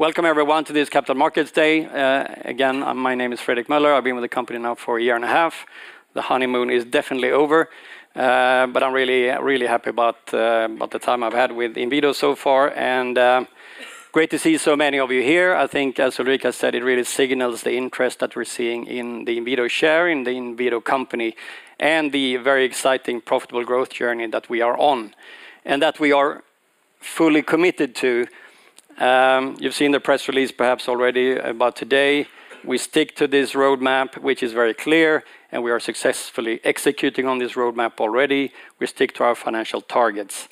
Welcome, everyone, to this Capital Markets Day. Again, my name is Fredrik Meuller. I've been with the company now for a year and a half. The honeymoon is definitely over, but I'm really, really happy about the time I've had with Inwido so far. And great to see so many of you here. I think, as Ulrika said, it really signals the interest that we're seeing in the Inwido share, in the Inwido company, and the very exciting, profitable growth journey that we are on and that we are fully committed to. You've seen the press release perhaps already about today. We stick to this roadmap, which is very clear, and we are successfully executing on this roadmap already. We stick to our financial targets.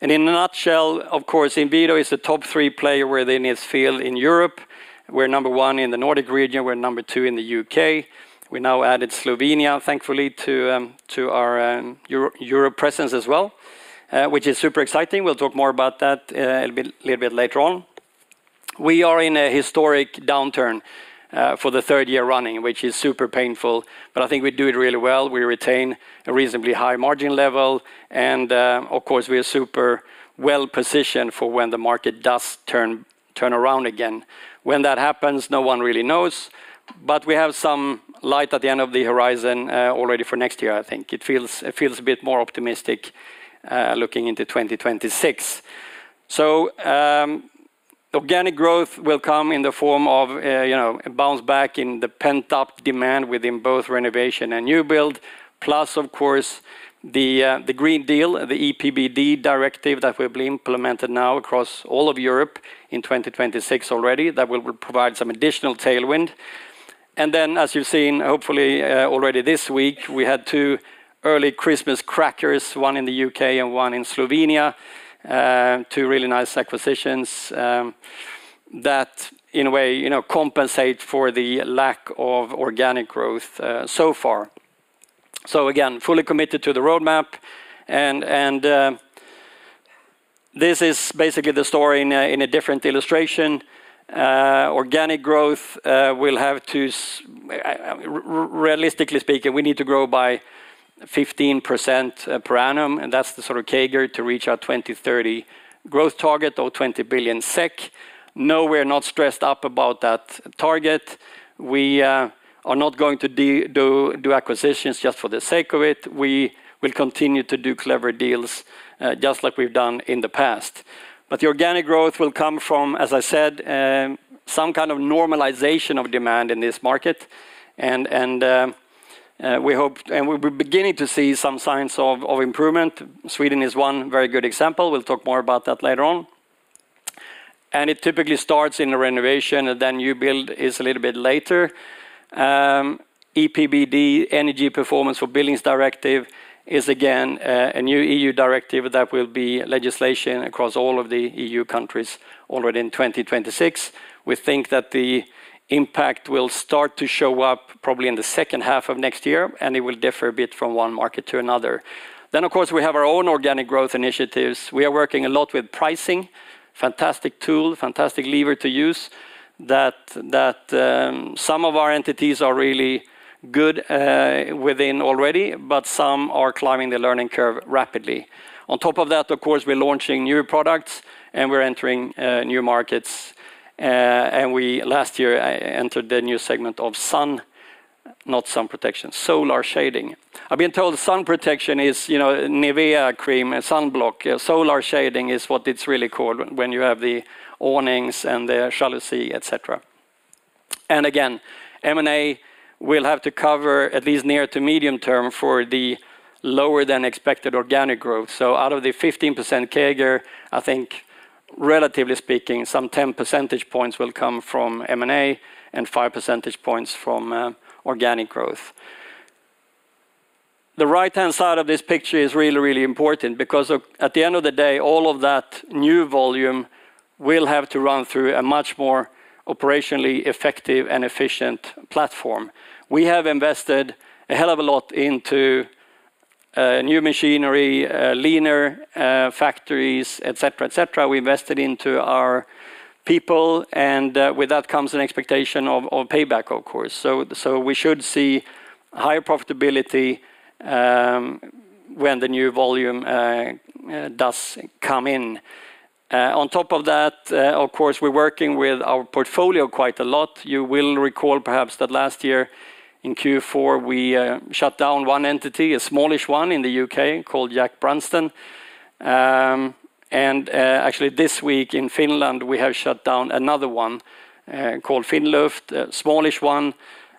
And in a nutshell, of course, Inwido is a top three player within its field in Europe. We're number one in the Nordic region. We're number two in the U.K. We now added Slovenia, thankfully, to our Europe presence as well, which is super exciting. We'll talk more about that a little bit later on. We are in a historic downturn for the third year running, which is super painful, but I think we do it really well. We retain a reasonably high margin level. And of course, we are super well positioned for when the market does turn around again. When that happens, no one really knows, but we have some light at the end of the horizon already for next year, I think. It feels a bit more optimistic looking into 2026. Organic growth will come in the form of a bounce back in the pent-up demand within both renovation and new build, plus, of course, the Green Deal, the EPBD directive that will be implemented now across all of Europe in 2026 already, that will provide some additional tailwind. As you've seen, hopefully already this week, we had two early Christmas crackers, one in the U.K. and one in Slovenia, two really nice acquisitions that, in a way, compensate for the lack of organic growth so far. Again, fully committed to the roadmap. This is basically the story in a different illustration. Organic growth will have to, realistically speaking, we need to grow by 15% per annum, and that's the sort of CAGR to reach our 2030 growth target, or 20 billion SEK. No, we're not stressed up about that target. We are not going to do acquisitions just for the sake of it. We will continue to do clever deals, just like we've done in the past. But the organic growth will come from, as I said, some kind of normalization of demand in this market. And we hope and we're beginning to see some signs of improvement. Sweden is one very good example. We'll talk more about that later on. And it typically starts in the renovation, and then new build is a little bit later. EPBD, Energy Performance of Buildings Directive, is again a new EU directive that will be legislation across all of the EU countries already in 2026. We think that the impact will start to show up probably in the second half of next year, and it will differ a bit from one market to another. Then, of course, we have our own organic growth initiatives. We are working a lot with pricing, fantastic tool, fantastic lever to use that some of our entities are really good within already, but some are climbing the learning curve rapidly. On top of that, of course, we're launching new products and we're entering new markets. And last year, I entered the new segment of sun, not sun protection, solar shading. I've been told sun protection is Nivea cream, a sunblock. Solar shading is what it's really called when you have the awnings and the jalousie, etc. And again, M&A will have to cover at least near to medium term for the lower than expected organic growth. So out of the 15% CAGR, I think, relatively speaking, some 10 percentage points will come from M&A and 5 percentage points from organic growth. The right-hand side of this picture is really, really important because at the end of the day, all of that new volume will have to run through a much more operationally effective and efficient platform. We have invested a hell of a lot into new machinery, leaner factories, etc., etc. We invested into our people, and with that comes an expectation of payback, of course, so we should see higher profitability when the new volume does come in. On top of that, of course, we're working with our portfolio quite a lot. You will recall perhaps that last year in Q4, we shut down one entity, a smallish one in the U.K. called Jack Brunsdon, and actually this week in Finland, we have shut down another one called Finluft, a smallish one,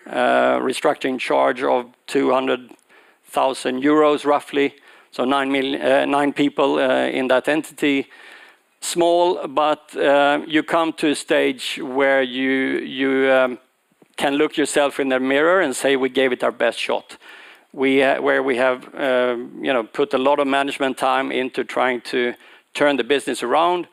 restructuring charge of 200,000 euros roughly, so nine people in that entity. Small, but you come to a stage where you can look yourself in the mirror and say, we gave it our best shot, where we have put a lot of management time into trying to turn the business around.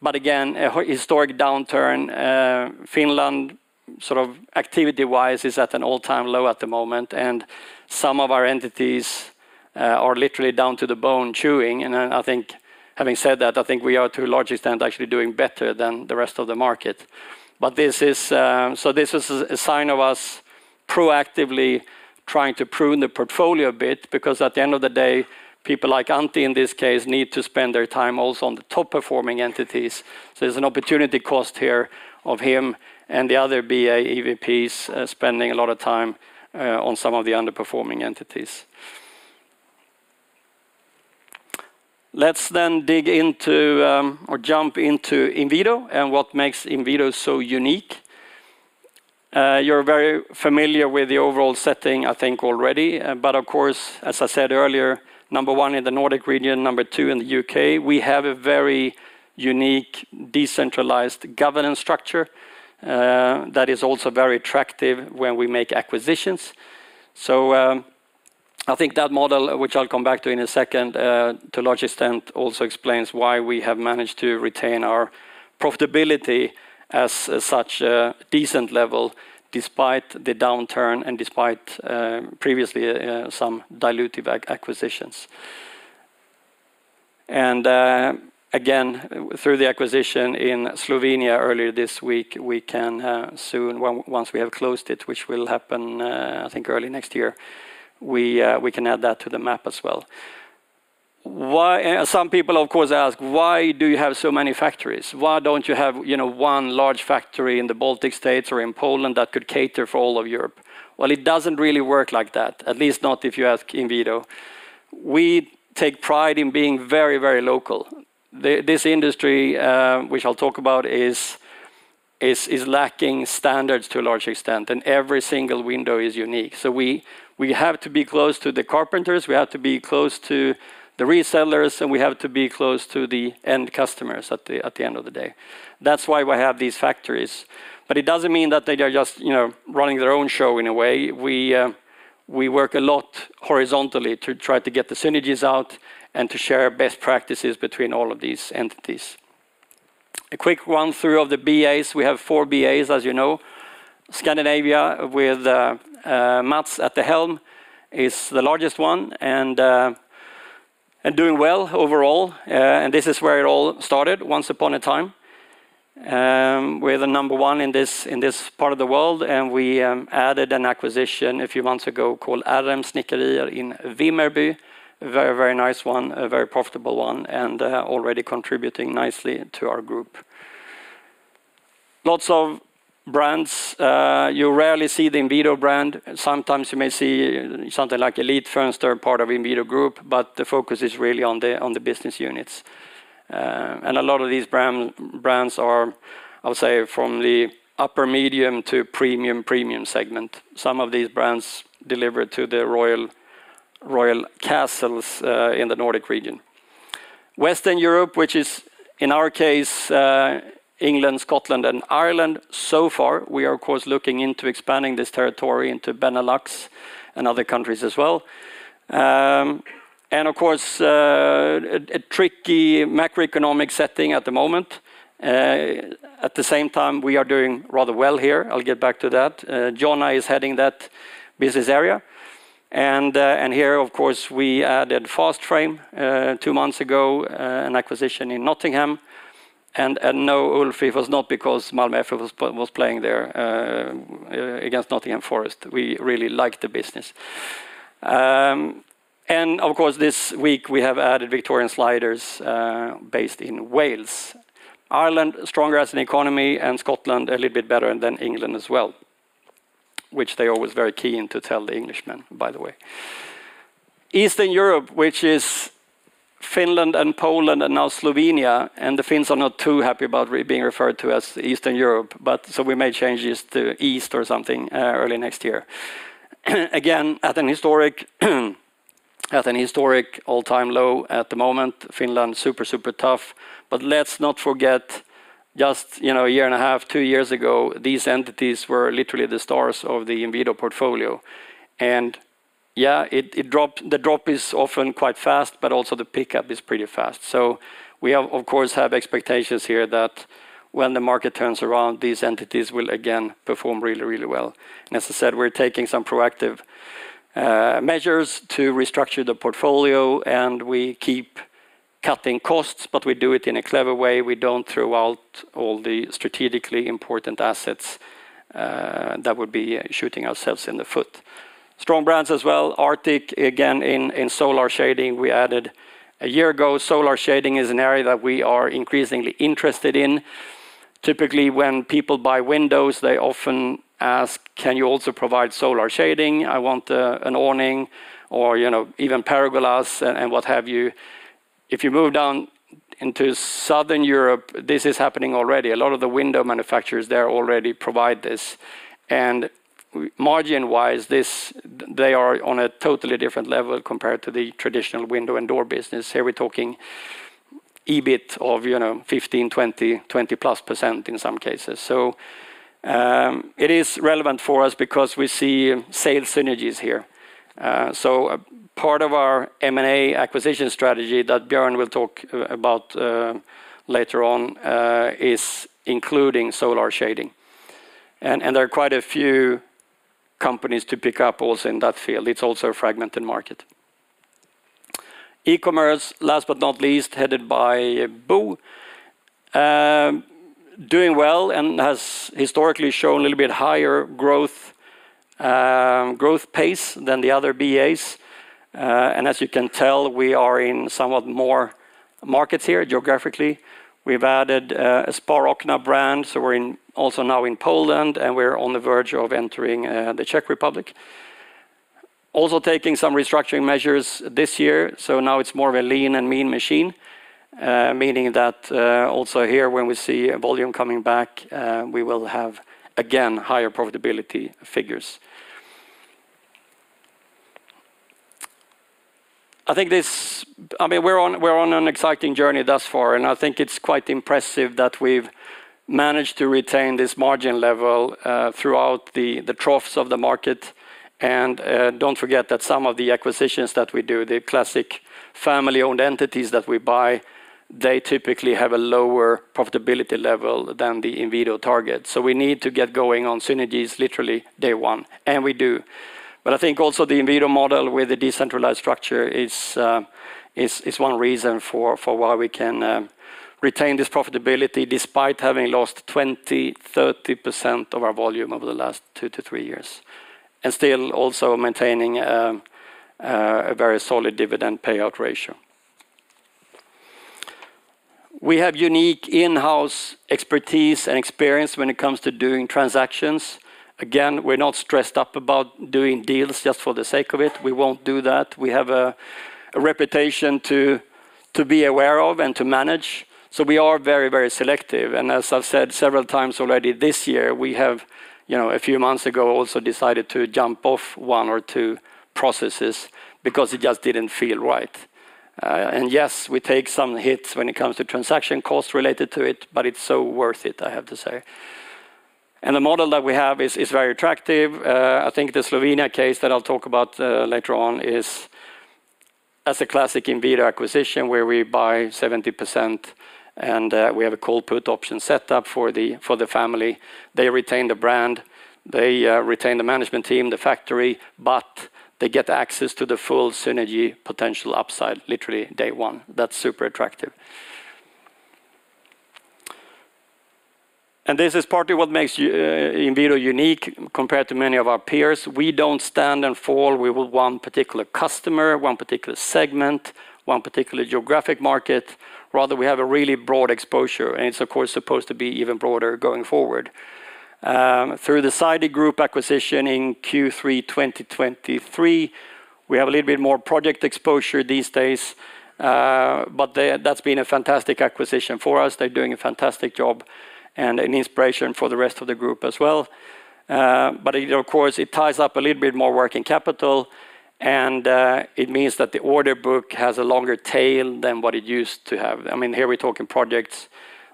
But again, a historic downturn. Finland sort of activity-wise is at an all-time low at the moment, and some of our entities are literally down to the bone chewing. And I think, having said that, I think we are to a large extent actually doing better than the rest of the market. But this is so this was a sign of us proactively trying to prune the portfolio a bit because at the end of the day, people like Antti, in this case, need to spend their time also on the top-performing entities. There's an opportunity cost here of him and the other BA EVPs spending a lot of time on some of the underperforming entities. Let's then dig into or jump into Inwido and what makes Inwido so unique. You're very familiar with the overall setting, I think, already. But of course, as I said earlier, number one in the Nordic region, number two in the U.K., we have a very unique decentralized governance structure that is also very attractive when we make acquisitions. So I think that model, which I'll come back to in a second, to a large extent also explains why we have managed to retain our profitability as such a decent level despite the downturn and despite previously some dilutive acquisitions. And again, through the acquisition in Slovenia earlier this week, we can soon, once we have closed it, which will happen, I think, early next year, we can add that to the map as well. Some people, of course, ask, why do you have so many factories? Why don't you have one large factory in the Baltic states or in Poland that could cater for all of Europe? Well, it doesn't really work like that, at least not if you ask Inwido. We take pride in being very, very local. This industry, which I'll talk about, is lacking standards to a large extent, and every single window is unique. So we have to be close to the carpenters, we have to be close to the resellers, and we have to be close to the end customers at the end of the day. That's why we have these factories. But it doesn't mean that they are just running their own show in a way. We work a lot horizontally to try to get the synergies out and to share best practices between all of these entities. A quick run-through of the BAs. We have four BAs, as you know. Scandinavia with Mats at the helm is the largest one and doing well overall. And this is where it all started once upon a time. We're the number one in this part of the world, and we added an acquisition a few months ago called RM Snickerier in Vimmerby. Very, very nice one, a very profitable one, and already contributing nicely to our group. Lots of brands. You rarely see the Inwido brand. Sometimes you may see something like Elitfönster, part of Inwido Group, but the focus is really on the business units. A lot of these brands are, I would say, from the upper medium to premium, premium segment. Some of these brands deliver to the royal castles in the Nordic region. Western Europe, which is in our case England, Scotland, and Ireland so far. We are, of course, looking into expanding this territory into Benelux and other countries as well. Of course, a tricky macroeconomic setting at the moment. At the same time, we are doing rather well here. I'll get back to that. Jonna is heading that business area. Here, of course, we added Fast Frame two months ago, an acquisition in Nottingham. No, Ulf, it was not because Malmö FF was playing there against Nottingham Forest. We really liked the business. Of course, this week we have added Victorian Sliders based in Wales. Ireland, stronger as an economy, and Scotland a little bit better than England as well, which they are always very keen to tell the Englishmen, by the way. Eastern Europe, which is Finland and Poland and now Slovenia. The Finns are not too happy about being referred to as Eastern Europe, but so we may change this to East or something early next year. Again, at a historic all-time low at the moment, Finland super, super tough. But let's not forget, just a year and a half, two years ago, these entities were literally the stars of the Inwido portfolio. Yeah, the drop is often quite fast, but also the pickup is pretty fast. We have, of course, expectations here that when the market turns around, these entities will again perform really, really well. As I said, we're taking some proactive measures to restructure the portfolio, and we keep cutting costs, but we do it in a clever way. We don't throw out all the strategically important assets that would be shooting ourselves in the foot. Strong brands as well. Artic, again, in solar shading, we added a year ago. Solar shading is an area that we are increasingly interested in. Typically, when people buy windows, they often ask, can you also provide solar shading? I want an awning or even pergolas and what have you. If you move down into Southern Europe, this is happening already. A lot of the window manufacturers there already provide this. And margin-wise, they are on a totally different level compared to the traditional window and door business. Here we're talking EBIT of 15%, 20%, 20% plus in some cases. So it is relevant for us because we see sales synergies here. So part of our M&A acquisition strategy that Björn will talk about later on is including solar shading. And there are quite a few companies to pick up also in that field. It's also a fragmented market. E-commerce, last but not least, headed by Bo, doing well and has historically shown a little bit higher growth pace than the other BAs. And as you can tell, we are in somewhat more markets here geographically. We've added a Sparokna brand. So we're also now in Poland, and we're on the verge of entering the Czech Republic. Also taking some restructuring measures this year. So now it's more of a lean and mean machine, meaning that also here when we see a volume coming back, we will have again higher profitability figures. I think this, I mean, we're on an exciting journey thus far, and I think it's quite impressive that we've managed to retain this margin level throughout the troughs of the market. And don't forget that some of the acquisitions that we do, the classic family-owned entities that we buy, they typically have a lower profitability level than the Inwido target. So we need to get going on synergies literally day one, and we do. But I think also the Inwido model with the decentralized structure is one reason for why we can retain this profitability despite having lost 20%-30% of our volume over the last two to three years and still also maintaining a very solid dividend payout ratio. We have unique in-house expertise and experience when it comes to doing transactions. Again, we're not stressed up about doing deals just for the sake of it. We won't do that. We have a reputation to be aware of and to manage. So we are very, very selective. And as I've said several times already this year, we have a few months ago also decided to jump off one or two processes because it just didn't feel right. And yes, we take some hits when it comes to transaction costs related to it, but it's so worth it, I have to say. And the model that we have is very attractive. I think the Slovenia case that I'll talk about later on is as a classic Inwido acquisition where we buy 70% and we have a call/put option set up for the family. They retain the brand, they retain the management team, the factory, but they get access to the full synergy potential upside literally day one. That's super attractive. This is partly what makes Inwido unique compared to many of our peers. We don't stand or fall with one particular customer, one particular segment, one particular geographic market. Rather, we have a really broad exposure, and it's of course supposed to be even broader going forward. Through the Sidey Group acquisition in Q3 2023, we have a little bit more project exposure these days, but that's been a fantastic acquisition for us. They're doing a fantastic job and an inspiration for the rest of the group as well. But of course, it ties up a little bit more working capital, and it means that the order book has a longer tail than what it used to have. I mean, here we're talking projects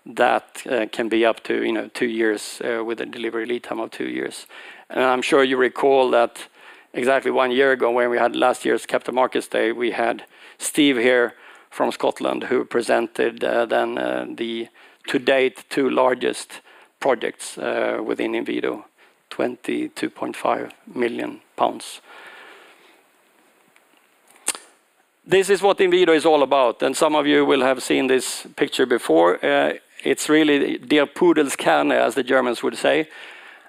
that can be up to two years with a delivery lead time of two years. And I'm sure you recall that exactly one year ago when we had last year's Capital Markets Day, we had Steve here from Scotland who presented then the to date two largest projects within Inwido, GBP 22.5 million. This is what Inwido is all about. And some of you will have seen this picture before. It's really der Pudels Kerne, as the Germans would say.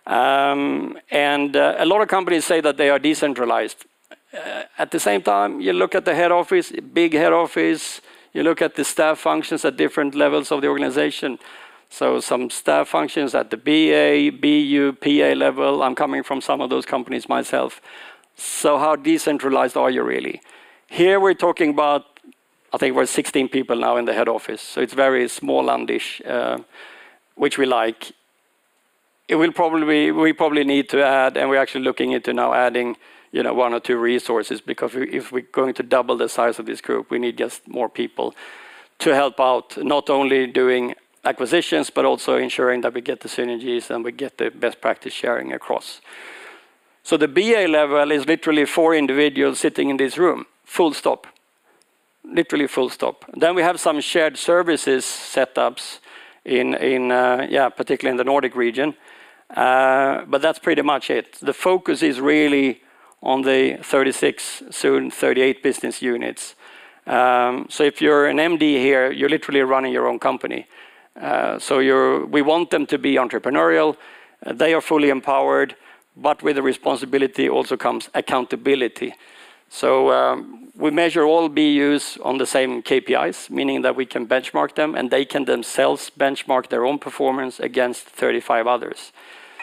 And a lot of companies say that they are decentralized. At the same time, you look at the head office, big head office, you look at the staff functions at different levels of the organization. So some staff functions at the BA, BU, PA level. I'm coming from some of those companies myself. So how decentralized are you really? Here we're talking about, I think we're 16 people now in the head office. So it's very small and niche, which we like. We probably need to add, and we're actually looking into now adding one or two resources because if we're going to double the size of this group, we need just more people to help out not only doing acquisitions, but also ensuring that we get the synergies and we get the best practice sharing across. So the BA level is literally four individuals sitting in this room. Full stop. Literally full stop. Then we have some shared services setups in, yeah, particularly in the Nordic region. But that's pretty much it. The focus is really on the 36, soon 38 business units. So if you're an MD here, you're literally running your own company. So we want them to be entrepreneurial. They are fully empowered, but with the responsibility also comes accountability. So we measure all BUs on the same KPIs, meaning that we can benchmark them and they can themselves benchmark their own performance against 35 others.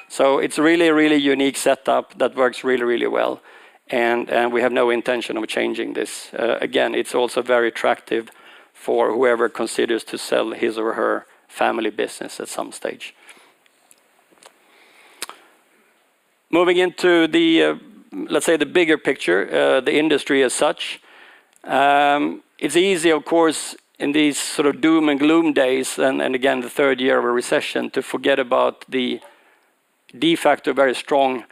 So it's really a really unique setup that works really, really well. And we have no intention of changing this. Again, it's also very attractive for whoever considers to sell his or her family business at some stage. Moving into the, let's say, the bigger picture, the industry as such. It's easy, of course, in these sort of doom and gloom days, and again, the third year of a recession, to forget about the de facto very strong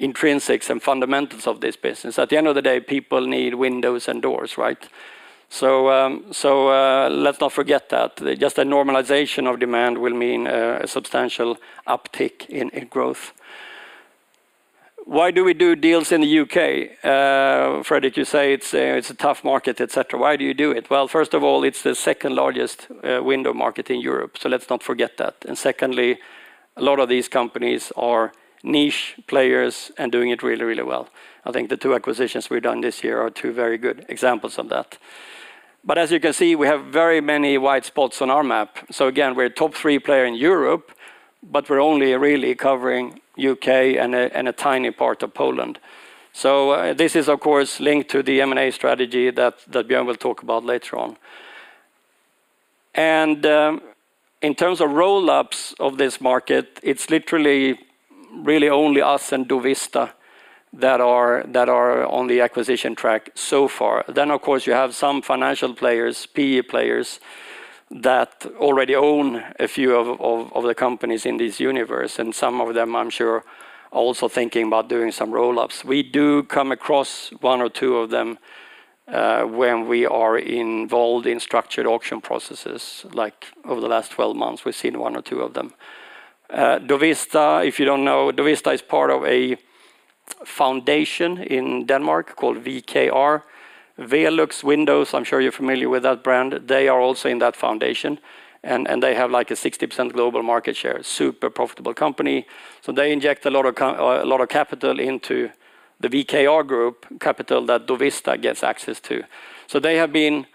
intrinsics and fundamentals of this business. At the end of the day, people need windows and doors, right? So let's not forget that. Just a normalization of demand will mean a substantial uptick in growth. Why do we do deals in the U.K? Fredrik, you say it's a tough market, etc. Why do you do it? Well, first of all, it's the second largest window market in Europe. So let's not forget that. And secondly, a lot of these companies are niche players and doing it really, really well. I think the two acquisitions we've done this year are two very good examples of that. But as you can see, we have very many white spots on our map. So again, we're a top three player in Europe, but we're only really covering U.K. and a tiny part of Poland. So this is, of course, linked to the M&A strategy that Bjorn will talk about later on. And in terms of roll-ups of this market, it's literally really only us and Dovista that are on the acquisition track so far. Then, of course, you have some financial players, PE players that already own a few of the companies in this universe. And some of them, I'm sure, are also thinking about doing some roll-ups. We do come across one or two of them when we are involved in structured auction processes. Like over the last 12 months, we've seen one or two of them. Dovista, if you don't know, Dovista is part of a foundation in Denmark called VKR. Velux windows, I'm sure you're familiar with that brand. They are also in that foundation. And they have like a 60% global market share. Super profitable company. So they inject a lot of capital into the VKR group, capital that Dovista gets access to. So they have been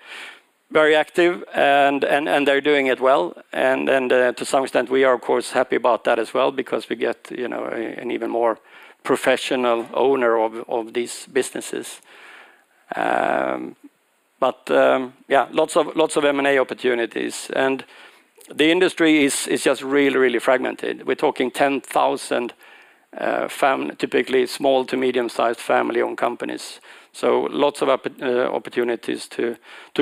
very active and they're doing it well. To some extent, we are, of course, happy about that as well because we get an even more professional owner of these businesses. But yeah, lots of M&A opportunities. And the industry is just really, really fragmented. We're talking 10,000 typically small to medium-sized family-owned companies. So lots of opportunities to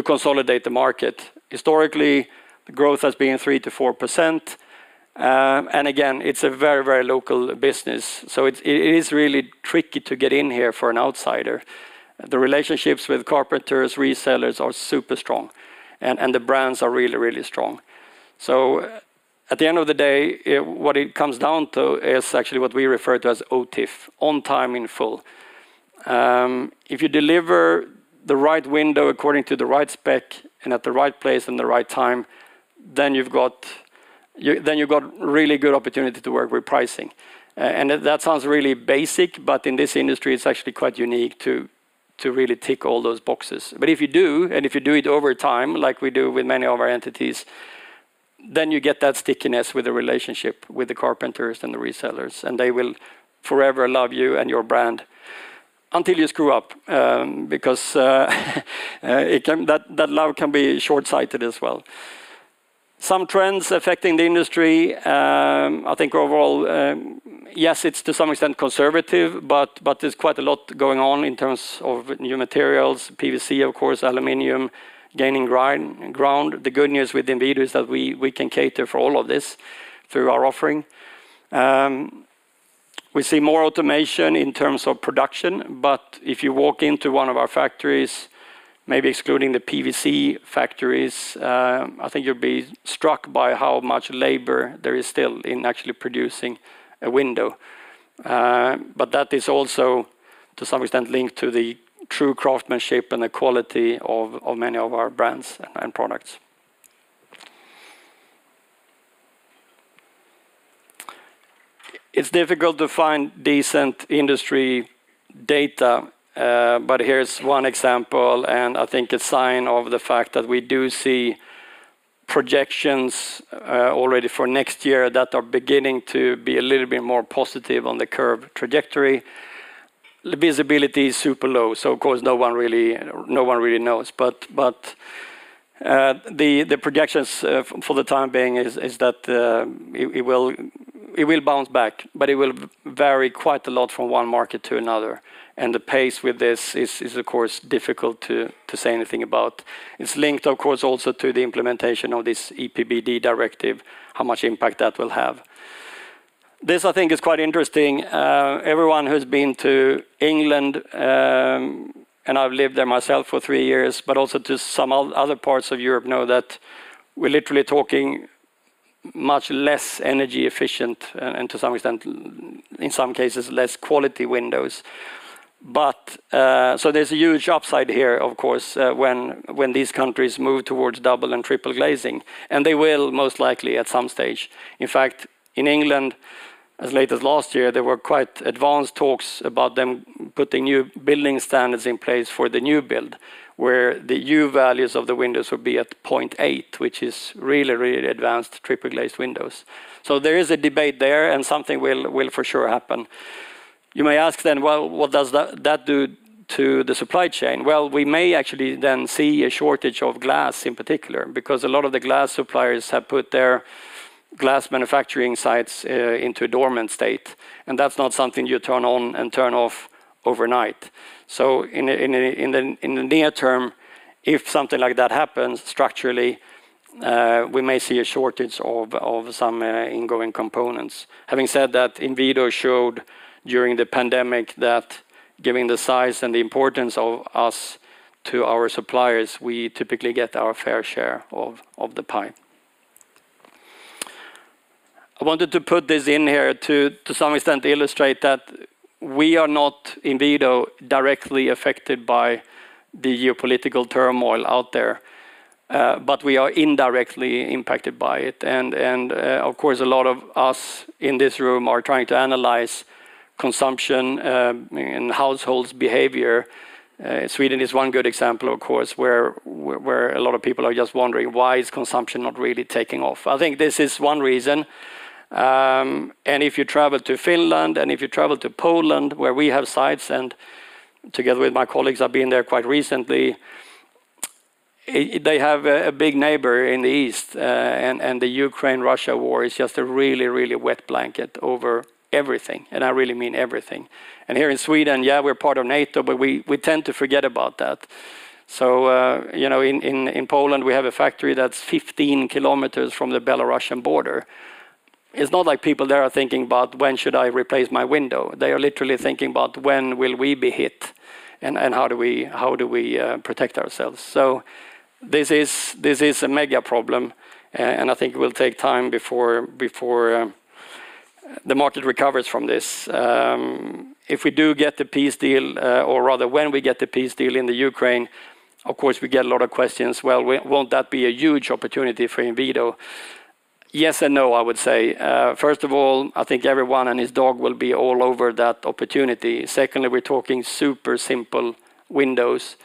consolidate the market. Historically, the growth has been 3%-4%. And again, it's a very, very local business. So it is really tricky to get in here for an outsider. The relationships with carpenters, resellers are super strong. And the brands are really, really strong. So at the end of the day, what it comes down to is actually what we refer to as OTIF, on time in full. If you deliver the right window according to the right spec and at the right place and the right time, then you've got really good opportunity to work with pricing. And that sounds really basic, but in this industry, it's actually quite unique to really tick all those boxes. But if you do, and if you do it over time, like we do with many of our entities, then you get that stickiness with the relationship with the carpenters and the resellers. And they will forever love you and your brand until you screw up because that love can be short-sighted as well. Some trends affecting the industry. I think overall, yes, it's to some extent conservative, but there's quite a lot going on in terms of new materials, PVC, of course, aluminum gaining ground. The good news with Inwido is that we can cater for all of this through our offering. We see more automation in terms of production, but if you walk into one of our factories, maybe excluding the PVC factories, I think you'll be struck by how much labor there is still in actually producing a window. But that is also to some extent linked to the true craftsmanship and the quality of many of our brands and products. It's difficult to find decent industry data, but here's one example, and I think a sign of the fact that we do see projections already for next year that are beginning to be a little bit more positive on the curve trajectory. Visibility is super low, so of course, no one really knows. But the projections for the time being is that it will bounce back, but it will vary quite a lot from one market to another. And the pace with this is, of course, difficult to say anything about. It's linked, of course, also to the implementation of this EPBD directive, how much impact that will have. This, I think, is quite interesting. Everyone who's been to England, and I've lived there myself for three years, but also to some other parts of Europe, know that we're literally talking much less energy efficient and to some extent, in some cases, less quality windows. But so there's a huge upside here, of course, when these countries move towards double and triple glazing. And they will most likely at some stage. In fact, in England, as late as last year, there were quite advanced talks about them putting new building standards in place for the new build, where the U-values of the windows would be at 0.8, which is really, really advanced triple glazed windows. So there is a debate there and something will for sure happen. You may ask then, well, what does that do to the supply chain? Well, we may actually then see a shortage of glass in particular because a lot of the glass suppliers have put their glass manufacturing sites into a dormant state. And that's not something you turn on and turn off overnight. So in the near term, if something like that happens structurally, we may see a shortage of some ingoing components. Having said that, Inwido showed during the pandemic that given the size and the importance of us to our suppliers, we typically get our fair share of the pie. I wanted to put this in here to some extent illustrate that we, Inwido, are not directly affected by the geopolitical turmoil out there, but we are indirectly impacted by it. And of course, a lot of us in this room are trying to analyze consumption in households' behavior. Sweden is one good example, of course, where a lot of people are just wondering, why is consumption not really taking off? I think this is one reason. And if you travel to Finland and if you travel to Poland, where we have sites and together with my colleagues, I've been there quite recently, they have a big neighbor in the east. The Ukraine-Russia war is just a really, really wet blanket over everything. I really mean everything. Here in Sweden, yeah, we're part of NATO, but we tend to forget about that. In Poland, we have a factory that's 15 kilometers from the Belarusian border. It's not like people there are thinking about, when should I replace my window? They are literally thinking about, when will we be hit and how do we protect ourselves? This is a mega problem. I think it will take time before the market recovers from this. If we do get the peace deal, or rather when we get the peace deal in the Ukraine, of course, we get a lot of questions. Won't that be a huge opportunity for Inwido? Yes and no, I would say. First of all, I think everyone and his dog will be all over that opportunity. Secondly, we're talking super simple windows.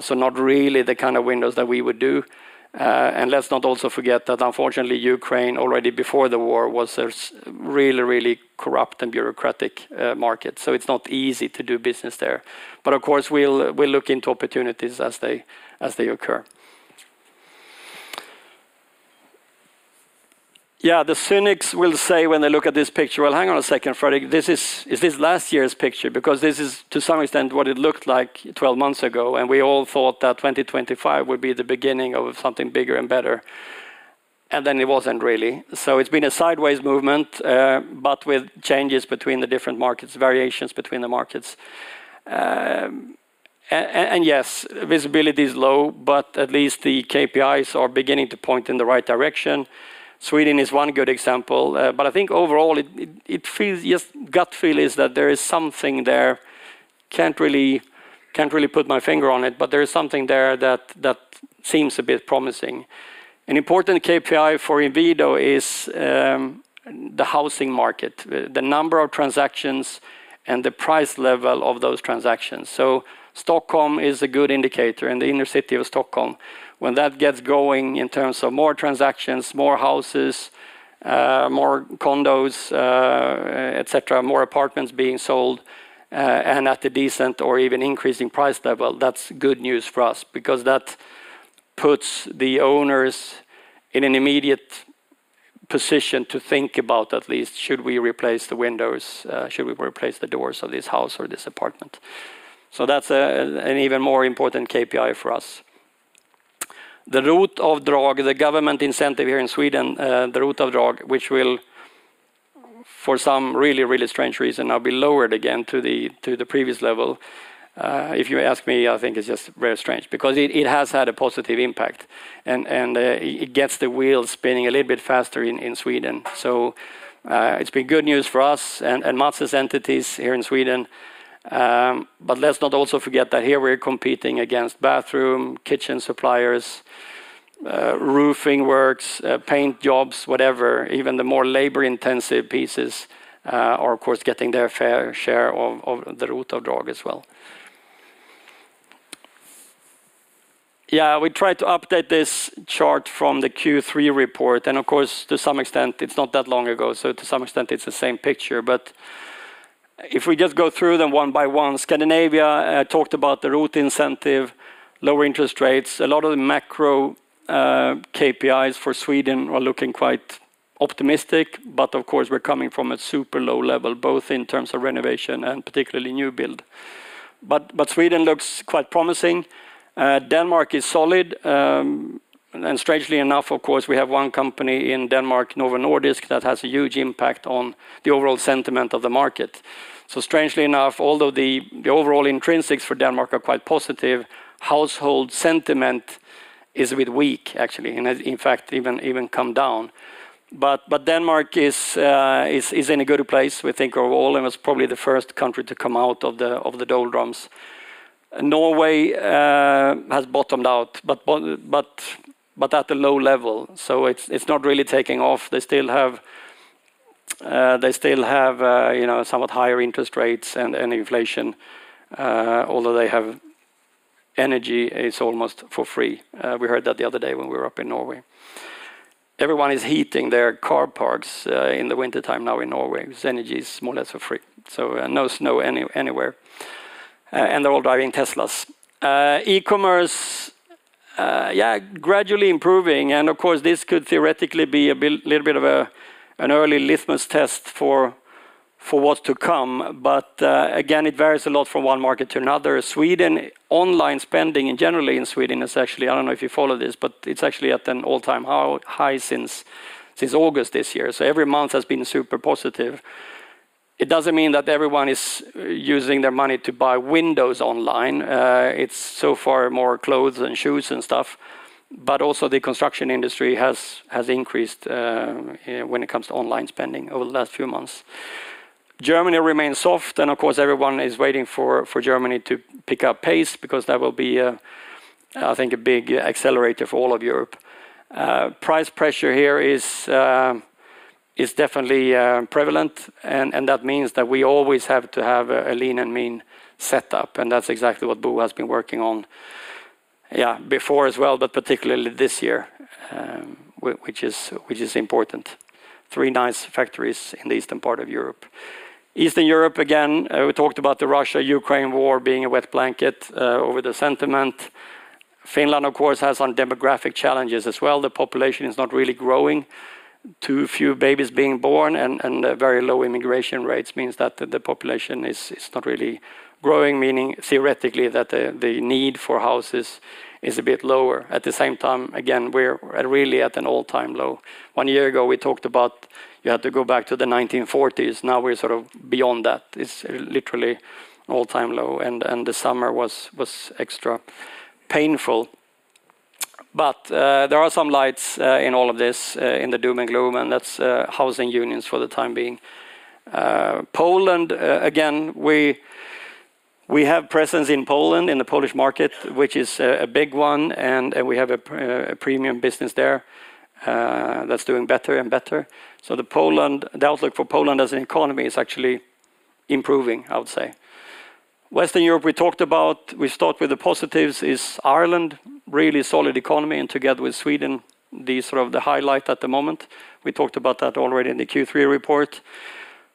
So not really the kind of windows that we would do. And let's not also forget that unfortunately, Ukraine already before the war was a really, really corrupt and bureaucratic market. So it's not easy to do business there. But of course, we'll look into opportunities as they occur. Yeah, the cynics will say when they look at this picture, "well, hang on a second, Fredrik. This is last year's picture because this is to some extent what it looked like 12 months ago." And we all thought that 2025 would be the beginning of something bigger and better. And then it wasn't really. So it's been a sideways movement, but with changes between the different markets, variations between the markets. Yes, visibility is low, but at least the KPIs are beginning to point in the right direction. Sweden is one good example. I think overall, it feels just gut feel is that there is something there. Can't really put my finger on it, but there is something there that seems a bit promising. An important KPI for Inwido is the housing market, the number of transactions and the price level of those transactions. So Stockholm is a good indicator in the inner city of Stockholm. When that gets going in terms of more transactions, more houses, more condos, more apartments being sold and at a decent or even increasing price level, that's good news for us because that puts the owners in an immediate position to think about at least, should we replace the windows, should we replace the doors of this house or this apartment? That's an even more important KPI for us. The ROT deduction, the government incentive here in Sweden, the ROT deduction, which will for some really, really strange reason now be lowered again to the previous level. If you ask me, I think it's just very strange because it has had a positive impact. It gets the wheels spinning a little bit faster in Sweden. It's been good news for us and Mats's entities here in Sweden. Let's not also forget that here we're competing against bathroom, kitchen suppliers, roofing works, paint jobs, whatever. Even the more labor-intensive pieces are, of course, getting their fair share of the ROT deduction as well. Yeah, we tried to update this chart from the Q3 report. Of course, to some extent, it's not that long ago. To some extent, it's the same picture. But if we just go through them one by one, Scandinavia talked about the ROT incentive, lower interest rates. A lot of the macro KPIs for Sweden are looking quite optimistic. Of course, we're coming from a super low level, both in terms of renovation and particularly new build. Sweden looks quite promising. Denmark is solid. Strangely enough, of course, we have one company in Denmark, Novo Nordisk, that has a huge impact on the overall sentiment of the market. Strangely enough, although the overall intrinsics for Denmark are quite positive, household sentiment is a bit weak, actually. In fact, it's even come down. Denmark is in a good place. We think overall, it was probably the first country to come out of the doldrums. Norway has bottomed out, but at a low level. It's not really taking off. They still have somewhat higher interest rates and inflation, although they have, energy is almost for free. We heard that the other day when we were up in Norway. Everyone is heating their car parks in the wintertime now in Norway. Energy is more or less for free. So no snow anywhere. And they're all driving Teslas. E-commerce, yeah, gradually improving. And of course, this could theoretically be a little bit of an early litmus test for what to come. But again, it varies a lot from one market to another. Sweden online spending in general in Sweden is actually, I don't know if you follow this, but it's actually at an all-time high since August this year. So every month has been super positive. It doesn't mean that everyone is using their money to buy windows online. It's so far more clothes and shoes and stuff. But also the construction industry has increased when it comes to online spending over the last few months. Germany remains soft. And of course, everyone is waiting for Germany to pick up pace because that will be, I think, a big accelerator for all of Europe. Price pressure here is definitely prevalent. And that means that we always have to have a lean and mean setup. And that's exactly what Bo has been working on, yeah, before as well, but particularly this year, which is important. Three nice factories in the eastern part of Europe. Eastern Europe, again, we talked about the Russia-Ukraine war being a wet blanket over the sentiment. Finland, of course, has some demographic challenges as well. The population is not really growing. Too few babies being born and very low immigration rates means that the population is not really growing, meaning theoretically that the need for houses is a bit lower. At the same time, again, we're really at an all-time low. One year ago, we talked about you had to go back to the 1940s. Now we're sort of beyond that. It's literally an all-time low and the summer was extra painful, but there are some lights in all of this in the doom and gloom and that's housing starts for the time being. Poland, again, we have presence in Poland, in the Polish market, which is a big one and we have a premium business there that's doing better and better, so the outlook for Poland as an economy is actually improving, I would say. Western Europe, we talked about, we start with the positives, is Ireland, really solid economy. Together with Sweden, the sort of the highlight at the moment. We talked about that already in the Q3 report.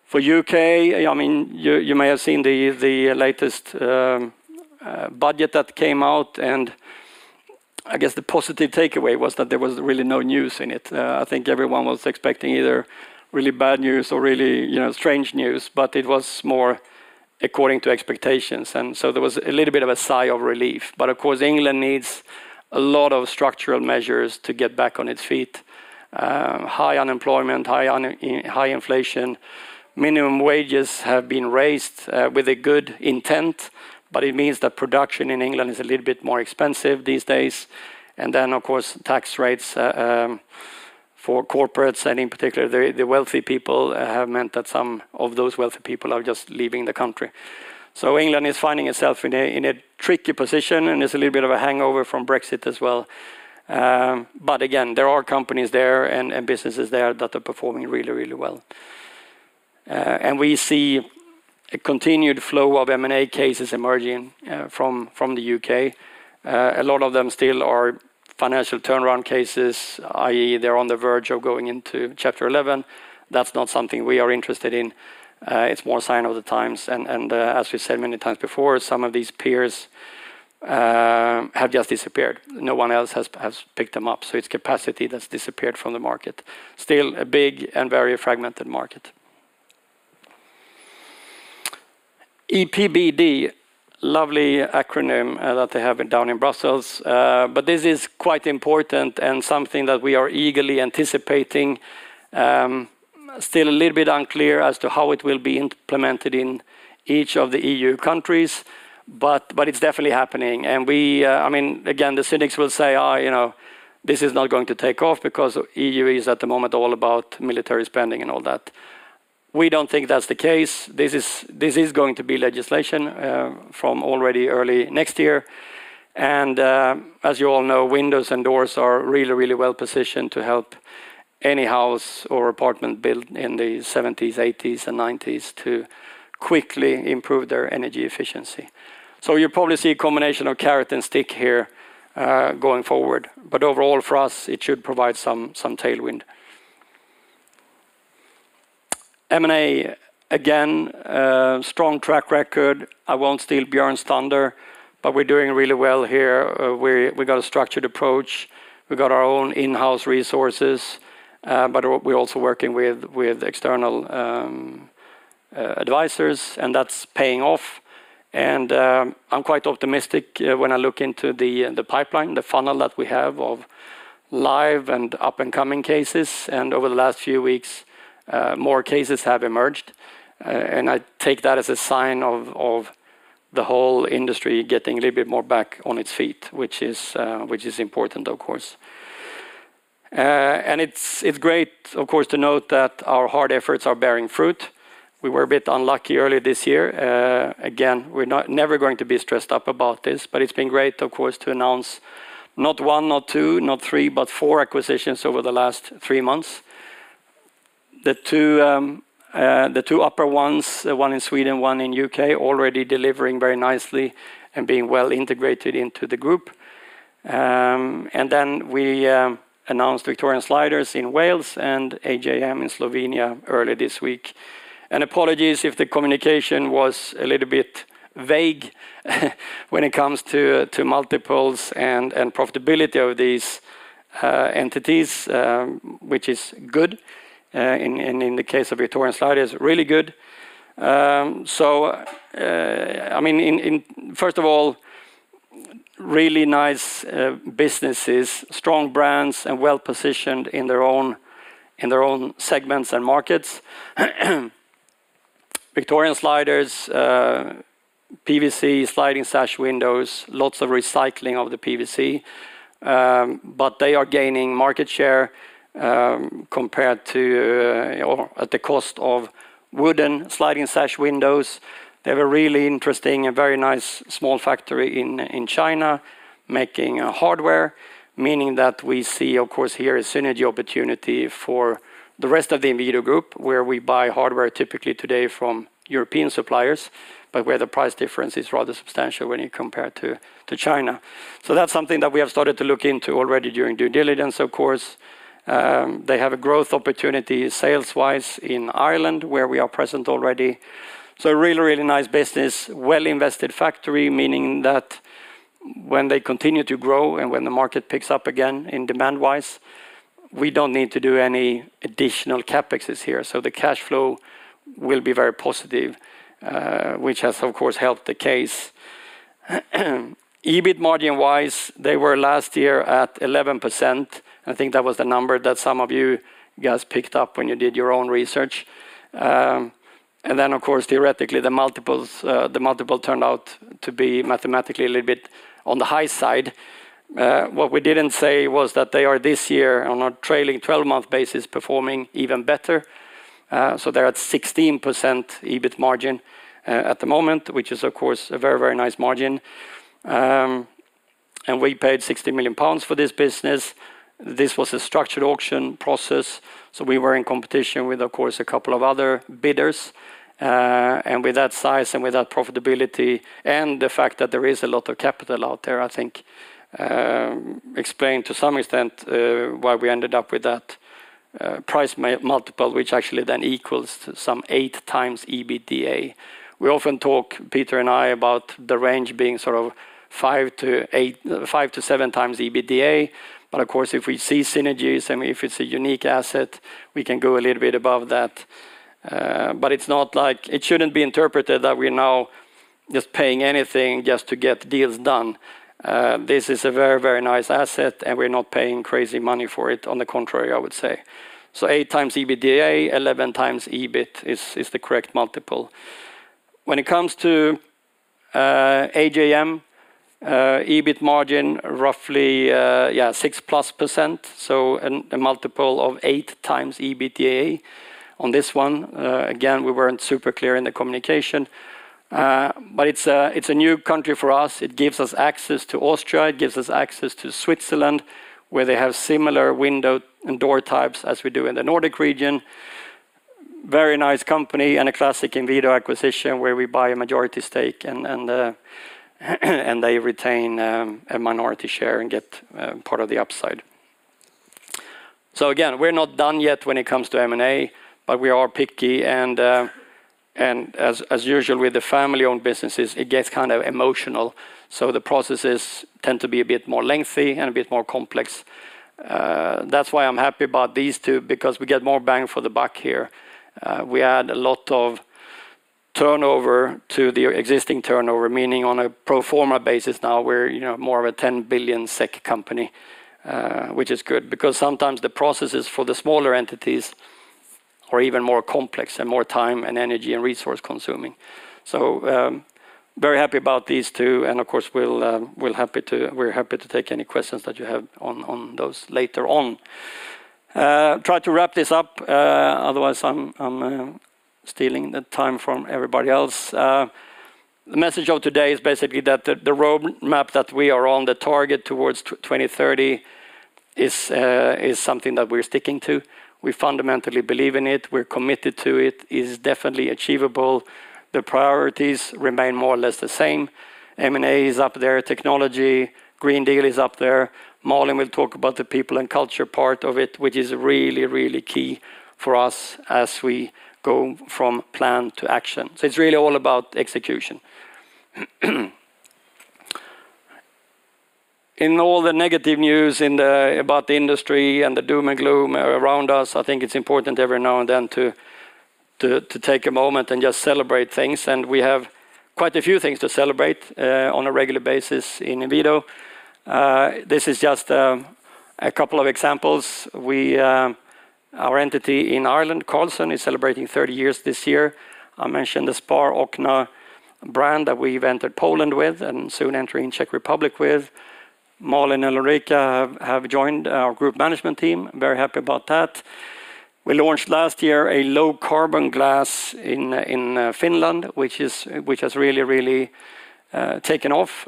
For the U.K., I mean, you may have seen the latest budget that came out. I guess the positive takeaway was that there was really no news in it. I think everyone was expecting either really bad news or really strange news. It was more according to expectations. So there was a little bit of a sigh of relief. Of course, England needs a lot of structural measures to get back on its feet. High unemployment, high inflation. Minimum wages have been raised with a good intent. It means that production in England is a little bit more expensive these days. And then, of course, tax rates for corporates and in particular, the wealthy people have meant that some of those wealthy people are just leaving the country. So England is finding itself in a tricky position. And it's a little bit of a hangover from Brexit as well. But again, there are companies there and businesses there that are performing really, really well. And we see a continued flow of M&A cases emerging from the U.K. A lot of them still are financial turnaround cases, i.e., they're on the verge of going into Chapter 11. That's not something we are interested in. It's more a sign of the times. And as we said many times before, some of these peers have just disappeared. No one else has picked them up. So it's capacity that's disappeared from the market. Still a big and very fragmented market. EPBD, lovely acronym that they have down in Brussels. But this is quite important and something that we are eagerly anticipating. Still a little bit unclear as to how it will be implemented in each of the EU countries. But it's definitely happening, and we, I mean, the cynics will say, oh, you know, this is not going to take off because the EU is at the moment all about military spending and all that. We don't think that's the case. This is going to be legislation from already early next year, and as you all know, windows and doors are really, really well positioned to help any house or apartment built in the 70s, 80s, and 90s to quickly improve their energy efficiency, so you probably see a combination of carrot and stick here going forward. But overall, for us, it should provide some tailwind. M&A, again, strong track record. I won't steal Björn's thunder, but we're doing really well here. We've got a structured approach. We've got our own in-house resources, but we're also working with external advisors, and that's paying off, and I'm quite optimistic when I look into the pipeline, the funnel that we have of live and up-and-coming cases, and over the last few weeks, more cases have emerged, and I take that as a sign of the whole industry getting a little bit more back on its feet, which is important, of course, and it's great, of course, to note that our hard efforts are bearing fruit. We were a bit unlucky early this year. Again, we're never going to be stressed up about this, but it's been great, of course, to announce not one, not two, not three, but four acquisitions over the last three months. The two upper ones, one in Sweden, one in the U.K., already delivering very nicely and being well integrated into the group. And then we announced Victorian Sliders in Wales and AJM in Slovenia early this week. And apologies if the communication was a little bit vague when it comes to multiples and profitability of these entities, which is good. And in the case of Victorian Sliders, really good. So, I mean, first of all, really nice businesses, strong brands and well positioned in their own segments and markets. Victorian Sliders, PVC, sliding sash windows, lots of recycling of the PVC. But they are gaining market share compared to at the cost of wooden sliding sash windows. They have a really interesting and very nice small factory in China making hardware, meaning that we see, of course, here a synergy opportunity for the rest of the Inwido group where we buy hardware typically today from European suppliers, but where the price difference is rather substantial when you compare to China. So that's something that we have started to look into already during due diligence, of course. They have a growth opportunity sales-wise in Ireland where we are present already. So a really, really nice business, well-invested factory, meaning that when they continue to grow and when the market picks up again in demand-wise, we don't need to do any additional CapEx here. So the cash flow will be very positive, which has, of course, helped the case. EBIT margin-wise, they were last year at 11%. I think that was the number that some of you guys picked up when you did your own research. And then, of course, theoretically, the multiples turned out to be mathematically a little bit on the high side. What we didn't say was that they are this year on a trailing 12-month basis performing even better. So they're at 16% EBIT margin at the moment, which is, of course, a very, very nice margin. And we paid 60 million pounds for this business. This was a structured auction process. So we were in competition with, of course, a couple of other bidders. And with that size and with that profitability and the fact that there is a lot of capital out there, I think explained to some extent why we ended up with that price multiple, which actually then equals some eight times EBITDA. We often talk, Peter and I, about the range being sort of five-to-seven times EBITDA. But of course, if we see synergies and if it's a unique asset, we can go a little bit above that. But it's not like it shouldn't be interpreted that we're now just paying anything just to get deals done. This is a very, very nice asset. And we're not paying crazy money for it. On the contrary, I would say. So eight times EBITDA, 11 times EBIT is the correct multiple. When it comes to AJM, EBIT margin, roughly, yeah, 6%+. So a multiple of eight times EBITDA on this one. Again, we weren't super clear in the communication. But it's a new country for us. It gives us access to Austria. It gives us access to Switzerland, where they have similar window and door types as we do in the Nordic region. Very nice company and a classic Inwido acquisition where we buy a majority stake and they retain a minority share and get part of the upside, so again, we're not done yet when it comes to M&A, but we are picky, and as usual with the family-owned businesses, it gets kind of emotional, so the processes tend to be a bit more lengthy and a bit more complex. That's why I'm happy about these two because we get more bang for the buck here. We add a lot of turnover to the existing turnover, meaning on a pro forma basis now, we're more of a 10 billion SEK company, which is good because sometimes the processes for the smaller entities are even more complex and more time and energy and resource-consuming. So very happy about these two. And of course, we're happy to take any questions that you have on those later on. Try to wrap this up. Otherwise, I'm stealing the time from everybody else. The message of today is basically that the roadmap that we are on, the target towards 2030, is something that we're sticking to. We fundamentally believe in it. We're committed to it. It is definitely achievable. The priorities remain more or less the same. M&A is up there. Technology, Green Deal is up there. Malin will talk about the people and culture part of it, which is really, really key for us as we go from plan to action. So it's really all about execution. In all the negative news about the industry and the doom and gloom around us, I think it's important every now and then to take a moment and just celebrate things. And we have quite a few things to celebrate on a regular basis in Inwido. This is just a couple of examples. Our entity in Ireland, Carlson, is celebrating 30 years this year. I mentioned the Sparokna brand that we've entered Poland with and soon entering Czech Republic with. Malin and Ulrika have joined our group management team. Very happy about that. We launched last year a low carbon glass in Finland, which has really, really taken off.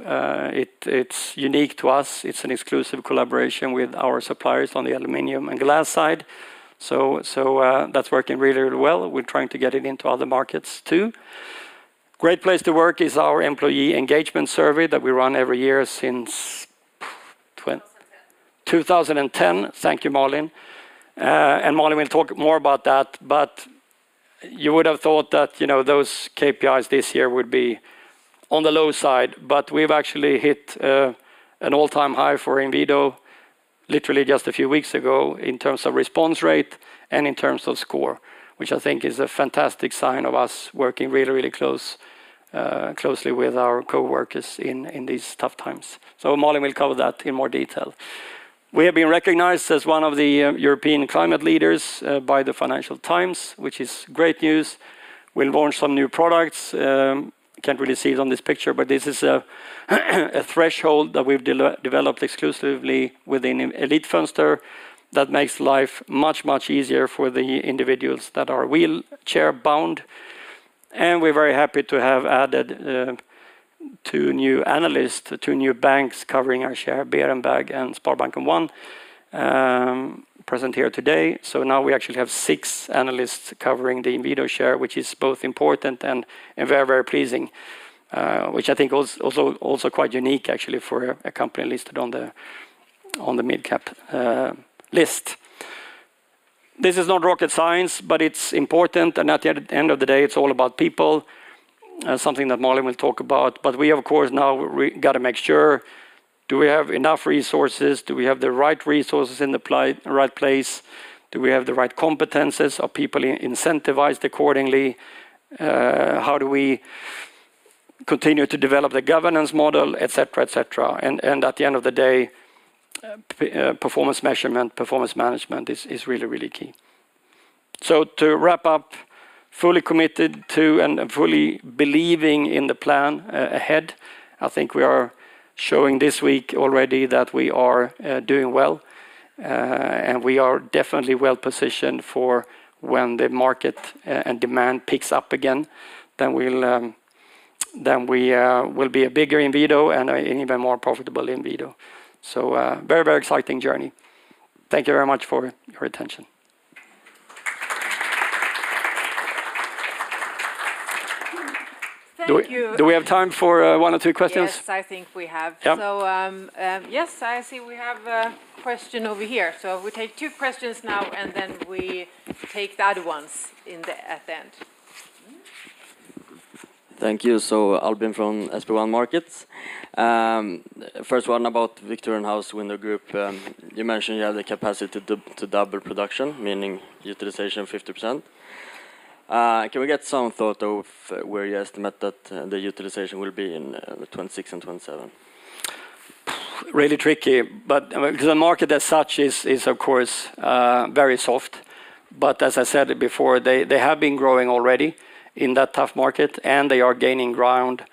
It's unique to us. It's an exclusive collaboration with our suppliers on the aluminum and glass side, so that's working really, really well. We're trying to get it into other markets too. Great Place to Work is our employee engagement survey that we run every year since 2010. Thank you, Malin, and Malin will talk more about that, but you would have thought that those KPIs this year would be on the low side, but we've actually hit an all-time high for Inwido literally just a few weeks ago in terms of response rate and in terms of score, which I think is a fantastic sign of us working really, really closely with our coworkers in these tough times, so Malin will cover that in more detail. We have been recognized as one of the European climate leaders by the Financial Times, which is great news. We launched some new products. Can't really see it on this picture, but this is a threshold that we've developed exclusively within Elitfönster that makes life much, much easier for the individuals that are wheelchair-bound. And we're very happy to have added two new analysts, two new banks covering our share, Berenberg and SpareBank 1, present here today. So now we actually have six analysts covering the Inwido share, which is both important and very, very pleasing, which I think also quite unique actually for a company listed on the mid-cap list. This is not rocket science, but it's important. And at the end of the day, it's all about people, something that Malin will talk about. But we, of course, now got to make sure do we have enough resources? Do we have the right resources in the right place? Do we have the right competencies? Are people incentivized accordingly? How do we continue to develop the governance model, etc., etc.? And at the end of the day, performance measurement, performance management is really, really key. So to wrap up, fully committed to and fully believing in the plan ahead. I think we are showing this week already that we are doing well. And we are definitely well positioned for when the market and demand picks up again, then we will be a bigger Inwido and an even more profitable Inwido. So very, very exciting journey. Thank you very much for your attention. Do we have time for one or two questions? Yes, I think we have. So yes, I see we have a question over here. So we take two questions now and then we take the other ones at the end. Thank you. So Albin from Kepler Cheuvreux. First one about Victorian Sliders. You mentioned you have the capacity to double production, meaning utilization 50%. Can we get some thought of where you estimate that the utilization will be in 2026 and 2027? Really tricky, but because the market as such is, of course, very soft, but as I said before, they have been growing already in that tough market, and they are gaining ground.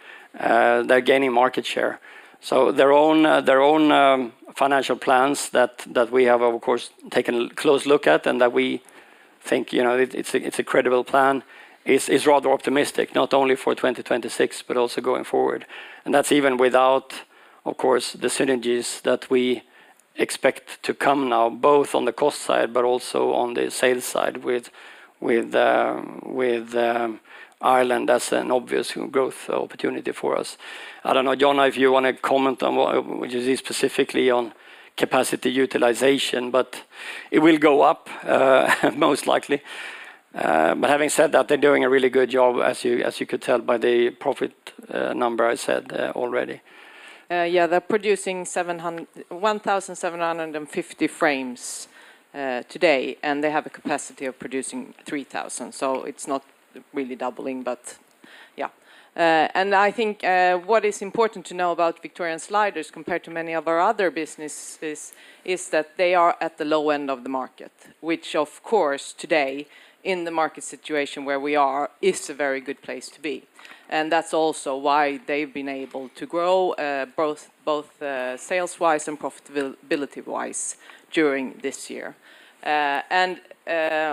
They're gaining market share, so their own financial plans that we have, of course, taken a close look at and that we think it's a credible plan is rather optimistic, not only for 2026, but also going forward, and that's even without, of course, the synergies that we expect to come now, both on the cost side, but also on the sales side with Ireland as an obvious growth opportunity for us. I don't know, Jonna, if you want to comment on specifically on capacity utilization, but it will go up most likely. But having said that, they're doing a really good job, as you could tell by the profit number I said already. Yeah, they're producing 1,750 frames today, and they have a capacity of producing 3,000. So it's not really doubling, but yeah. And I think what is important to know about Victorian Sliders compared to many of our other businesses is that they are at the low end of the market, which, of course, today in the market situation where we are, is a very good place to be. And that's also why they've been able to grow both sales-wise and profitability-wise during this year. And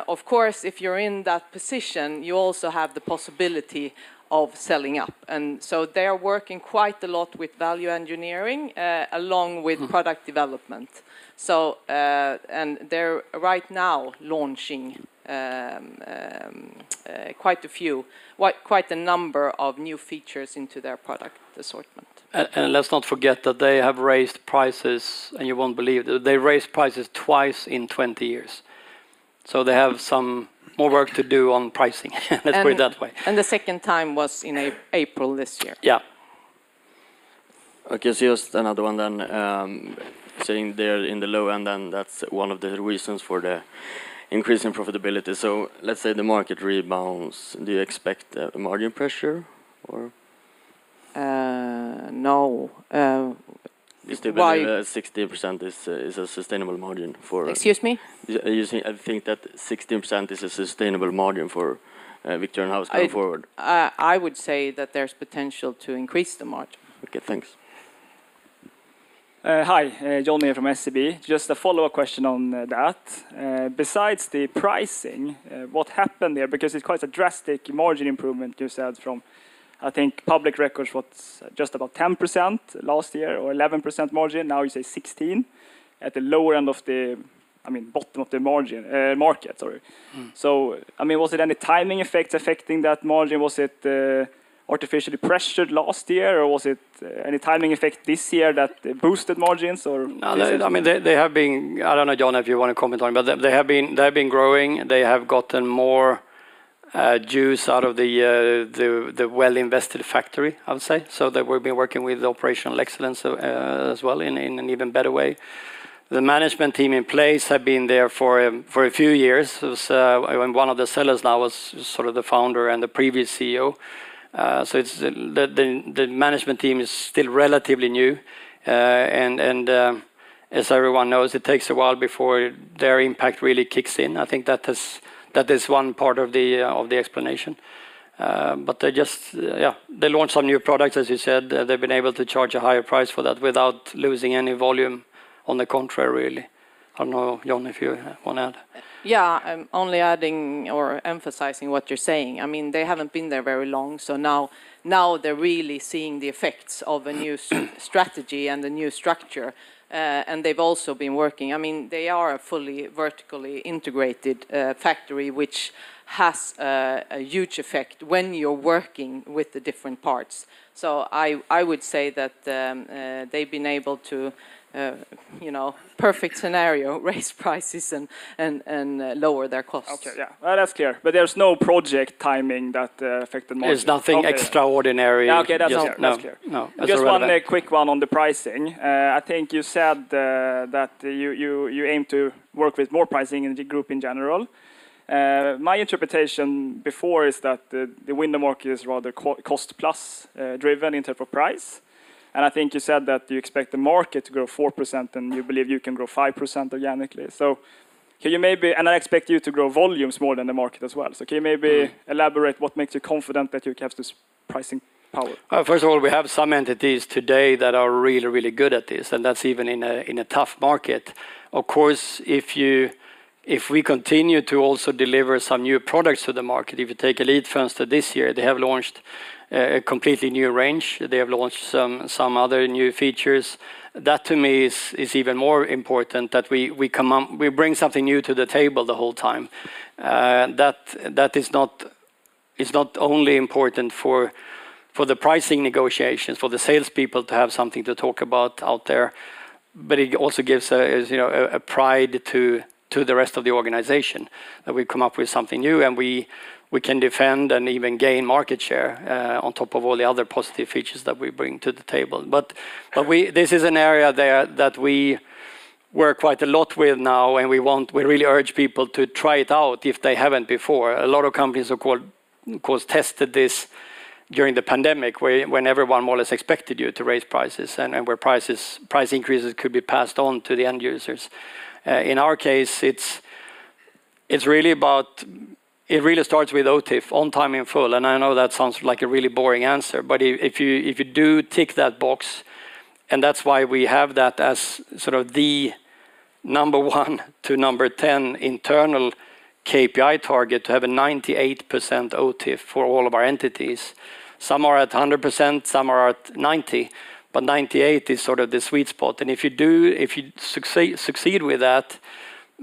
of course, if you're in that position, you also have the possibility of selling up. And so they are working quite a lot with value engineering along with product development. And they're right now launching quite a number of new features into their product assortment. And let's not forget that they have raised prices, and you won't believe it. They raised prices twice in 20 years. So they have some more work to do on pricing. Let's put it that way. And the second time was in April this year. Yeah. Okay, so just another one then. Saying they're in the low end, then that's one of the reasons for the increase in profitability. So let's say the market rebounds. Do you expect margin pressure or? No. Why? 60% is a sustainable margin for. Excuse me? I think that 60% is a sustainable margin for Victorian Sliders going forward. I would say that there's potential to increase the margin. Okay, thanks. Hi, Jon Myhre from SEB. Just a follow-up question on that. Besides the pricing, what happened there? Because it's quite a drastic margin improvement, you said from, I think, public records, what's just about 10% last year or 11% margin. Now you say 16% at the lower end of the, I mean, bottom of the market, sorry. So I mean, was it any timing effects affecting that margin? Was it artificially pressured last year? Or was it any timing effect this year that boosted margins or? I mean, they have been, I don't know, Jonna, if you want to comment on it, but they have been growing. They have gotten more juice out of the well-invested factory, I would say. So they were working with operational excellence as well in an even better way. The management team in place have been there for a few years. One of the sellers now was sort of the founder and the previous CEO. So the management team is still relatively new. And as everyone knows, it takes a while before their impact really kicks in. I think that is one part of the explanation. But they just, yeah, they launched some new products, as you said. They've been able to charge a higher price for that without losing any volume on the contrary, really. I don't know, Jonna, if you want to add. Yeah, I'm only adding or emphasizing what you're saying. I mean, they haven't been there very long. So now they're really seeing the effects of a new strategy and a new structure. And they've also been working. I mean, they are a fully vertically integrated factory, which has a huge effect when you're working with the different parts. So I would say that they've been able to, perfect scenario, raise prices and lower their costs. Okay, yeah, that's clear. But there's no project timing that affected margin. There's nothing extraordinary. Okay, that's clear. Just one quick one on the pricing. I think you said that you aim to work with more pricing in the group in general. My interpretation before is that the window market is rather cost-plus driven in terms of price. And I think you said that you expect the market to grow 4% and you believe you can grow 5% organically. So can you maybe, and I expect you to grow volumes more than the market as well. So can you maybe elaborate what makes you confident that you have this pricing power? First of all, we have some entities today that are really, really good at this. And that's even in a tough market. Of course, if we continue to also deliver some new products to the market, if you take Elitfönster this year, they have launched a completely new range. They have launched some other new features. That to me is even more important that we bring something new to the table the whole time. That is not only important for the pricing negotiations, for the salespeople to have something to talk about out there, but it also gives a pride to the rest of the organization that we come up with something new and we can defend and even gain market share on top of all the other positive features that we bring to the table. But this is an area that we work quite a lot with now and we really urge people to try it out if they haven't before. A lot of companies have of course tested this during the pandemic when everyone more or less expected you to raise prices and where price increases could be passed on to the end users. In our case, it's really about, it really starts with OTIF, on time in full, and I know that sounds like a really boring answer, but if you do tick that box, and that's why we have that as sort of the number one to number ten internal KPI target to have a 98% OTIF for all of our entities. Some are at 100%, some are at 90%, but 98% is sort of the sweet spot, and if you succeed with that,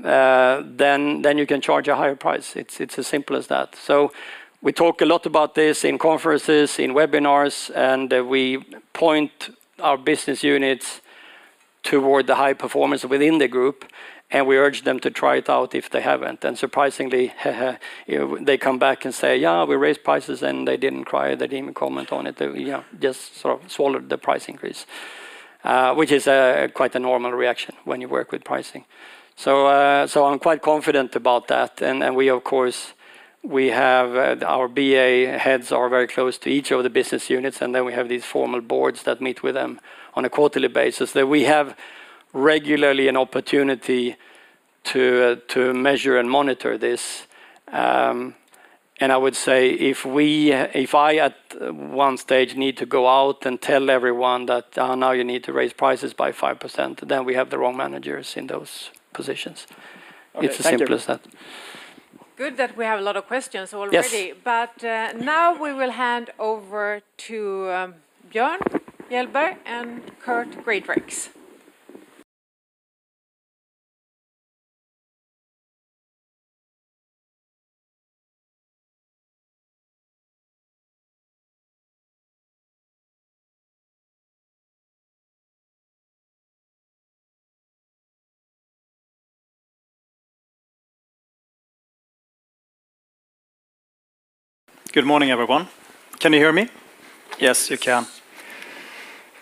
then you can charge a higher price. It's as simple as that. So we talk a lot about this in conferences, in webinars, and we point our business units toward the high performance within the group, and we urge them to try it out if they haven't. And surprisingly, they come back and say, yeah, we raised prices and they didn't cry. They didn't even comment on it. They just sort of swallowed the price increase, which is quite a normal reaction when you work with pricing. So I'm quite confident about that. And we, of course, we have our BA heads are very close to each of the business units, and then we have these formal boards that meet with them on a quarterly basis. We have regularly an opportunity to measure and monitor this. I would say if I, at one stage, need to go out and tell everyone that now you need to raise prices by 5%, then we have the wrong managers in those positions. It's as simple as that. Good that we have a lot of questions already. Now we will hand over to Björn Mjellberg and Kurt Greatrex. Good morning, everyone. Can you hear me? Yes, you can.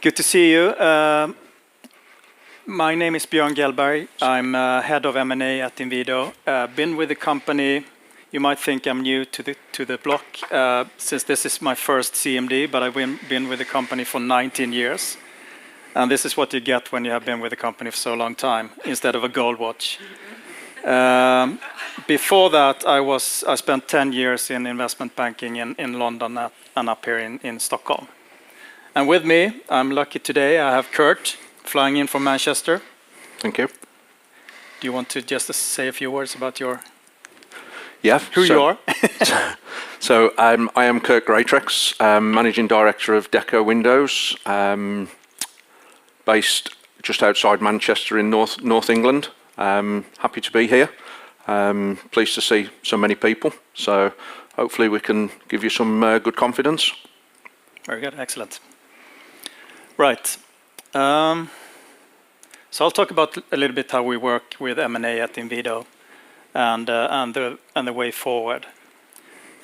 Good to see you. My name is Björn Möllberg. I'm head of M&A at Inwido. I've been with the company. You might think I'm new to the block since this is my first CMD, but I've been with the company for 19 years. And this is what you get when you have been with the company for so long time instead of a gold watch. Before that, I spent 10 years in investment banking in London and up here in Stockholm. With me, I'm lucky today. I have Kurt flying in from Manchester. Thank you. Do you want to just say a few words about yourself? Yeah, sure. Who you are? So I am Kurt Greatrex, Managing Director of Dekko Window Systems, based just outside Manchester in North England. Happy to be here. Pleased to see so many people. So hopefully we can give you some good confidence. Very good. Excellent. Right. So I'll talk about a little bit how we work with M&A at Inwido and the way forward.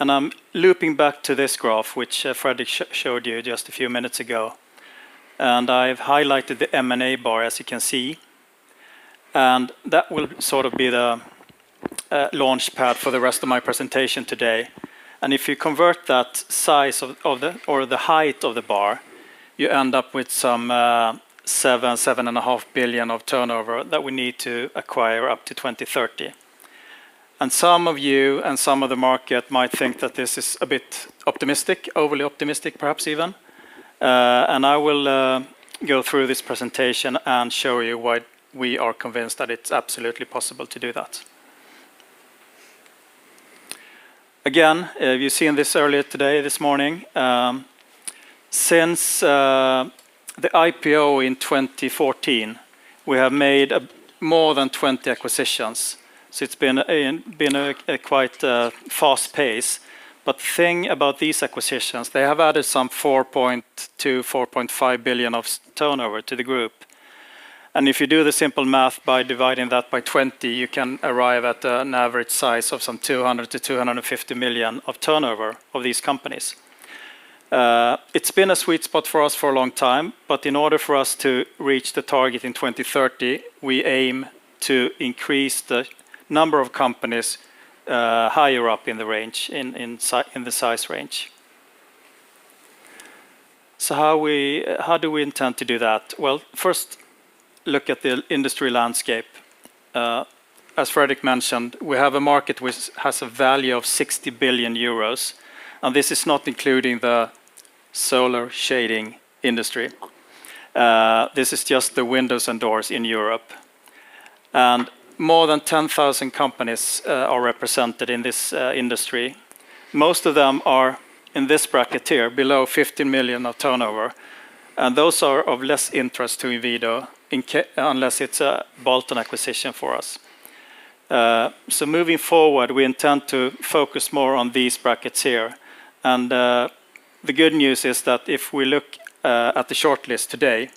I'm looping back to this graph, which Fredrik showed you just a few minutes ago. I've highlighted the M&A bar, as you can see. That will sort of be the launch pad for the rest of my presentation today. If you convert that size or the height of the bar, you end up with some 7-7.5 billion of turnover that we need to acquire up to 2030. Some of you and some of the market might think that this is a bit optimistic, overly optimistic perhaps even. I will go through this presentation and show you why we are convinced that it's absolutely possible to do that. Again, you've seen this earlier today, this morning. Since the IPO in 2014, we have made more than 20 acquisitions. It's been a quite fast pace. The thing about these acquisitions, they have added some 4.2-4.5 billion of turnover to the group. If you do the simple math by dividing that by 20, you can arrive at an average size of some 200-250 million of turnover of these companies. It's been a sweet spot for us for a long time, but in order for us to reach the target in 2030, we aim to increase the number of companies higher up in the range, in the size range, so how do we intend to do that? First, look at the industry landscape. As Fredrik mentioned, we have a market which has a value of 60 billion euros. And this is not including the solar shading industry. This is just the windows and doors in Europe. And more than 10,000 companies are represented in this industry. Most of them are in this bracket here, below 15 million of turnover. And those are of less interest to Inwido unless it's a bolt-on acquisition for us. So moving forward, we intend to focus more on these brackets here. And the good news is that if we look at the shortlist today,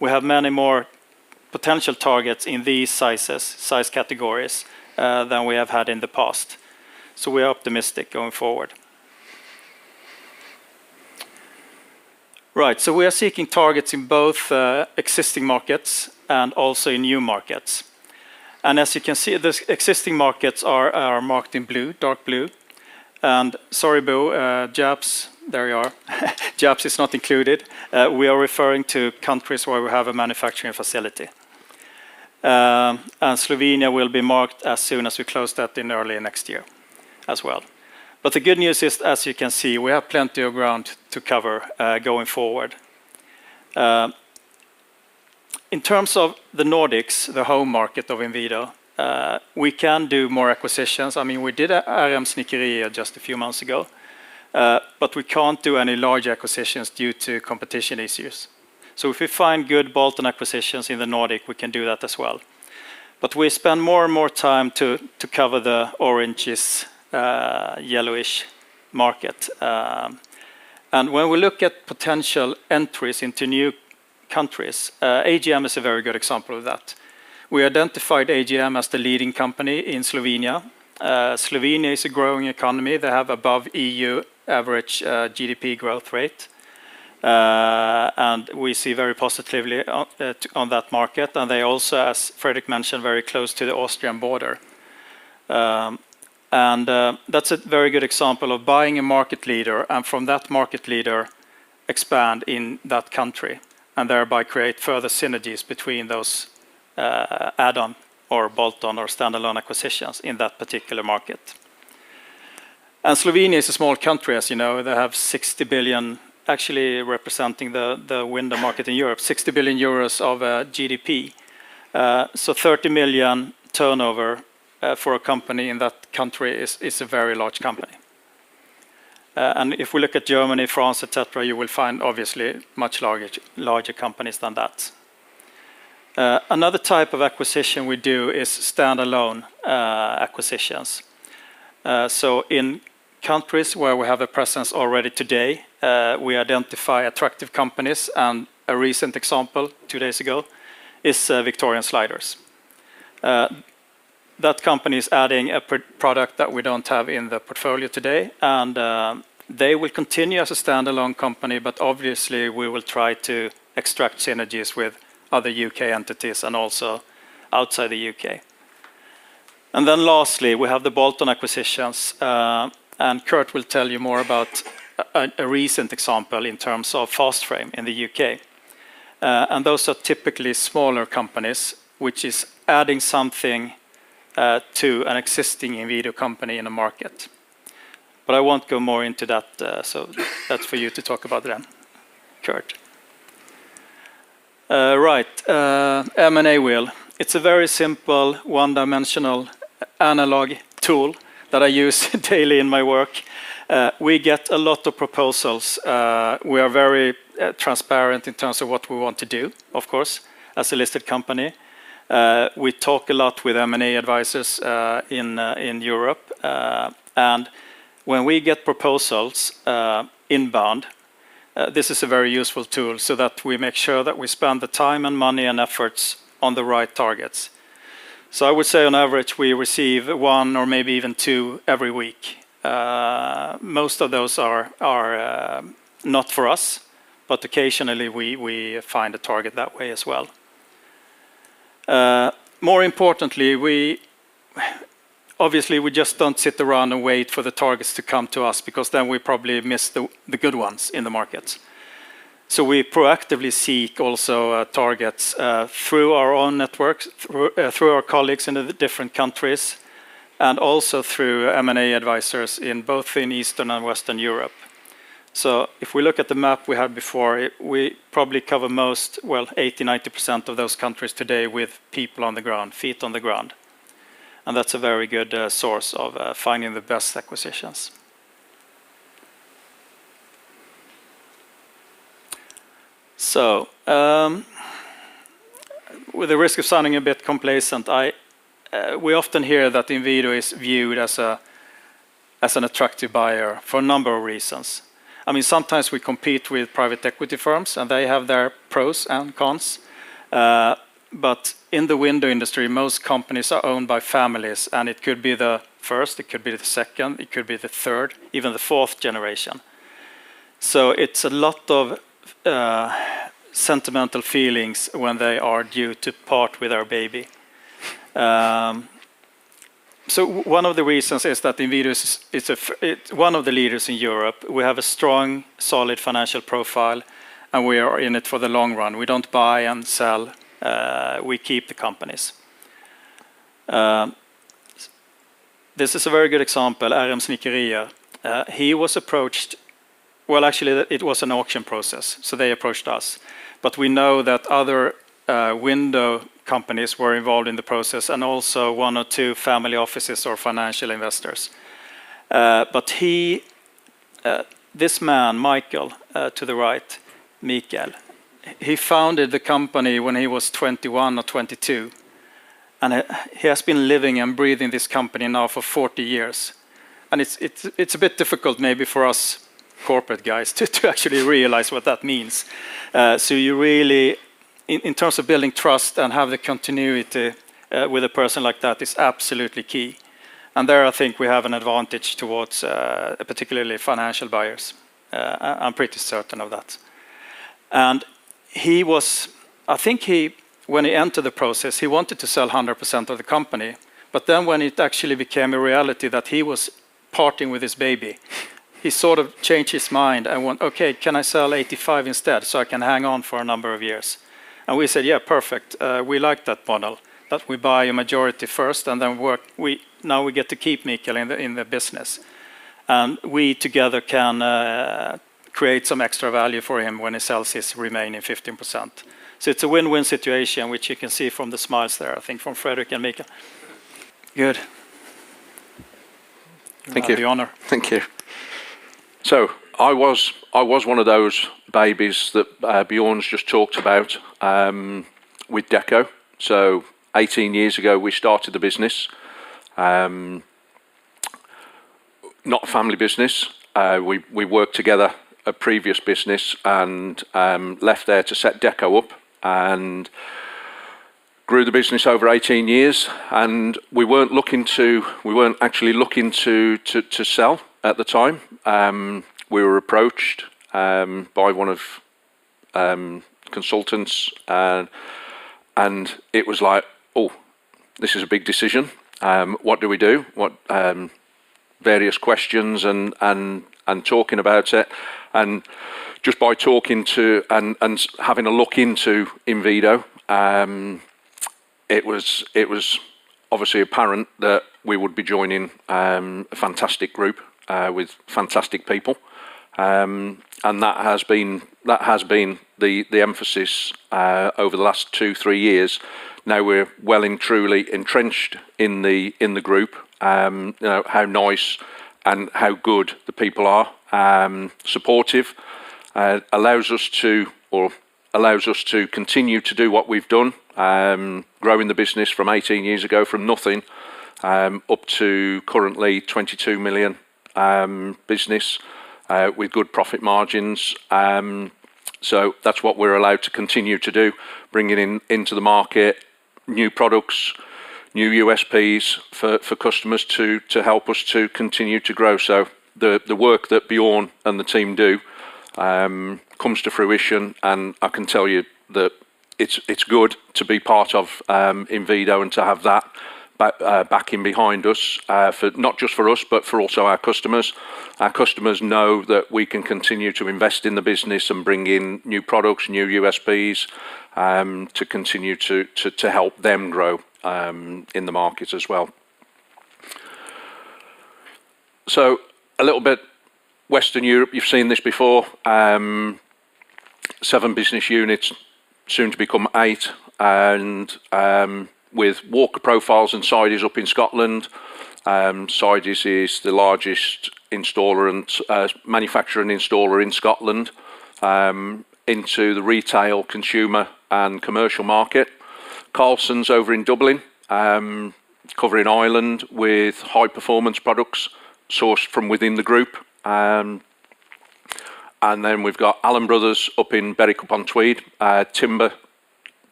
we have many more potential targets in these sizes, size categories than we have had in the past. So we are optimistic going forward. Right, so we are seeking targets in both existing markets and also in new markets. And as you can see, the existing markets are marked in blue, dark blue. And, sorry, Boo, Jabs, there you are. Jabs is not included. We are referring to countries where we have a manufacturing facility. And Slovenia will be marked as soon as we close that in early next year as well. But the good news is, as you can see, we have plenty of ground to cover going forward. In terms of the Nordics, the home market of Inwido, we can do more acquisitions. I mean, we did RM Snickerier just a few months ago, but we can't do any large acquisitions due to competition issues, so if we find good bolt-on acquisitions in the Nordic, we can do that as well, but we spend more and more time to cover the orange-ish, yellow-ish market, and when we look at potential entries into new countries, AJM is a very good example of that. We identified AJM as the leading company in Slovenia. Slovenia is a growing economy. They have above EU average GDP growth rate, and we see very positively on that market, and they also, as Fredrik mentioned, very close to the Austrian border, and that's a very good example of buying a market leader and from that market leader expand in that country and thereby create further synergies between those add-on or bolt-on or standalone acquisitions in that particular market. Slovenia is a small country, as you know. They have 60 billion, actually representing the window market in Europe, 60 billion euros of GDP. So 30 million turnover for a company in that country is a very large company. If we look at Germany, France, etc., you will find obviously much larger companies than that. Another type of acquisition we do is standalone acquisitions. So in countries where we have a presence already today, we identify attractive companies. A recent example two days ago is Victorian Sliders. That company is adding a product that we don't have in the portfolio today. They will continue as a standalone company, but obviously we will try to extract synergies with other U.K. entities and also outside the UK. Then lastly, we have the bolt-on acquisitions. Kurt will tell you more about a recent example in terms of Fast Frame in the U.K. Those are typically smaller companies, which is adding something to an existing Inwido company in a market. I won't go mor e into that. That's for you to talk about then, Kurt. Right, M&A wheel. It's a very simple one-dimensional analog tool that I use daily in my work. We get a lot of proposals. We are very transparent in terms of what we want to do, of course, as a listed company. We talk a lot with M&A advisors in Europe. When we get proposals inbound, this is a very useful tool so that we make sure that we spend the time and money and efforts on the right targets. I would say on average we receive one or maybe even two every week. Most of those are not for us, but occasionally we find a target that way as well. More importantly, obviously we just don't sit around and wait for the targets to come to us because then we probably miss the good ones in the markets. So we proactively seek also targets through our own networks, through our colleagues in the different countries, and also through M&A advisors in both Eastern and Western Europe. So if we look at the map we had before, we probably cover most, well, 80%-90% of those countries today with people on the ground, feet on the ground. And that's a very good source of finding the best acquisitions. So with the risk of sounding a bit complacent, we often hear that Inwido is viewed as an attractive buyer for a number of reasons. I mean, sometimes we compete with private equity firms and they have their pros and cons. But in the window industry, most companies are owned by families and it could be the first, it could be the second, it could be the third, even the fourth generation. So it's a lot of sentimental feelings when they argue to part with our baby. So one of the reasons is that Inwido is one of the leaders in Europe. We have a strong, solid financial profile and we are in it for the long run. We don't buy and sell. We keep the companies. This is a very good example, RM Snickerier. He was approached, well, actually it was an auction process, so they approached us. But we know that other window companies were involved in the process and also one or two family offices or financial investors. But this man, Mikael, to the right, Mikael, he founded the company when he was 21 or 22. And he has been living and breathing this company now for 40 years. And it's a bit difficult maybe for us corporate guys to actually realize what that means. So you really, in terms of building trust and having the continuity with a person like that, it's absolutely key. And there I think we have an advantage towards particularly financial buyers. I'm pretty certain of that. And he was, I think when he entered the process, he wanted to sell 100% of the company. But then when it actually became a reality that he was parting with his baby, he sort of changed his mind and went, "Okay, can I sell 85% instead so I can hang on for a number of years?" And we said, "Yeah, perfect. We like that model, that we buy a majority first and then work. Now we get to keep Mikael in the business. And we together can create some extra value for him when he sells his remaining 15%. So it's a win-win situation, which you can see from the smiles there, I think from Fredrik and Mikael. Good. Thank you. Thank you. So I was one of those babies that Björn's just talked about with Dekko. So 18 years ago we started the business. Not a family business. We worked together at a previous business and left there to set Dekko up and grew the business over 18 years. And we weren't looking to, we weren't actually looking to sell at the time. We were approached by one of the consultants and it was like, "Oh, this is a big decision. “What do we do?” Various questions and talking about it, and just by talking to and having a look into Inwido, it was obviously apparent that we would be joining a fantastic group with fantastic people, and that has been the emphasis over the last two, three years. Now we're well and truly entrenched in the group, how nice and how good the people are, supportive, allows us to continue to do what we've done, growing the business from 18 years ago from nothing up to currently a 22 million business with good profit margins, so that's what we're allowed to continue to do, bringing into the market new products, new USPs for customers to help us to continue to grow, so the work that Björn and the team do comes to fruition. I can tell you that it's good to be part of Inwido and to have that backing behind us, not just for us, but also for our customers. Our customers know that we can continue to invest in the business and bring in new products, new USPs to continue to help them grow in the market as well. A little bit Western Europe, you've seen this before. Seven business units, soon to become eight, and with Walker Profiles and Sidey up in Scotland. Sidey is the largest manufacturer and installer in Scotland into the retail, consumer, and commercial market. Carlson's over in Dublin, covering Ireland with high-performance products sourced from within the group. We've got Allan Brothers up in Berwick-upon-Tweed, timber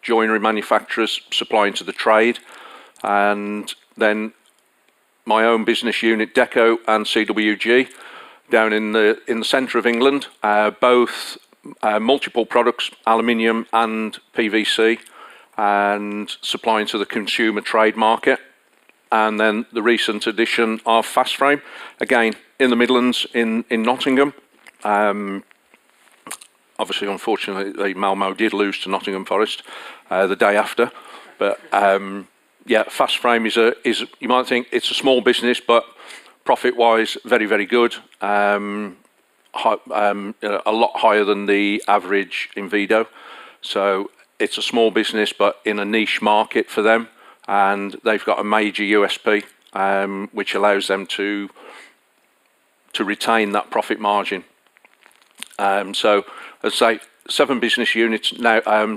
joinery manufacturers supplying to the trade. And then my own business unit, Dekko and CWG down in the center of England, both multiple products, aluminum and PVC, and supplying to the consumer trade market. And then the recent addition of Fast Frame, again in the Midlands in Nottingham. Obviously, unfortunately, the Malmö did lose to Nottingham Forest the day after. But yeah, Fast Frame is a. You might think it's a small business, but profit-wise, very, very good, a lot higher than the average Inwido. So it's a small business, but in a niche market for them. And they've got a major USP, which allows them to retain that profit margin. So I'd say seven business units,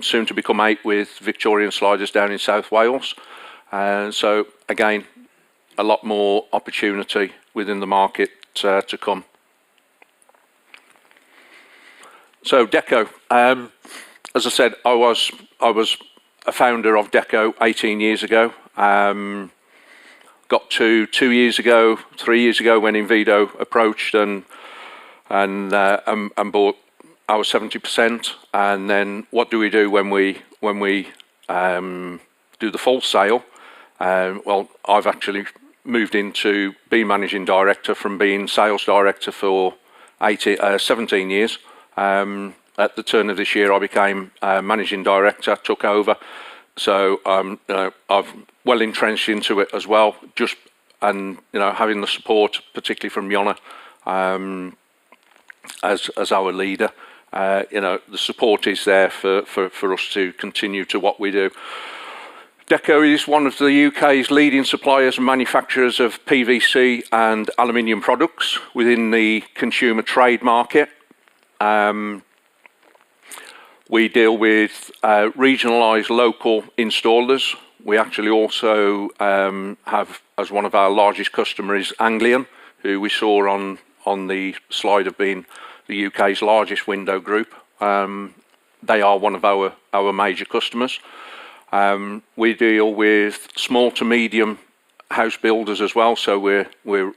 soon to become eight with Victorian Sliders down in South Wales. So again, a lot more opportunity within the market to come. So Dekko, as I said, I was a founder of Dekko 18 years ago. got two years ago, three years ago when Inwido approached and bought our 70%. And then what do we do when we do the full sale? Well, I've actually moved into being managing director from being sales director for 17 years. At the turn of this year, I became managing director, took over. So I've well entrenched into it as well, just having the support, particularly from Jonna as our leader. The support is there for us to continue to what we do. Dekko is one of the U.K.'s leading suppliers and manufacturers of PVC and aluminum products within the consumer trade market. We deal with regionalized local installers. We actually also have, as one of our largest customers, Anglian, who we saw on the slide of being the U.K.'s largest window group. They are one of our major customers. We deal with small to medium house builders as well. We're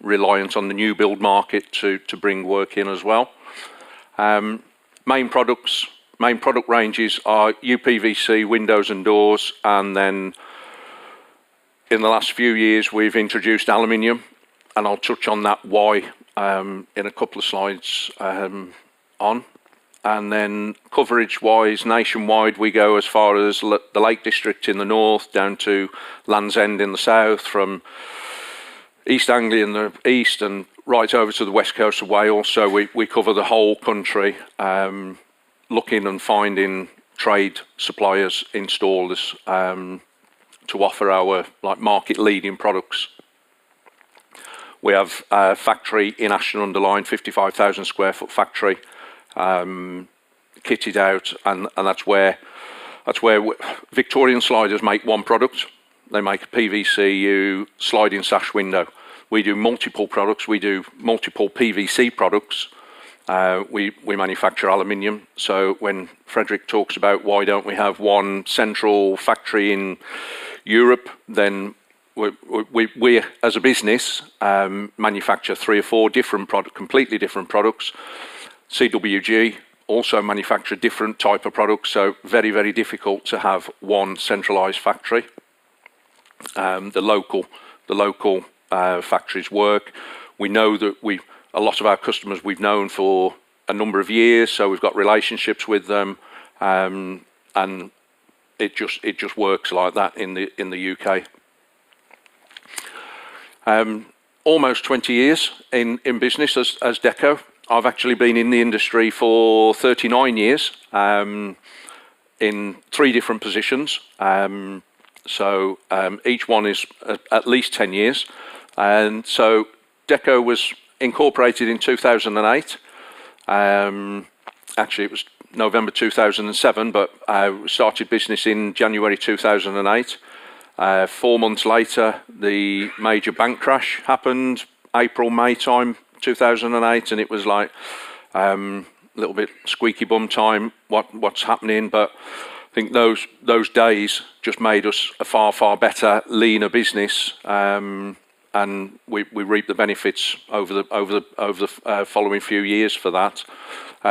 reliant on the new build market to bring work in as well. Main product ranges are UPVC windows and doors. In the last few years, we've introduced aluminum. I'll touch on that why in a couple of slides on. Coverage-wise, nationwide, we go as far as the Lake District in the north, down to Land's End in the south, from East Anglia in the east and right over to the west coast of Wales. We cover the whole country, looking and finding trade suppliers, installers to offer our market-leading products. We have a factory in Ashton-under-Lyne, 55,000 sq ft factory, kitted out. That's where Victorian Sliders make one product. They make a PVC sliding sash window. We do multiple products. We do multiple PVC products. We manufacture aluminum. So when Fredrik talks about why don't we have one central factory in Europe, then we as a business manufacture three or four completely different products. CWG also manufactures different types of products. So very, very difficult to have one centralized factory. The local factories work. We know that a lot of our customers we've known for a number of years. So we've got relationships with them. And it just works like that in the U.K. Almost 20 years in business as Dekko. I've actually been in the industry for 39 years in three different positions. So each one is at least 10 years. And so Dekko was incorporated in 2008. Actually, it was November 2007, but we started business in January 2008. Four months later, the major bank crash happened April, May time 2008. And it was like a little bit squeaky bum time, what's happening. But I think those days just made us a far, far better leaner business. And we reaped the benefits over the following few years for that.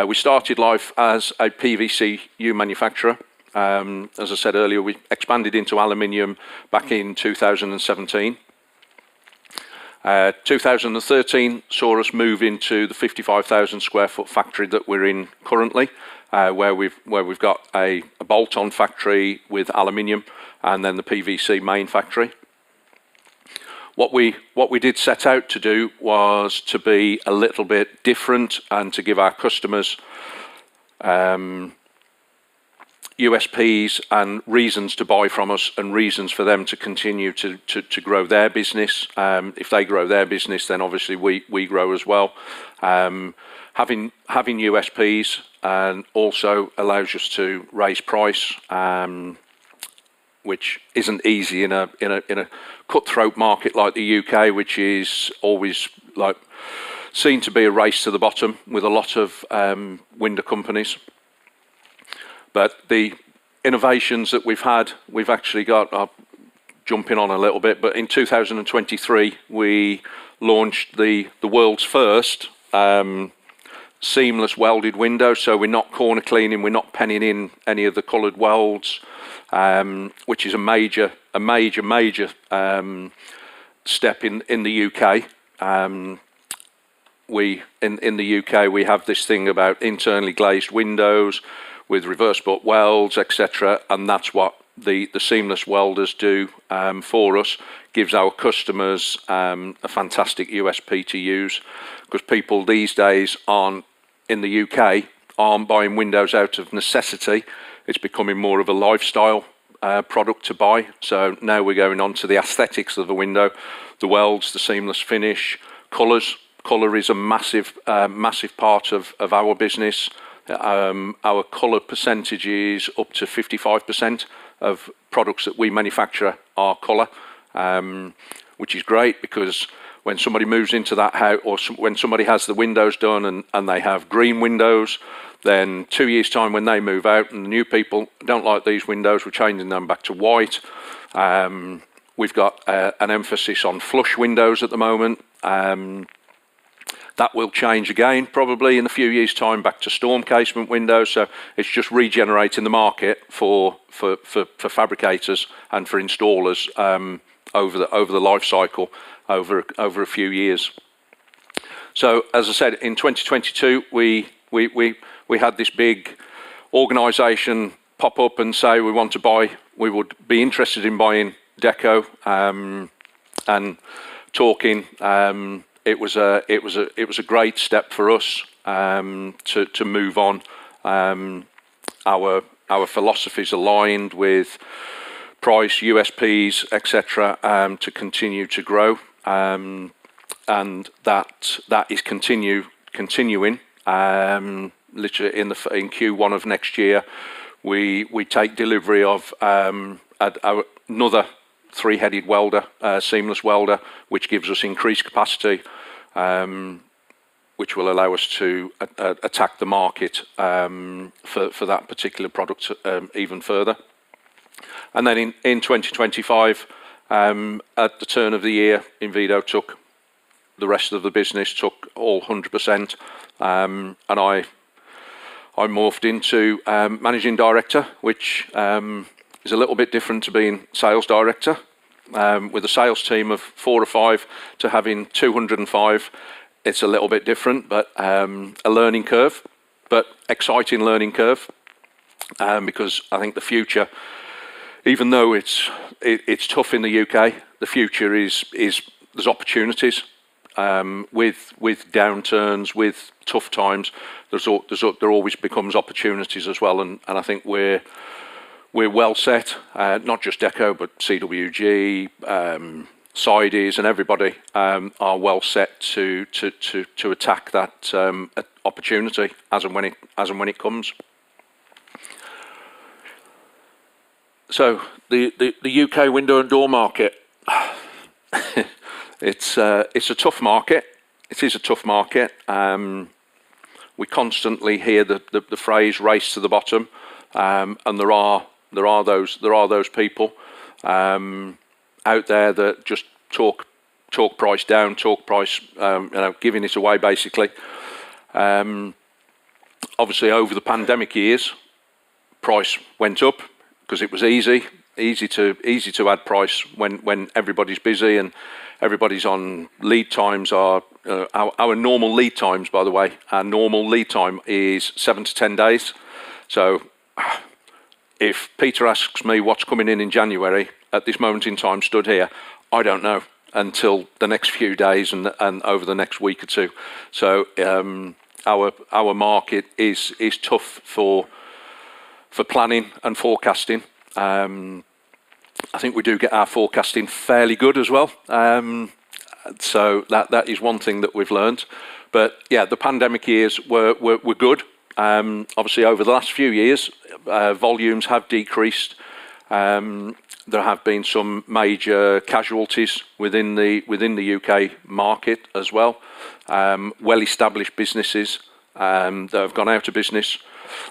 We started life as a PVC window manufacturer. As I said earlier, we expanded into aluminum back in 2017. 2013 saw us move into the 55,000 sq ft factory that we're in currently, where we've got a bolt-on factory with aluminum and then the PVC main factory. What we did set out to do was to be a little bit different and to give our customers USPs and reasons to buy from us and reasons for them to continue to grow their business. If they grow their business, then obviously we grow as well. Having USPs also allows us to raise price, which isn't easy in a cut-throat market like the U.K., which is always seen to be a race to the bottom with a lot of window companies, but the innovations that we've had, we've actually got a jump on a little bit, but in 2023, we launched the world's first seamless welded window. So we're not corner cleaning. We're not painting in any of the colored welds, which is a major, major step in the U.K. In the U.K., we have this thing about internally glazed windows with reverse-butt welds, etc., and that's what the seamless welding does for us. It gives our customers a fantastic USP to use because people these days in the U.K. aren't buying windows out of necessity. It's becoming more of a lifestyle product to buy. So now we're going on to the aesthetics of the window, the welds, the seamless finish, colors. Color is a massive part of our business. Our color percentage is up to 55% of products that we manufacture are color, which is great because when somebody moves into that house or when somebody has the windows done and they have green windows, then two years' time when they move out and the new people don't like these windows, we're changing them back to white. We've got an emphasis on flush windows at the moment. That will change again probably in a few years' time back to storm casement windows. So it's just regenerating the market for fabricators and for installers over the lifecycle over a few years. As I said, in 2022, we had this big organization pop up and say, "we want to buy, we would be interested in buying Dekko," and talking. It was a great step for us to move on. Our philosophy is aligned with price, USPs, etc. to continue to grow. That is continuing. In Q1 of next year, we take delivery of another three-headed welder, seamless welder, which gives us increased capacity, which will allow us to attack the market for that particular product even further. In 2025, at the turn of the year, Inwido took the rest of the business, took all 100%. I morphed into managing director, which is a little bit different to being sales director. With a sales team of four or five to having 205, it's a little bit different, but a learning curve, but exciting learning curve because I think the future, even though it's tough in the U.K.., the future is there's opportunities with downturns, with tough times. There always becomes opportunities as well, and I think we're well set, not just Dekko, but CWG, Sidey and everybody are well set to attack that opportunity as and when it comes. The U.K window and door market, it's a tough market. It is a tough market. We constantly hear the phrase race to the bottom. There are those people out there that just talk price down, talk price giving it away basically. Obviously, over the pandemic years, price went up because it was easy to add price when everybody's busy and everybody's on lead times. Our normal lead times, by the way, our normal lead time is seven to 10 days. So if Peter asks me what's coming in in January at this moment in time stood here, I don't know until the next few days and over the next week or two. So our market is tough for planning and forecasting. I think we do get our forecasting fairly good as well. So that is one thing that we've learned. But yeah, the pandemic years were good. Obviously, over the last few years, volumes have decreased. There have been some major casualties within the U.K. market as well. Well-established businesses that have gone out of business.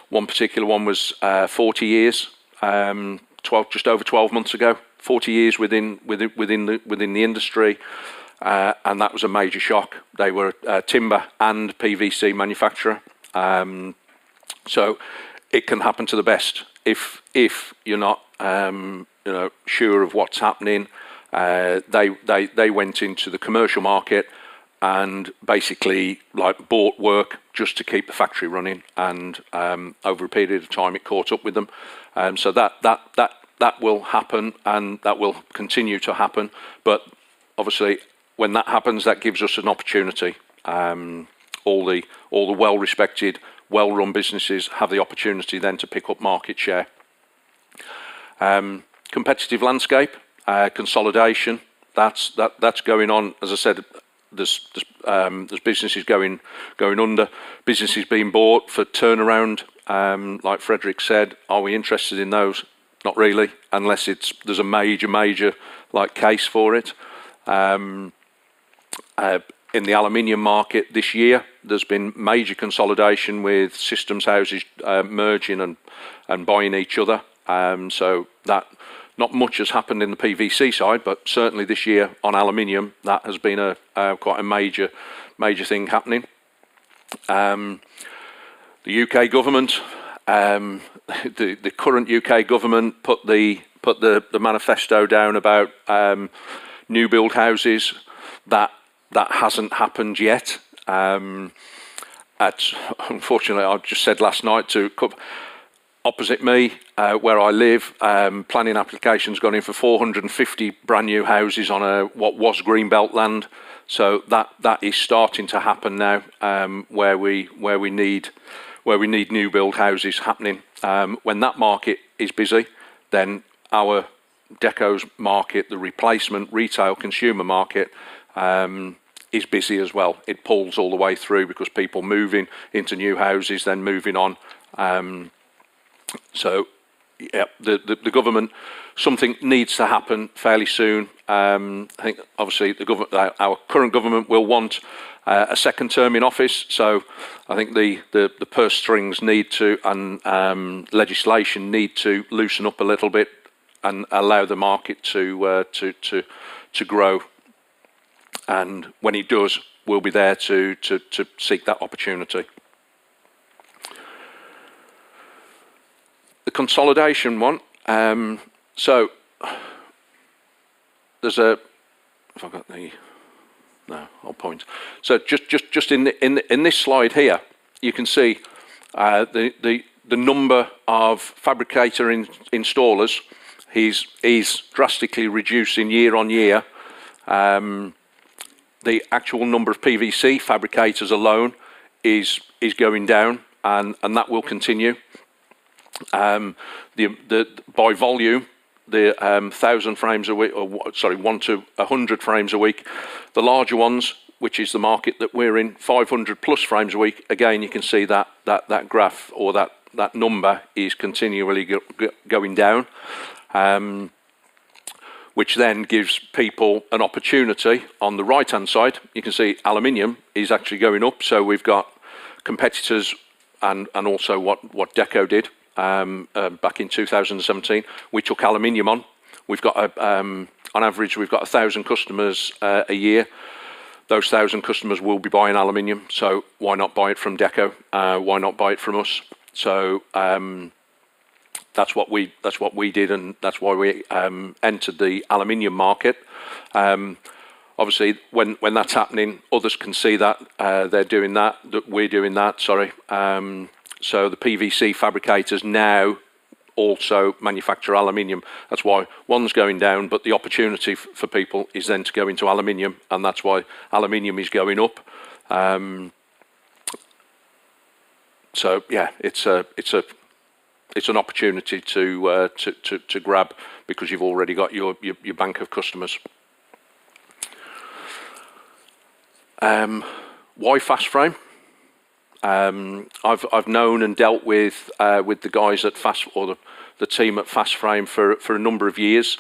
One particular one was 40 years, just over 12 months ago, 40 years within the industry. And that was a major shock. They were a timber and PVC manufacturer. It can happen to the best if you're not sure of what's happening. They went into the commercial market and basically bought work just to keep the factory running. And over a period of time, it caught up with them. That will happen and that will continue to happen. But obviously, when that happens, that gives us an opportunity. All the well-respected, well-run businesses have the opportunity then to pick up market share. Competitive landscape, consolidation, that's going on. As I said, there's businesses going under, businesses being bought for turnaround. Like Fredrik said, are we interested in those? Not really, unless there's a major, major case for it. In the aluminum market this year, there's been major consolidation with systems houses merging and buying each other. Not much has happened in the PVC side, but certainly this year on aluminum, that has been quite a major thing happening. The U.K. government, the current U.K. government, put the manifesto down about new build houses. That hasn't happened yet. Unfortunately, I just said last night to opposite me where I live, planning applications got in for 450 brand new houses on what was Green Belt land. That is starting to happen now where we need new build houses happening. When that market is busy, then our Dekko's market, the replacement retail consumer market is busy as well. It pulls all the way through because people moving into new houses, then moving on. Yeah, the government, something needs to happen fairly soon. Obviously, our current government will want a second term in office. I think the purse strings need to, and legislation need to loosen up a little bit and allow the market to grow. When it does, we'll be there to seek that opportunity. The consolidation one. There's a point. Just in this slide here, you can see the number of fabricator installers is drastically reducing year on year. The actual number of PVC fabricators alone is going down, and that will continue. By volume, 1,000 frames a week, sorry, 1 to 100 frames a week. The larger ones, which is the market that we're in, 500+ frames a week. Again, you can see that graph or that number is continually going down, which then gives people an opportunity on the right-hand side. You can see aluminum is actually going up. We've got competitors and also what Dekko did back in 2017. We took aluminum on. On average, we've got 1,000 customers a year. Those 1,000 customers will be buying aluminum, so why not buy it from Dekko? Why not buy it from us, so that's what we did, and that's why we entered the aluminum market. Obviously, when that's happening, others can see that they're doing that, that we're doing that, sorry, so the PVC fabricators now also manufacture aluminum. That's why one's going down, but the opportunity for people is then to go into aluminum, and that's why aluminum is going up, so yeah, it's an opportunity to grab because you've already got your bank of customers. Why Fast Frame? I've known and dealt with the guys at Fast Frame or the team at Fast Frame for a number of years.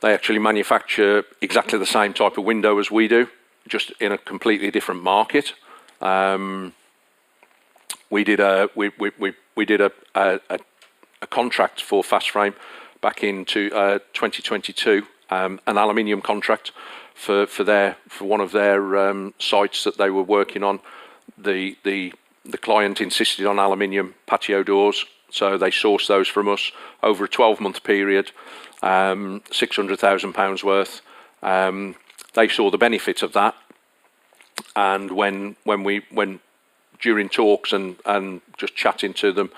They actually manufacture exactly the same type of window as we do, just in a completely different market. We did a contract for Fast Frame back in 2022, an aluminum contract for one of their sites that they were working on. The client insisted on aluminum patio doors, so they sourced those from us over a 12-month period, 600,000 pounds worth. They saw the benefits of that, and when during talks and just chatting to them,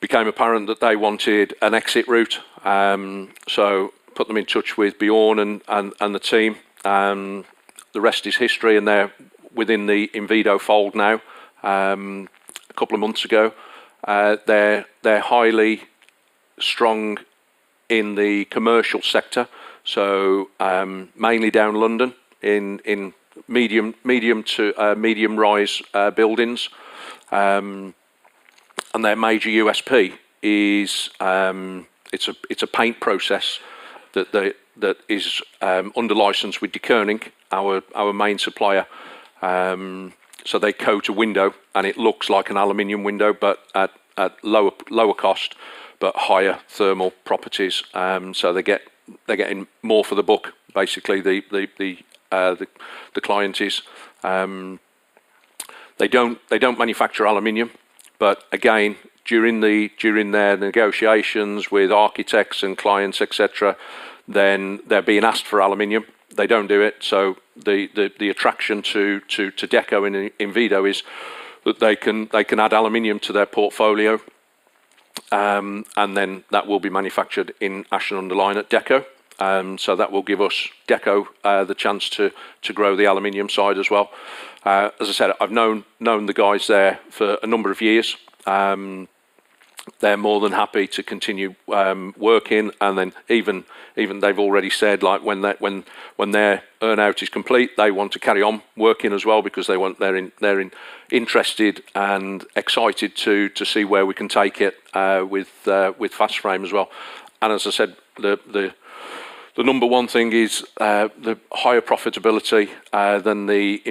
it became apparent that they wanted an exit route, so put them in touch with Björn and the team. The rest is history, and they're within the Inwido fold now. A couple of months ago, they're highly strong in the commercial sector, so mainly down London in medium-to-medium-rise buildings, and their major USP, it's a paint process that is under license with Deceuninck, our main supplier, so they coat a window, and it looks like an aluminum window, but at lower cost, but higher thermal properties. So, they're getting more for the book, basically. The client is. They don't manufacture aluminum, but again, during their negotiations with architects and clients, etc., then they're being asked for aluminum. They don't do it. So, the attraction to Dekko and Inwido is that they can add aluminum to their portfolio, and then that will be manufactured in Ashton-under-Lyne at Dekko. So, that will give us, Dekko, the chance to grow the aluminum side as well. As I said, I've known the guys there for a number of years. They're more than happy to continue working. And then even they've already said when their earn-out is complete, they want to carry on working as well because they're interested and excited to see where we can take it with Fast Frame as well. As I said, the number one thing is the higher profitability than the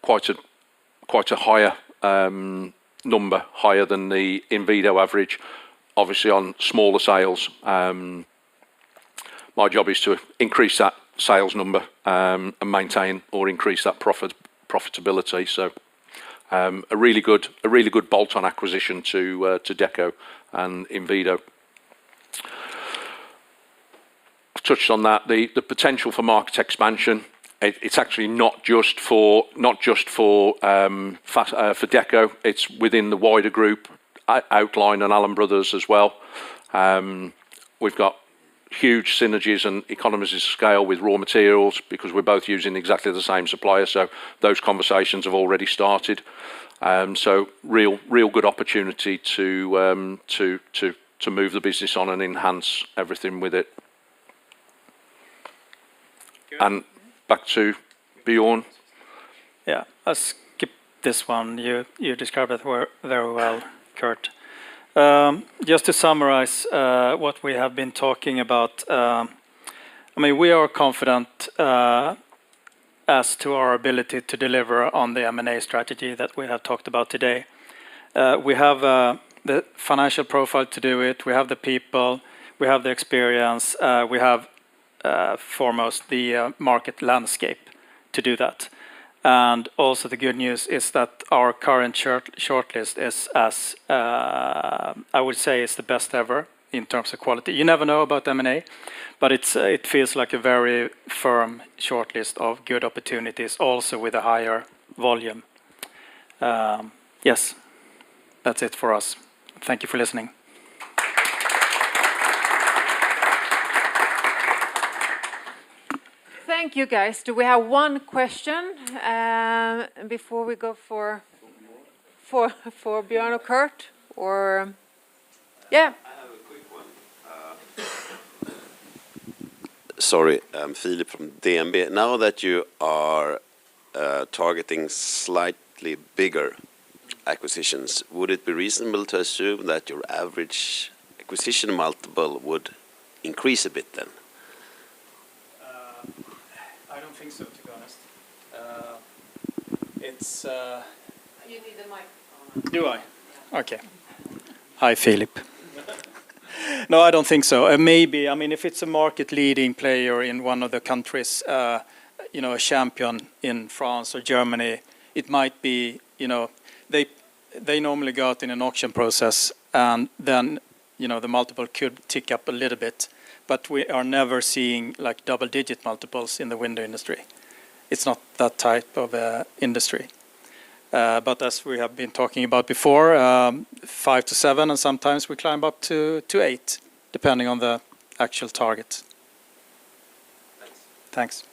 quite a higher number, higher than the Inwido average, obviously on smaller sales. My job is to increase that sales number and maintain or increase that profitability. It is a really good bolt-on acquisition to Dekko and Inwido. I've touched on that. The potential for market expansion, it is actually not just for Dekko. It is within the wider group Outline and Allan Brothers as well. We've got huge synergies and economies of scale with raw materials because we're both using exactly the same supplier. Those conversations have already started. It is a real good opportunity to move the business on and enhance everything with it. Back to Björn. Yeah, let's skip this one. You described it very well, Kurt. Just to summarize what we have been talking about, I mean, we are confident as to our ability to deliver on the M&A strategy that we have talked about today. We have the financial profile to do it. We have the people. We have the experience. We have foremost the market landscape to do that. And also the good news is that our current shortlist is, I would say, the best ever in terms of quality. You never know about M&A, but it feels like a very firm shortlist of good opportunities, also with a higher volume. Yes, that's it for us. Thank you for listening. Thank you, guys. Do we have one question before we go for Björn or Kurt or yeah? I have a quick one. Sorry, Filip from DNB. Now that you are targeting slightly bigger acquisitions, would it be reasonable to assume that your average acquisition multiple would increase a bit then? I don't think so, to be honest. You need the microphone. Do I? Yeah. Okay. Hi, Filip. No, I don't think so. Maybe. I mean, if it's a market-leading player in one of the countries, a champion in France or Germany, it might be they normally go out in an auction process, and then the multiple could tick up a little bit. But we are never seeing double-digit multiples in the window industry. It's not that type of industry. But as we have been talking about before, five to seven, and sometimes we climb up to eight, depending on the actual target. Thanks.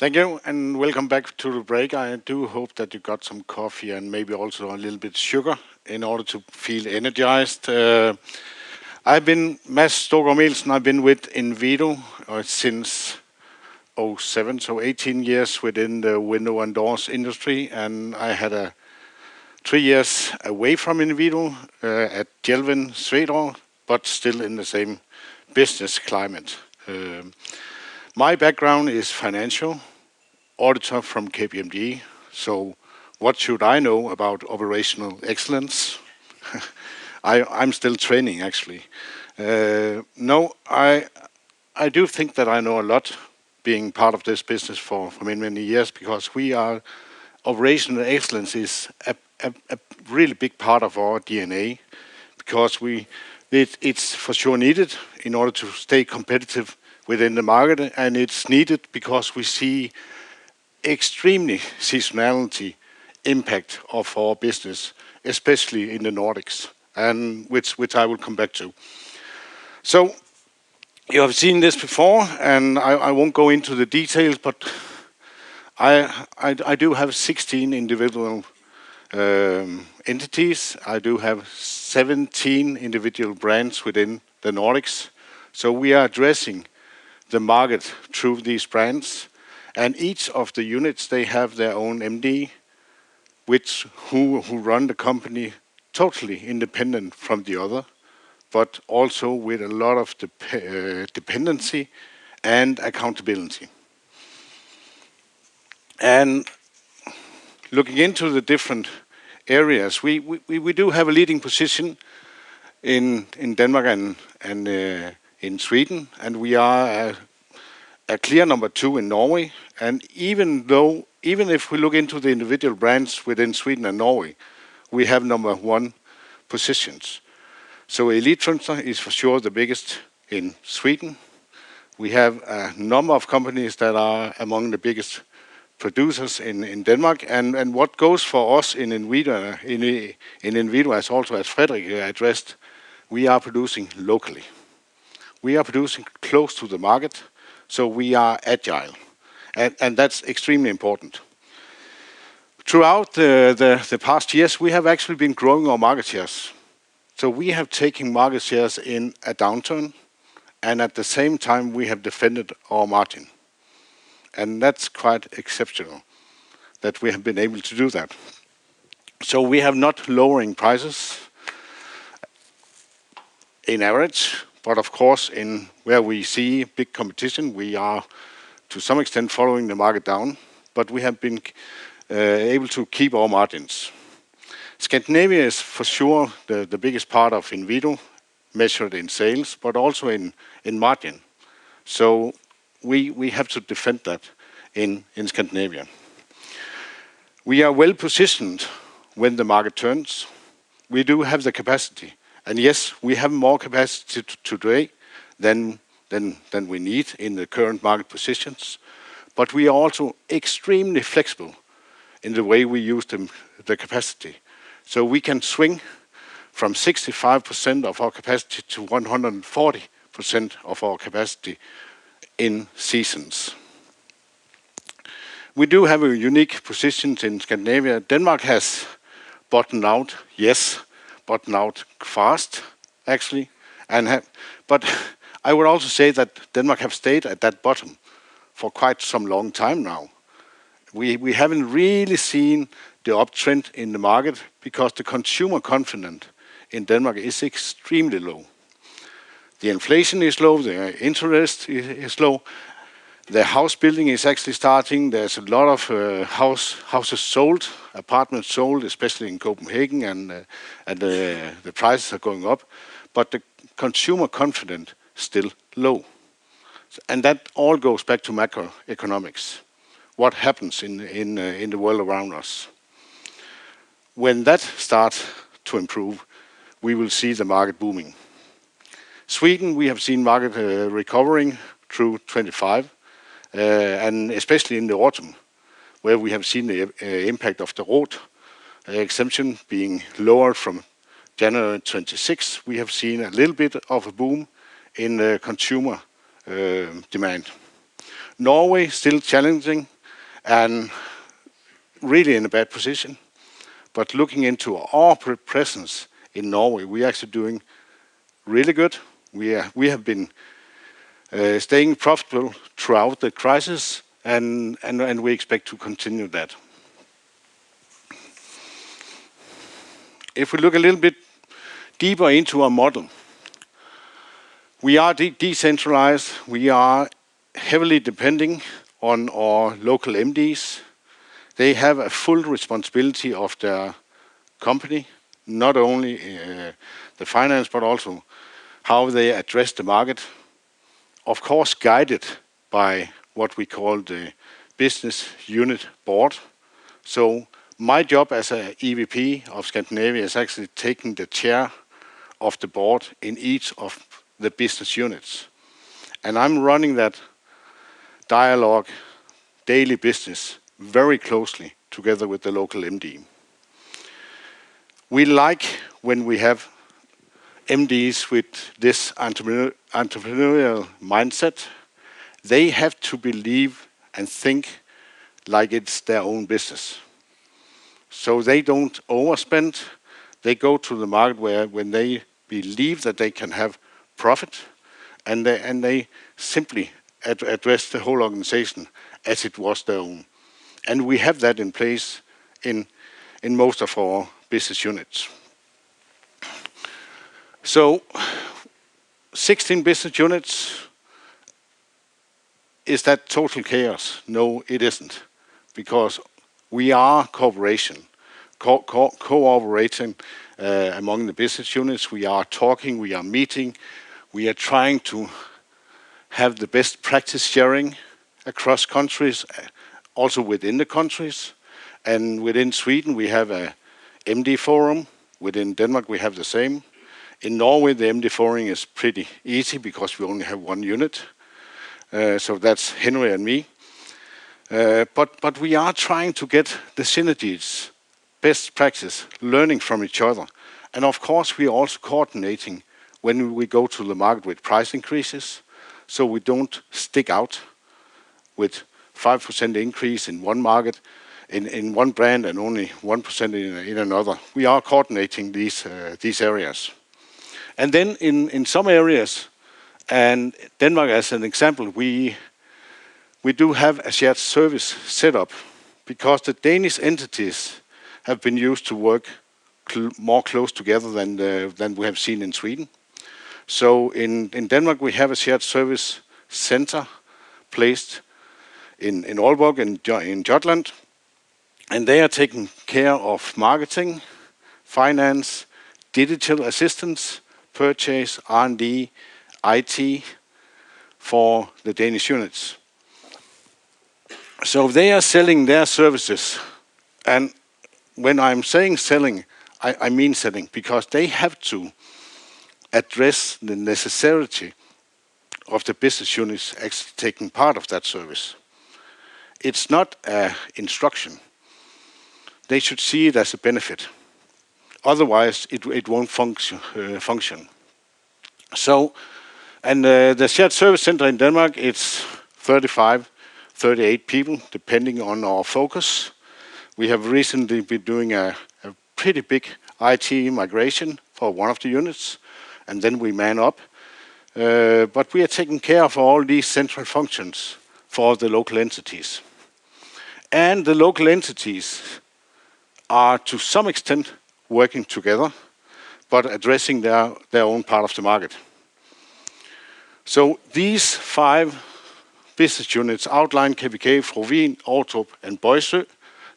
Thanks. Thank you, and welcome back to the break. I do hope that you got some coffee and maybe also a little bit of sugar in order to feel energized. I'm Mats Stockholm Nilsson. I've been with Inwido since 2007, so 18 years within the window and doors industry. I had three years away from Inwido at Jeld-Wen Sweden, but still in the same business climate. My background is financial auditor from KPMG. So what should I know about operational excellence? I'm still training, actually. No, I do think that I know a lot being part of this business for many, many years because operational excellence is a really big part of our DNA because it's for sure needed in order to stay competitive within the market. It's needed because we see extremely seasonality impact of our business, especially in the Nordics, which I will come back to. You have seen this before, and I won't go into the details, but I do have 16 individual entities. I do have 17 individual brands within the Nordics. We are addressing the market through these brands. Each of the units, they have their own MD, which who run the company totally independent from the other, but also with a lot of dependency and accountability. Looking into the different areas, we do have a leading position in Denmark and in Sweden, and we are a clear number two in Norway. Even if we look into the individual brands within Sweden and Norway, we have number one positions. Elitfönster is for sure the biggest in Sweden. We have a number of companies that are among the biggest producers in Denmark. And what goes for us in Inwido, as also as Fredrik addressed, we are producing locally. We are producing close to the market, so we are agile, and that's extremely important. Throughout the past years, we have actually been growing our market shares. So we have taken market shares in a downturn, and at the same time, we have defended our margin. And that's quite exceptional that we have been able to do that. So we have not lowering prices in average, but of course, where we see big competition, we are, to some extent, following the market down, but we have been able to keep our margins. Scandinavia is for sure the biggest part of Inwido, measured in sales, but also in margin. So we have to defend that in Scandinavia. We are well positioned when the market turns. We do have the capacity. Yes, we have more capacity today than we need in the current market positions. But we are also extremely flexible in the way we use the capacity. So we can swing from 65% of our capacity to 140% of our capacity in seasons. We do have a unique position in Scandinavia. Denmark has bottomed out, yes, bottomed out fast, actually. But I would also say that Denmark has stayed at that bottom for quite some long time now. We haven't really seen the uptrend in the market because the consumer confidence in Denmark is extremely low. The inflation is low, the interest is low. The house building is actually starting. There's a lot of houses sold, apartments sold, especially in Copenhagen, and the prices are going up. But the consumer confidence is still low. And that all goes back to macroeconomics, what happens in the world around us. When that starts to improve, we will see the market booming. Sweden, we have seen market recovering through 2025, and especially in the autumn, where we have seen the impact of the ROT exemption being lowered from January 2026. We have seen a little bit of a boom in consumer demand. Norway is still challenging and really in a bad position. But looking into our presence in Norway, we are actually doing really good. We have been staying profitable throughout the crisis, and we expect to continue that. If we look a little bit deeper into our model, we are decentralized. We are heavily depending on our local MDs. They have a full responsibility of their company, not only the finance, but also how they address the market, of course, guided by what we call the business unit board. So, my job as an EVP of Scandinavia is actually taking the chair of the board in each of the business units, and I'm running that dialogue daily business very closely together with the local MD. We like when we have MDs with this entrepreneurial mindset. They have to believe and think like it's their own business, so they don't overspend. They go to the market where they believe that they can have profit, and they simply address the whole organization as it was their own. We have that in place in most of our business units, so 16 business units, is that total chaos? No, it isn't, because we are cooperating among the business units. We are talking, we are meeting, we are trying to have the best practice sharing across countries, also within the countries, and within Sweden, we have an MD forum. Within Denmark, we have the same. In Norway, the MD forum is pretty easy because we only have one unit, so that's Henry and me, but we are trying to get the synergies, best practice, learning from each other, and of course, we are also coordinating when we go to the market with price increases so we don't stick out with 5% increase in one market, in one brand, and only 1% in another. We are coordinating these areas, and then in some areas, with Denmark as an example, we do have a shared service setup because the Danish entities have been used to work more close together than we have seen in Sweden, so in Denmark, we have a shared service center placed in Aalborg and Jutland, and they are taking care of marketing, finance, digital assistance, purchase, R&D, IT for the Danish units. They are selling their services. And when I'm saying selling, I mean selling because they have to address the necessity of the business units actually taking part of that service. It's not an instruction. They should see it as a benefit. Otherwise, it won't function. And the shared service center in Denmark, it's 35-38 people, depending on our focus. We have recently been doing a pretty big IT migration for one of the units, and then we man up. But we are taking care of all these central functions for the local entities. And the local entities are, to some extent, working together, but addressing their own part of the market. These five business units outlined: KPK, Frovin, Outrup, and Bøjsø.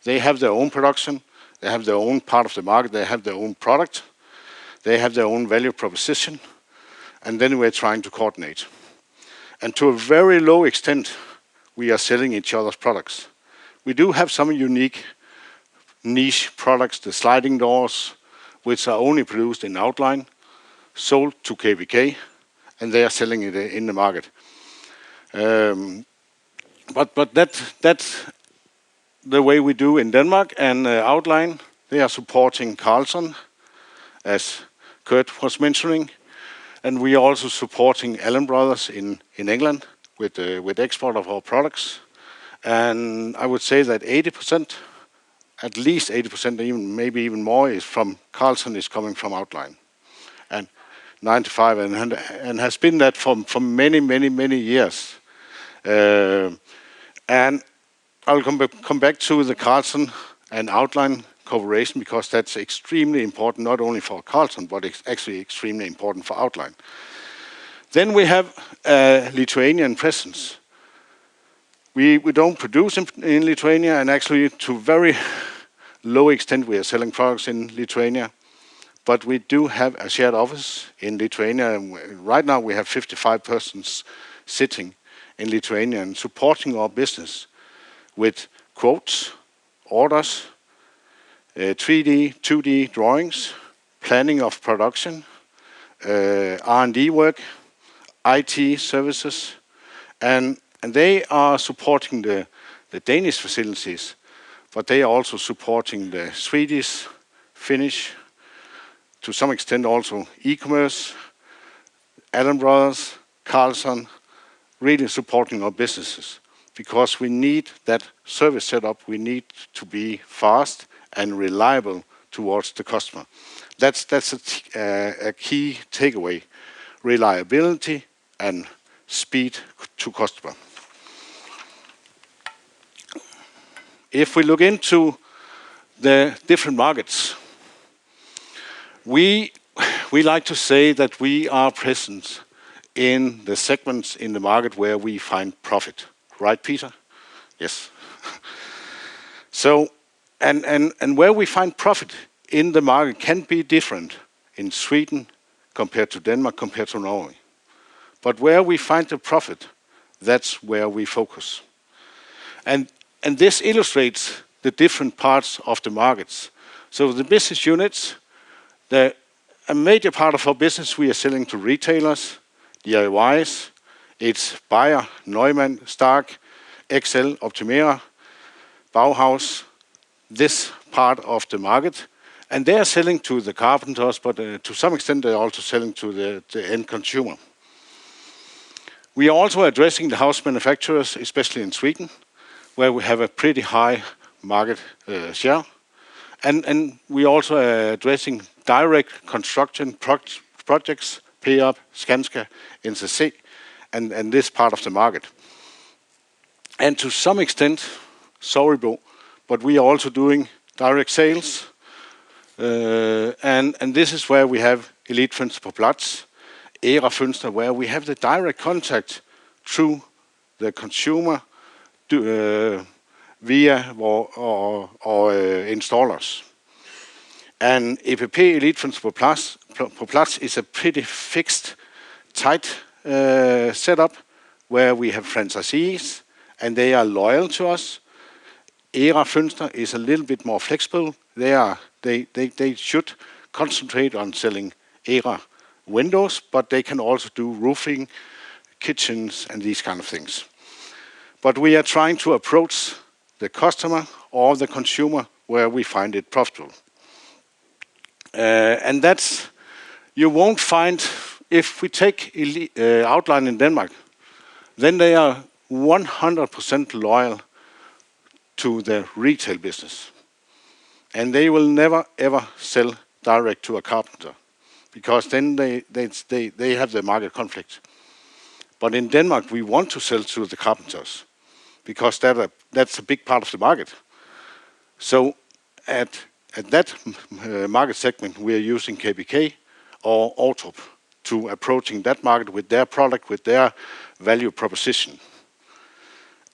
They have their own production. They have their own part of the market. They have their own product. They have their own value proposition. And then we're trying to coordinate. And to a very low extent, we are selling each other's products. We do have some unique niche products, the sliding doors, which are only produced in Outline, sold to KPK, and they are selling it in the market. But that's the way we do in Denmark and Outline. They are supporting Carlson, as Kurt was mentioning. And we are also supporting Allan Brothers in England with export of our products. And I would say that 80%, at least 80%, maybe even more, is from Carlson, is coming from Outline. And 95% has been that for many, many, many years. And I'll come back to the Carlson and Outline cooperation because that's extremely important, not only for Carlson, but actually extremely important for Outline. Then we have a Lithuanian presence. We don't produce in Lithuania, and actually, to a very low extent, we are selling products in Lithuania, but we do have a shared office in Lithuania. Right now, we have 55 persons sitting in Lithuania and supporting our business with quotes, orders, 3D, 2D drawings, planning of production, R&D work, IT services, and they are supporting the Danish facilities, but they are also supporting the Swedish, Finnish, to some extent also e-commerce, Allan Brothers, Carlson, really supporting our businesses because we need that service setup. We need to be fast and reliable towards the customer. That's a key takeaway: reliability and speed to customer. If we look into the different markets, we like to say that we are present in the segments in the market where we find profit. Right, Peter? Yes. Where we find profit in the market can be different in Sweden compared to Denmark, compared to Norway. Where we find the profit, that's where we focus. This illustrates the different parts of the markets. The business units, a major part of our business, we are selling to retailers, DIYs. It's Beijer, Neumann, Stark, XL, Optimera, Bauhaus, this part of the market. And they are selling to the carpenters, but to some extent, they are also selling to the end consumer. We are also addressing the house manufacturers, especially in Sweden, where we have a pretty high market share. And we are also addressing direct construction projects, Peab, Skanska, NCC, and this part of the market. And to some extent, Sabo, but we are also doing direct sales. And this is where we have Elitfönster På Plats, Era Fönster, where we have the direct contact through the consumer via our installers. And EPP, Elitfönster På Plats is a pretty fixed, tight setup where we have franchisees, and they are loyal to us. Era Fönster is a little bit more flexible. They should concentrate on selling Era windows, but they can also do roofing, kitchens, and these kinds of things. But we are trying to approach the customer or the consumer where we find it profitable. And you won't find, if we take Outline in Denmark, then they are 100% loyal to the retail business. And they will never, ever sell direct to a carpenter because then they have the market conflict. But in Denmark, we want to sell to the carpenters because that's a big part of the market. So at that market segment, we are using KPK or Outrup to approach that market with their product, with their value proposition.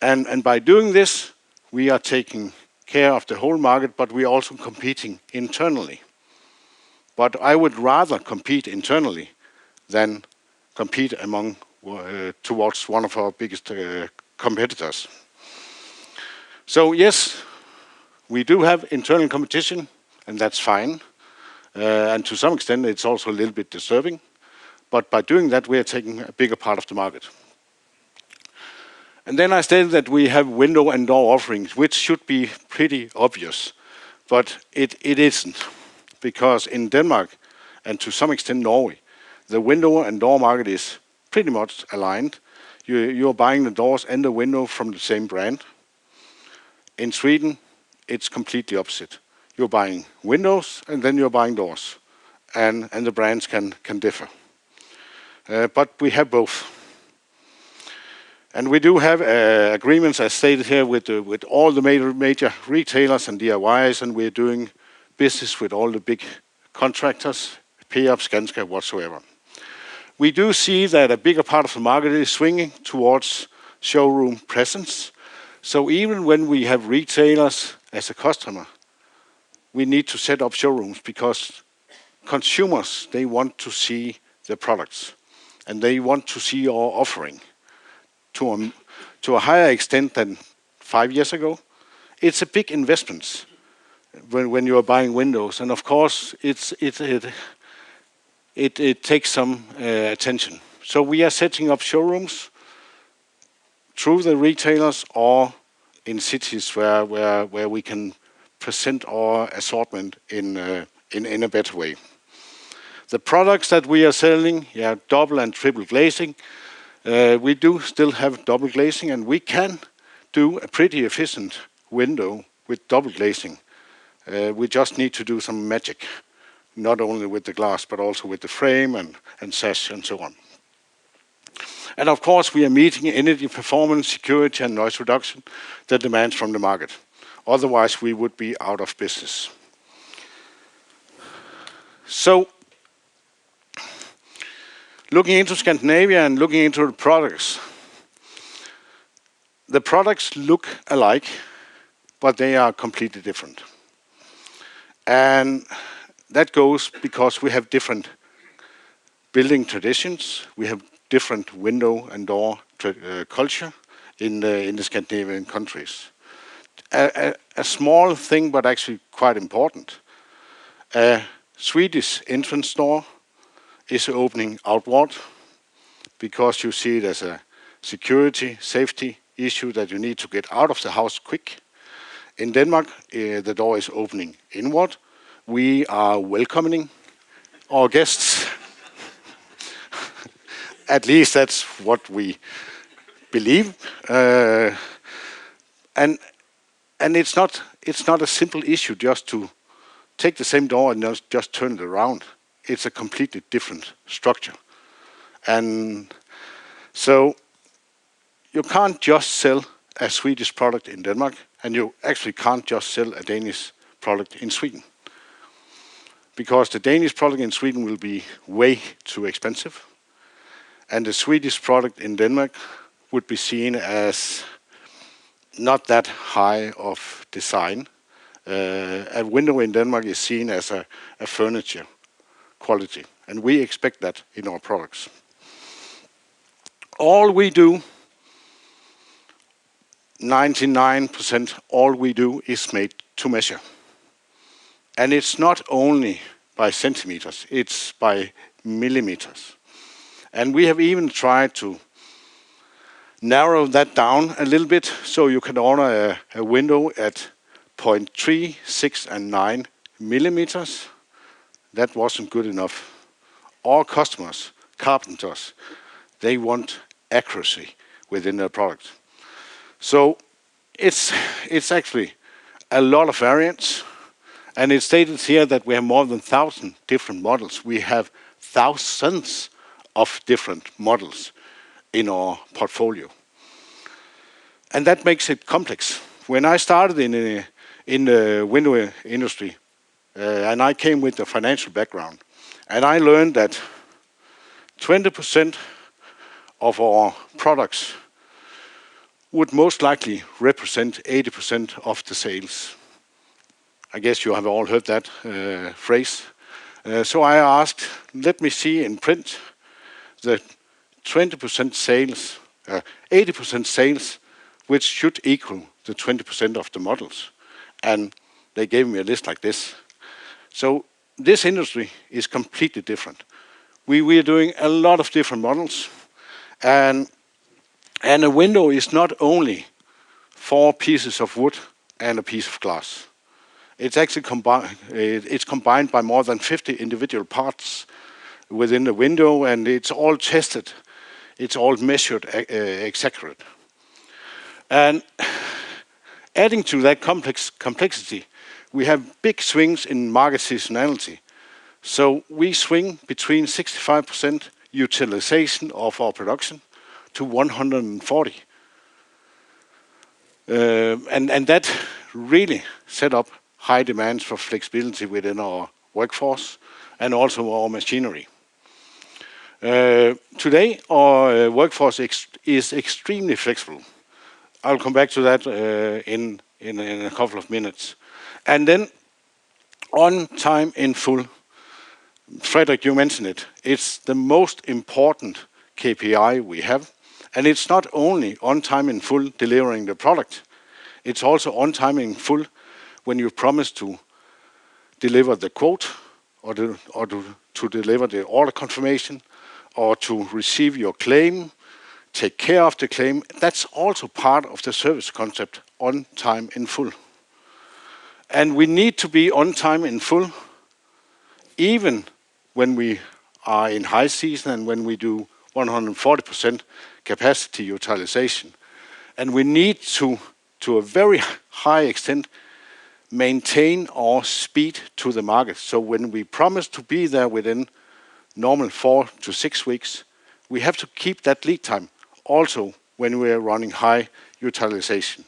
And by doing this, we are taking care of the whole market, but we are also competing internally. But I would rather compete internally than compete towards one of our biggest competitors. So yes, we do have internal competition, and that's fine. And to some extent, it's also a little bit disturbing. But by doing that, we are taking a bigger part of the market. And then I stated that we have window and door offerings, which should be pretty obvious. But it isn't because in Denmark and to some extent Norway, the window and door market is pretty much aligned. You're buying the doors and the window from the same brand. In Sweden, it's completely opposite. You're buying windows, and then you're buying doors. And the brands can differ. But we have both. And we do have agreements, as stated here, with all the major retailers and DIYs, and we're doing business with all the big contractors, Peab, Skanska, whatsoever. We do see that a bigger part of the market is swinging towards showroom presence. So even when we have retailers as a customer, we need to set up showrooms because consumers, they want to see the products, and they want to see our offering to a higher extent than five years ago. It's a big investment when you are buying windows. And of course, it takes some attention. So we are setting up showrooms through the retailers or in cities where we can present our assortment in a better way. The products that we are selling, yeah, double and triple glazing. We do still have double glazing, and we can do a pretty efficient window with double glazing. We just need to do some magic, not only with the glass, but also with the frame and sash and so on. And of course, we are meeting energy performance, security, and noise reduction, the demands from the market. Otherwise, we would be out of business. So looking into Scandinavia and looking into the products, the products look alike, but they are completely different. And that goes because we have different building traditions. We have different window and door culture in the Scandinavian countries. A small thing, but actually quite important. Swedish entrance door is opening outward because you see it as a security, safety issue that you need to get out of the house quick. In Denmark, the door is opening inward. We are welcoming our guests. At least that's what we believe, and it's not a simple issue just to take the same door and just turn it around. It's a completely different structure, and so you can't just sell a Swedish product in Denmark, and you actually can't just sell a Danish product in Sweden because the Danish product in Sweden will be way too expensive. And the Swedish product in Denmark would be seen as not that high of design. A window in Denmark is seen as a furniture quality, and we expect that in our products. All we do, 99% all we do is made to measure, and it's not only by centimeters, it's by millimeters. And we have even tried to narrow that down a little bit so you can order a window at 0.3, 6, and 9 millimeters. That wasn't good enough. Our customers, carpenters, they want accuracy within their product. It's actually a lot of variants. It's stated here that we have more than 1,000 different models. We have thousands of different models in our portfolio. That makes it complex. When I started in the window industry, I came with a financial background, and I learned that 20% of our products would most likely represent 80% of the sales. I guess you have all heard that phrase. I asked, let me see in print the 20% sales, 80% sales, which should equal the 20% of the models. They gave me a list like this. This industry is completely different. We are doing a lot of different models. A window is not only four pieces of wood and a piece of glass. It's combined by more than 50 individual parts within the window, and it's all tested. It's all measured, executed. Adding to that complexity, we have big swings in market seasonality. We swing between 65% utilization of our production to 140%. That really set up high demands for flexibility within our workforce and also our machinery. Today, our workforce is extremely flexible. I'll come back to that in a couple of minutes. Then on time in full, Fredrik, you mentioned it. It's the most important KPI we have. It's not only on time in full delivering the product. It's also on time in full when you promise to deliver the quote or to deliver the order confirmation or to receive your claim, take care of the claim. That's also part of the service concept, on time in full. We need to be on time in full even when we are in high season and when we do 140% capacity utilization. And we need to, to a very high extent, maintain our speed to the market. So when we promise to be there within normal four to six weeks, we have to keep that lead time also when we are running high utilization.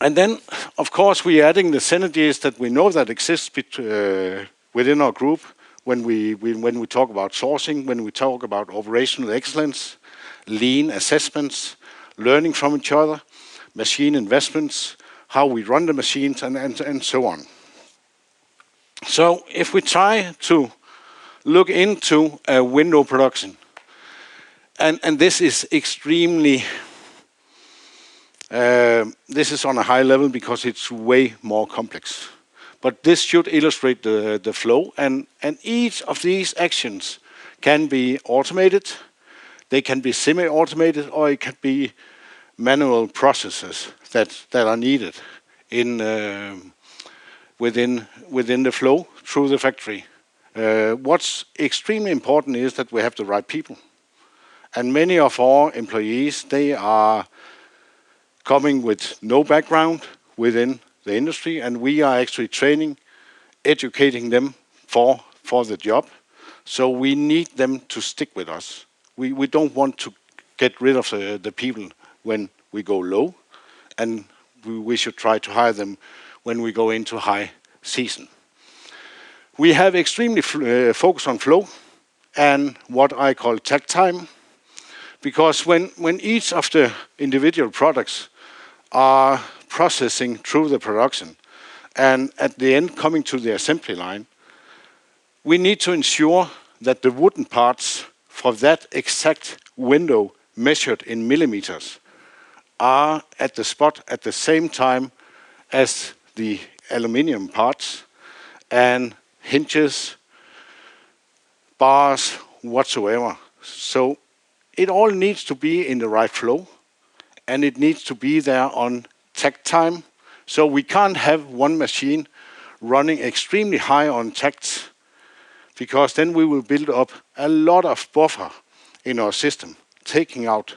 And then, of course, we are adding the synergies that we know that exist within our group when we talk about sourcing, when we talk about operational excellence, lean assessments, learning from each other, machine investments, how we run the machines, and so on. So if we try to look into window production, and this is extremely, this is on a high level because it's way more complex. But this should illustrate the flow. And each of these actions can be automated. They can be semi-automated, or it could be manual processes that are needed within the flow through the factory. What's extremely important is that we have the right people. And many of our employees, they are coming with no background within the industry, and we are actually training, educating them for the job. So we need them to stick with us. We don't want to get rid of the people when we go low, and we should try to hire them when we go into high season. We have extremely focused on flow and what I call takt time because when each of the individual products are processing through the production and at the end coming to the assembly line, we need to ensure that the wooden parts for that exact window measured in millimeters are at the spot at the same time as the aluminum parts and hinges, bars, whatsoever. So it all needs to be in the right flow, and it needs to be there on takt time. So we can't have one machine running extremely high on takt because then we will build up a lot of buffer in our system, taking out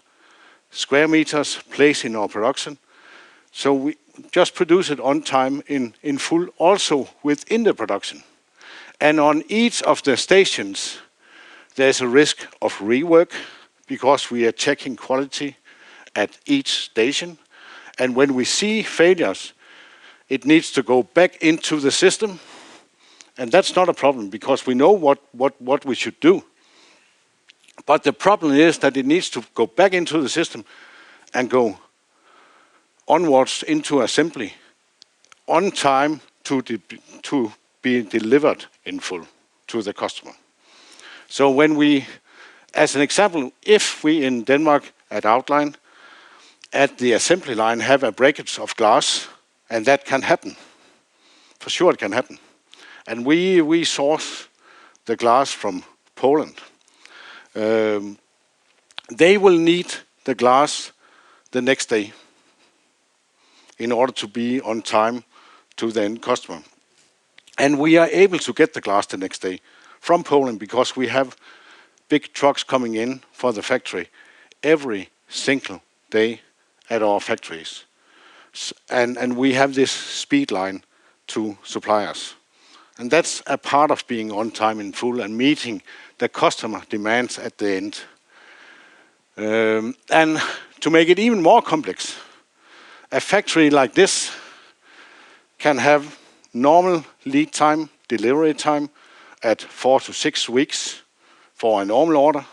square meters, placing our production. So we just produce it on time in full, also within the production. And on each of the stations, there's a risk of rework because we are checking quality at each station. And when we see failures, it needs to go back into the system. And that's not a problem because we know what we should do. But the problem is that it needs to go back into the system and go onwards into assembly on time to be delivered in full to the customer. When we, as an example, if we in Denmark at Outline at the assembly line have a breakage of glass, and that can happen, for sure it can happen. We source the glass from Poland. They will need the glass the next day in order to be on time to the end customer. We are able to get the glass the next day from Poland because we have big trucks coming in for the factory every single day at our factories. We have this speed line to supply us. That's a part of being on time in full and meeting the customer demands at the end. To make it even more complex, a factory like this can have normal lead time, delivery time at four to six weeks for a normal order.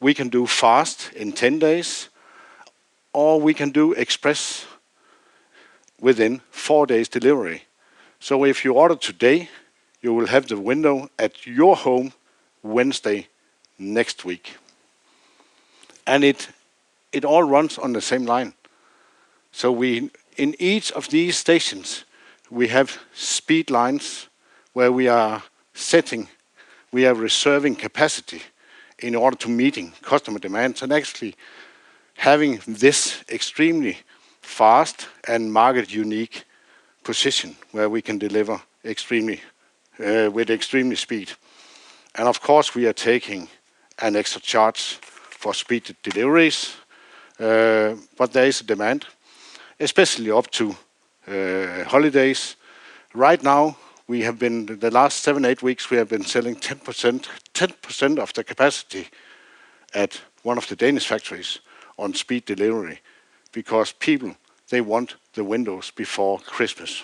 We can do fast in 10 days, or we can do express within four days delivery. So if you order today, you will have the window at your home Wednesday next week. It all runs on the same line. So in each of these stations, we have speed lines where we are setting, we are reserving capacity in order to meet customer demands and actually having this extremely fast and market-unique position where we can deliver with extremely speed. And of course, we are taking an extra charge for speed deliveries, but there is a demand, especially up to holidays. Right now, we have been the last seven, eight weeks, we have been selling 10% of the capacity at one of the Danish factories on speed delivery because people, they want the windows before Christmas.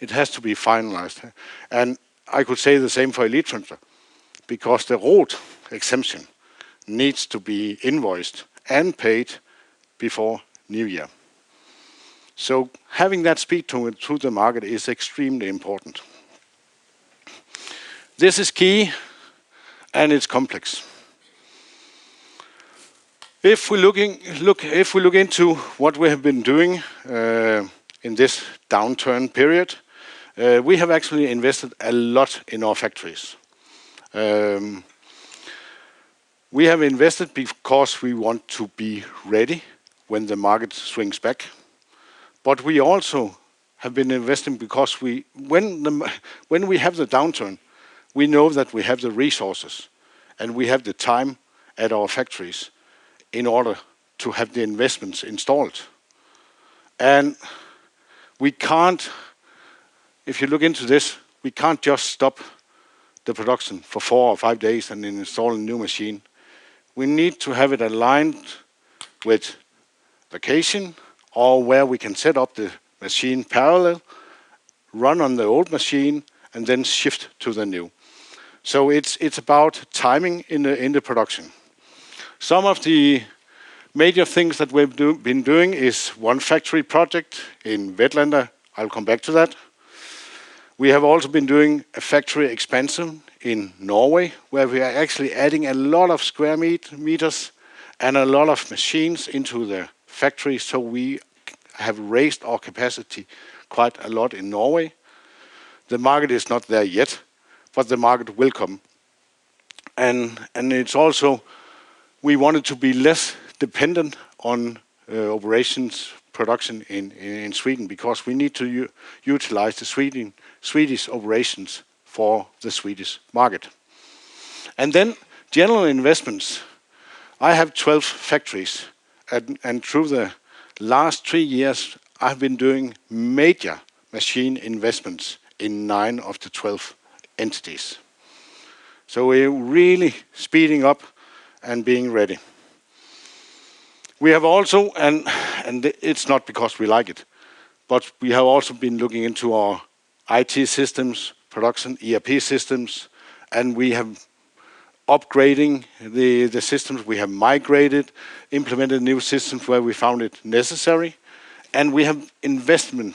It has to be finalized. And I could say the same for a lead transfer, because the route exemption needs to be invoiced and paid before New Year. So having that speed to the market is extremely important. This is key, and it's complex. If we look into what we have been doing in this downturn period, we have actually invested a lot in our factories. We have invested because we want to be ready when the market swings back. But we also have been investing because when we have the downturn, we know that we have the resources and we have the time at our factories in order to have the investments installed. And if you look into this, we can't just stop the production for four or five days and install a new machine. We need to have it aligned with vacation or where we can set up the machine parallel, run on the old machine, and then shift to the new. So it's about timing in the production. Some of the major things that we've been doing is one factory project in Vetlanda. I'll come back to that. We have also been doing a factory expansion in Norway where we are actually adding a lot of square meters and a lot of machines into the factory. So we have raised our capacity quite a lot in Norway. The market is not there yet, but the market will come, and we wanted to be less dependent on operations production in Sweden because we need to utilize the Swedish operations for the Swedish market, and then general investments. I have 12 factories, and through the last three years, I've been doing major machine investments in nine of the 12 entities. So we're really speeding up and being ready. We have also, and it's not because we like it, but we have also been looking into our IT systems, production ERP systems, and we have upgrading the systems. We have migrated, implemented new systems where we found it necessary. And we have invested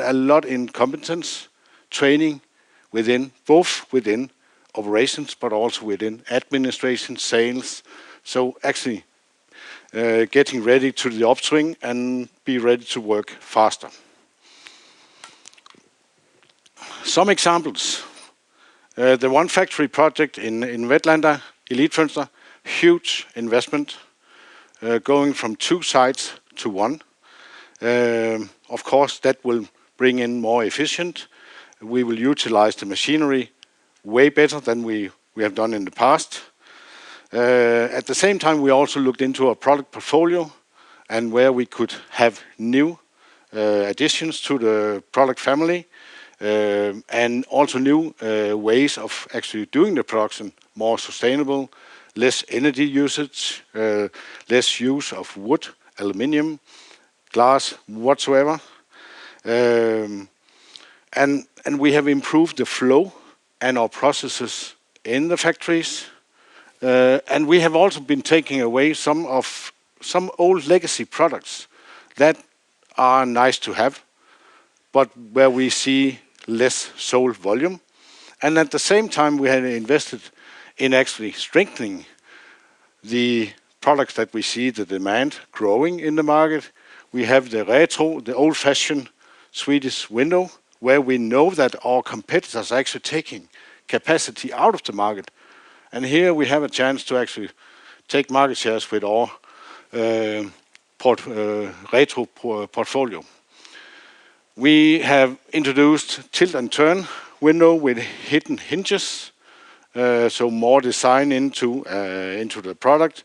a lot in competence training both within operations, but also within administration, sales. So actually getting ready to the upswing and be ready to work faster. Some examples. The one factory project in Vetlanda, Elitfönster, huge investment going from two sites to one. Of course, that will bring in more efficient. We will utilize the machinery way better than we have done in the past. At the same time, we also looked into our product portfolio and where we could have new additions to the product family and also new ways of actually doing the production more sustainable, less energy usage, less use of wood, aluminum, glass, whatsoever. And we have improved the flow and our processes in the factories. And we have also been taking away some old legacy products that are nice to have, but where we see less sold volume. And at the same time, we had invested in actually strengthening the products that we see the demand growing in the market. We have the Retro, the old-fashioned Swedish window where we know that our competitors are actually taking capacity out of the market. And here we have a chance to actually take market shares with our Retro portfolio. We have introduced tilt and turn window with hidden hinges, so more design into the product.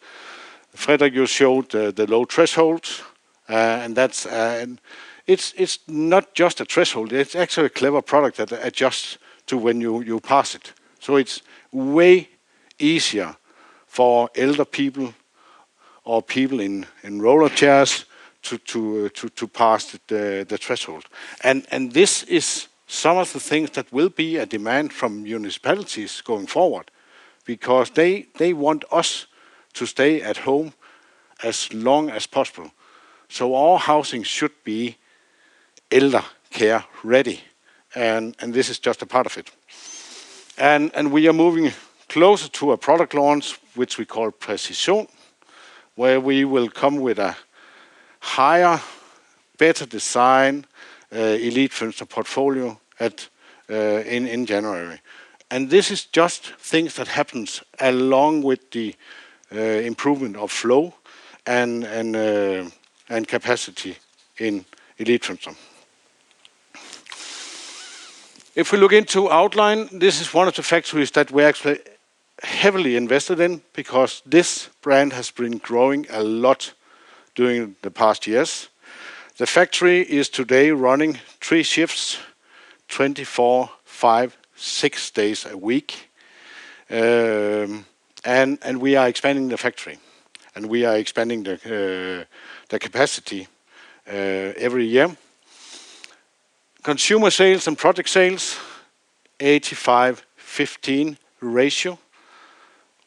Fredrik, you showed the low threshold, and it's not just a threshold. It's actually a clever product that adjusts to when you pass it. So it's way easier for elder people or people in wheelchairs to pass the threshold. And this is some of the things that will be a demand from municipalities going forward because they want us to stay at home as long as possible. So all housing should be elder care ready, and this is just a part of it. And we are moving closer to a product launch which we call Precision, where we will come with a higher, better design Elitfönster portfolio in January. And this is just things that happen along with the improvement of flow and capacity in Elitfönster. If we look into Outline, this is one of the factories that we're actually heavily invested in because this brand has been growing a lot during the past years. The factory is today running three shifts, 24, five, six days a week. We are expanding the factory, and we are expanding the capacity every year. Consumer sales and product sales, 85-15 ratio.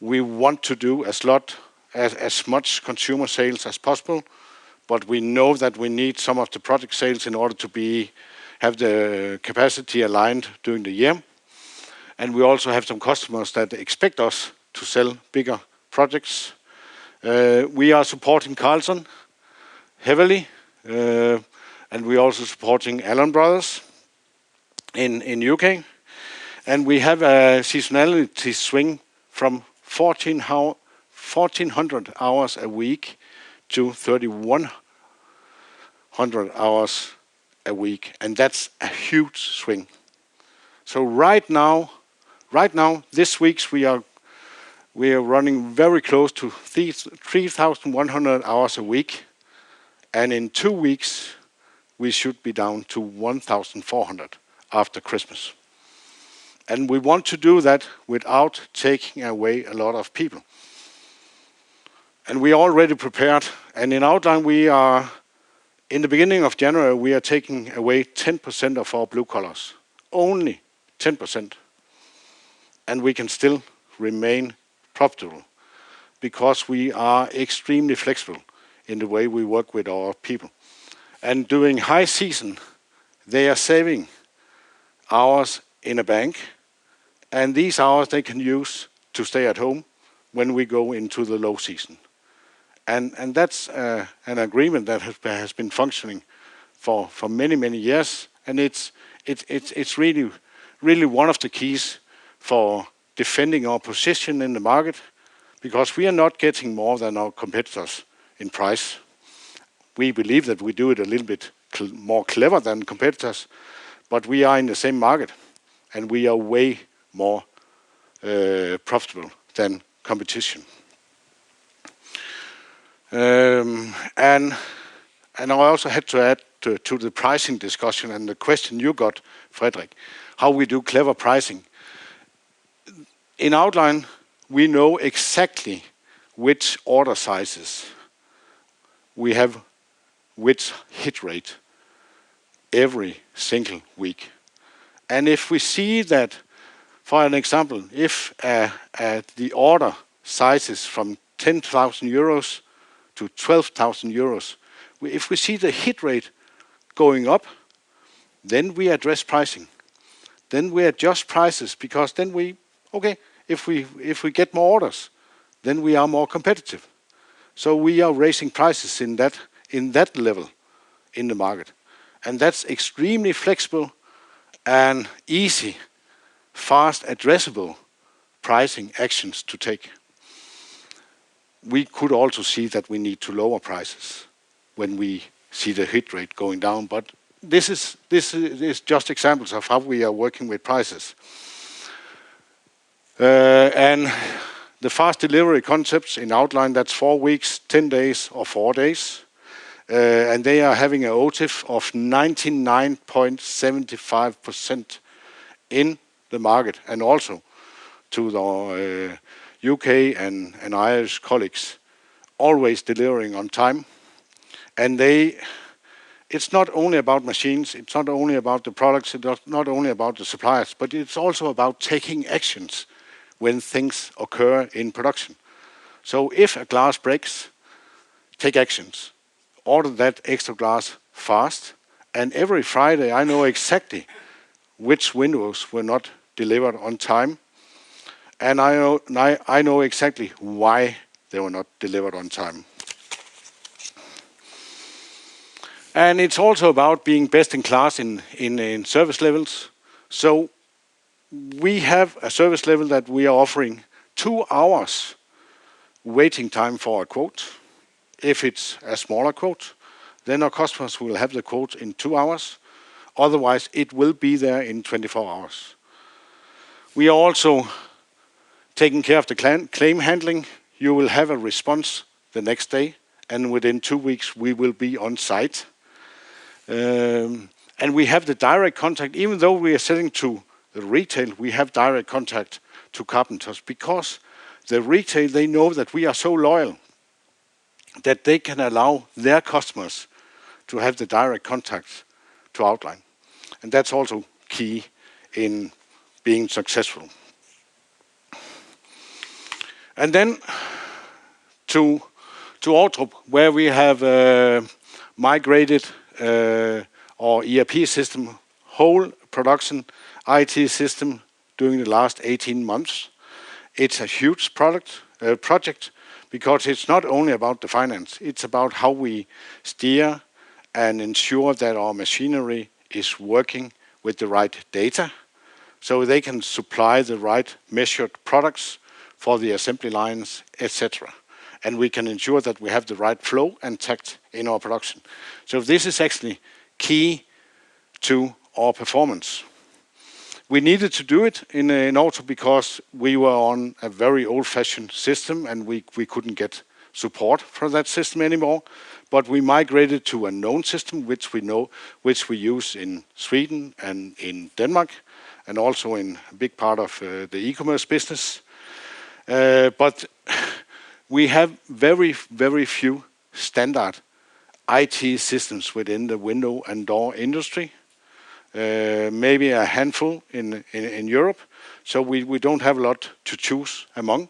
We want to do as much consumer sales as possible, but we know that we need some of the product sales in order to have the capacity aligned during the year. We also have some customers that expect us to sell bigger projects. We are supporting Carlson heavily, and we are also supporting Allan Brothers in the U.K. We have a seasonality swing from 1,400 hours a week to 3,100 hours a week, and that's a huge swing. So right now, this week, we are running very close to 3,100 hours a week, and in two weeks, we should be down to 1,400 after Christmas. And we want to do that without taking away a lot of people. And we are already prepared, and in Outline, in the beginning of January, we are taking away 10% of our blue collars, only 10%. And we can still remain profitable because we are extremely flexible in the way we work with our people. And during high season, they are saving hours in a bank, and these hours, they can use to stay at home when we go into the low season. And that's an agreement that has been functioning for many, many years, and it's really one of the keys for defending our position in the market because we are not getting more than our competitors in price. We believe that we do it a little bit more clever than competitors, but we are in the same market, and we are way more profitable than competition. I also had to add to the pricing discussion and the question you got, Fredrik, how we do clever pricing. In Outline, we know exactly which order sizes we have with hit rate every single week. If we see that, for an example, if the order sizes from 10,000 euros to 12,000 euros, if we see the hit rate going up, then we address pricing. We adjust prices because then we, okay, if we get more orders, then we are more competitive. We are raising prices in that level in the market. That's extremely flexible and easy, fast, addressable pricing actions to take. We could also see that we need to lower prices when we see the hit rate going down, but this is just examples of how we are working with prices. And the fast delivery concepts in Outline, that's four weeks, 10 days, or four days. And they are having a OTIF of 99.75% in the market and also to the U.K. and Irish colleagues, always delivering on time. And it's not only about machines, it's not only about the products, it's not only about the suppliers, but it's also about taking actions when things occur in production. So if a glass breaks, take actions, order that extra glass fast. And every Friday, I know exactly which windows were not delivered on time, and I know exactly why they were not delivered on time. And it's also about being best in class in service levels. We have a service level that we are offering two hours waiting time for a quote. If it's a smaller quote, then our customers will have the quote in two hours. Otherwise, it will be there in 24 hours. We are also taking care of the claim handling. You will have a response the next day, and within two weeks, we will be on site. We have the direct contact, even though we are selling to the retail. We have direct contact to carpenters because the retail, they know that we are so loyal that they can allow their customers to have the direct contact to Outline. That's also key in being successful. Then to Outrup, where we have migrated our ERP system, whole production IT system during the last 18 months. It's a huge project because it's not only about the finance, it's about how we steer and ensure that our machinery is working with the right data so they can supply the right measured products for the assembly lines, etc. And we can ensure that we have the right flow and takt in our production. So this is actually key to our performance. We needed to do it in Outrup because we were on a very old-fashioned system and we couldn't get support for that system anymore. But we migrated to a known system which we use in Sweden and in Denmark and also in a big part of the e-commerce business. But we have very, very few standard IT systems within the window and door industry, maybe a handful in Europe. So we don't have a lot to choose among.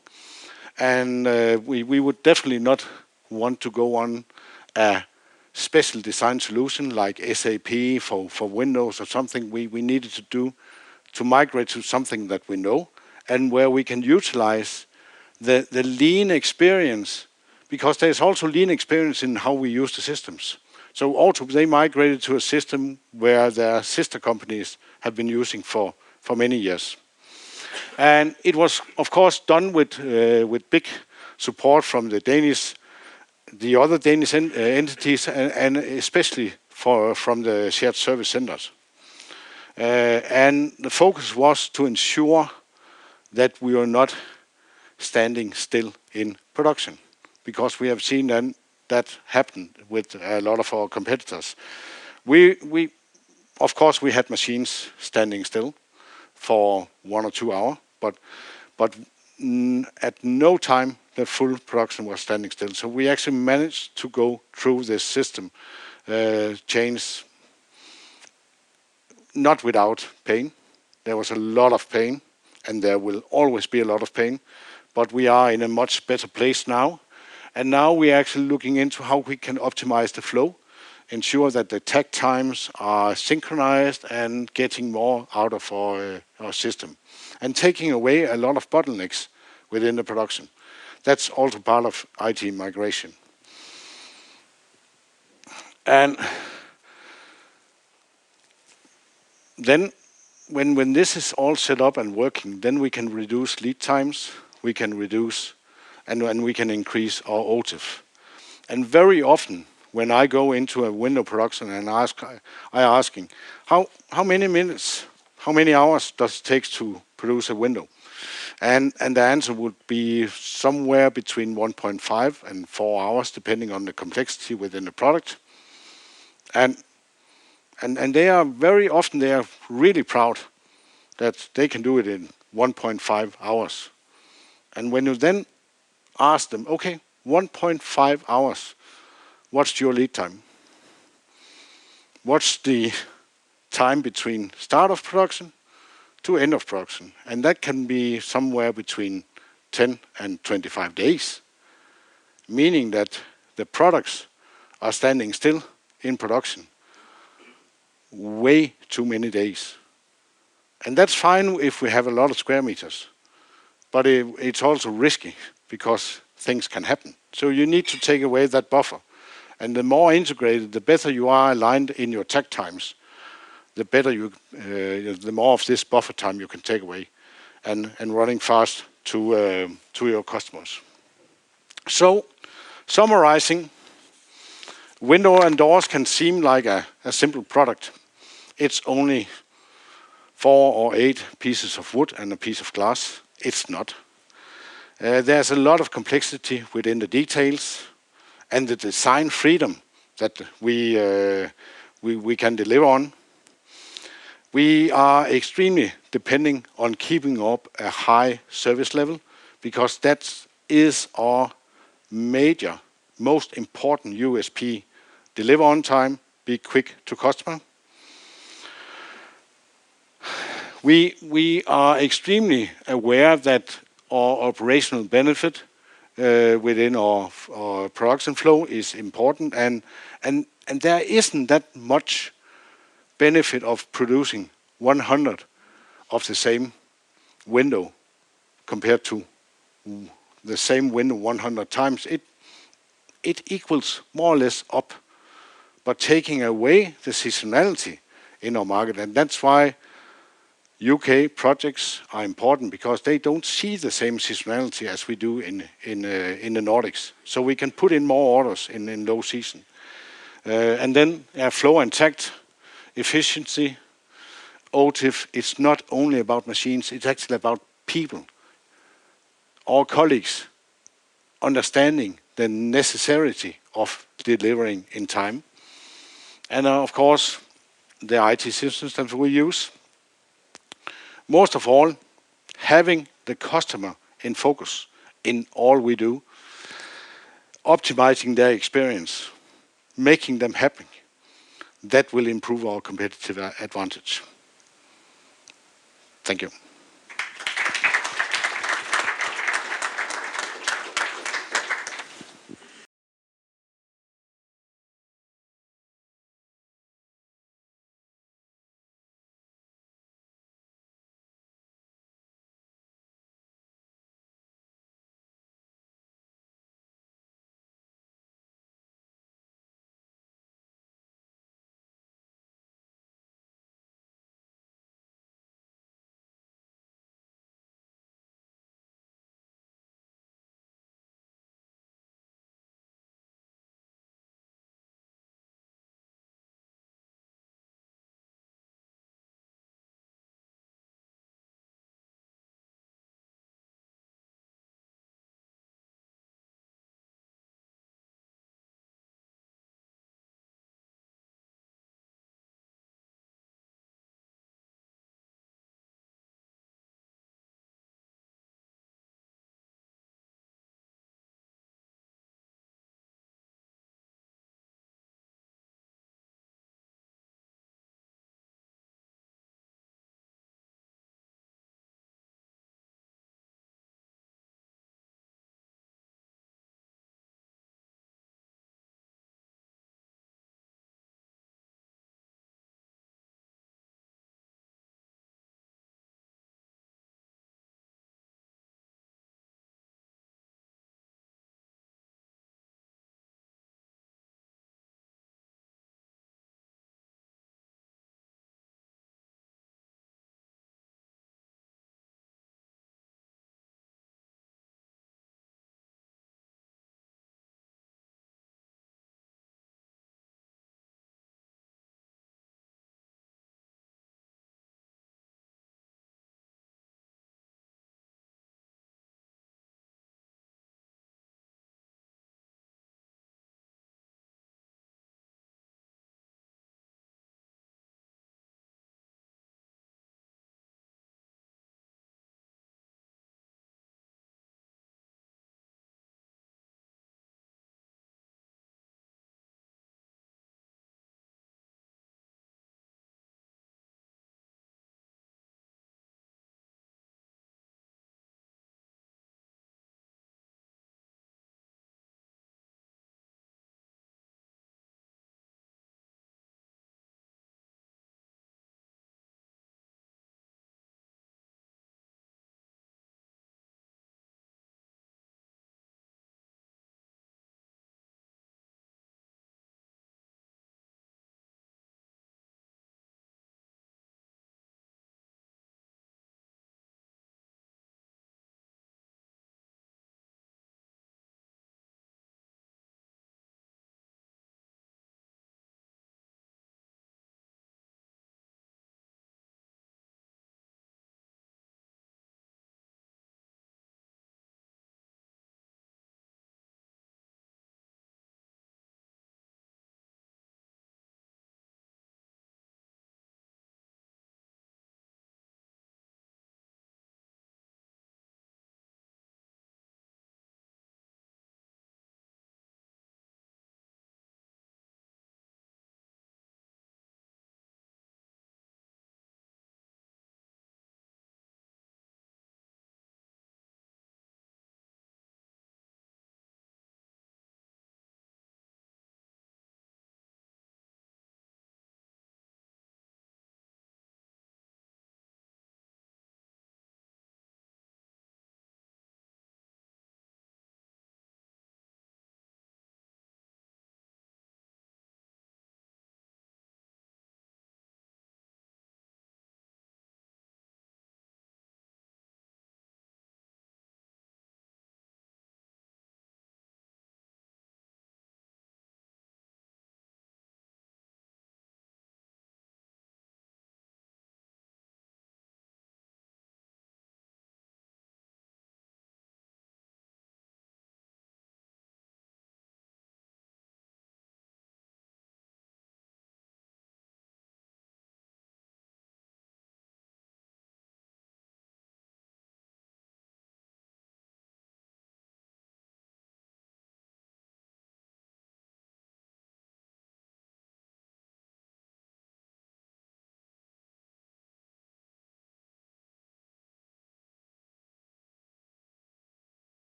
And we would definitely not want to go on a special design solution like SAP for windows or something. We needed to do to migrate to something that we know and where we can utilize the lean experience because there's also lean experience in how we use the systems. So Outrup, they migrated to a system where their sister companies have been using for many years. And it was, of course, done with big support from the Danish, the other Danish entities, and especially from the shared service centers. And the focus was to ensure that we were not standing still in production because we have seen that happen with a lot of our competitors. Of course, we had machines standing still for one or two hours, but at no time the full production was standing still. So we actually managed to go through this system change not without pain. There was a lot of pain, and there will always be a lot of pain, but we are in a much better place now. Now we are actually looking into how we can optimize the flow, ensure that the takt times are synchronized and getting more out of our system and taking away a lot of bottlenecks within the production. That's also part of IT migration. Then when this is all set up and working, then we can reduce lead times, we can reduce, and we can increase our OTIF. Very often when I go into a window production and I'm asking, how many minutes, how many hours does it take to produce a window? The answer would be somewhere between 1.5-4 hours, depending on the complexity within the product. They are very often, they are really proud that they can do it in 1.5 hours. When you then ask them, okay, 1.5 hours, what's your lead time? What's the time between start of production to end of production? That can be somewhere between 10 and 25 days, meaning that the products are standing still in production way too many days. That's fine if we have a lot of square meters, but it's also risky because things can happen. You need to take away that buffer. The more integrated, the better you are aligned in your takt times, the more of this buffer time you can take away and running fast to your customers. Summarizing, window and doors can seem like a simple product. It's only four or eight pieces of wood and a piece of glass. It's not. There's a lot of complexity within the details and the design freedom that we can deliver on. We are extremely depending on keeping up a high service level because that is our major, most important USP: deliver on time, be quick to customer. We are extremely aware that our operational benefit within our production flow is important, and there isn't that much benefit of producing 100 of the same window compared to the same window 100 times. It equals more or less up, but taking away the seasonality in our market, and that's why U.K. projects are important because they don't see the same seasonality as we do in the Nordics, so we can put in more orders in low season, and then flow and takt efficiency, OTIF, it's not only about machines, it's actually about people, our colleagues understanding the necessity of delivering in time. And of course, the IT systems that we use, most of all, having the customer in focus in all we do, optimizing their experience, making them happy, that will improve our competitive advantage. Thank you.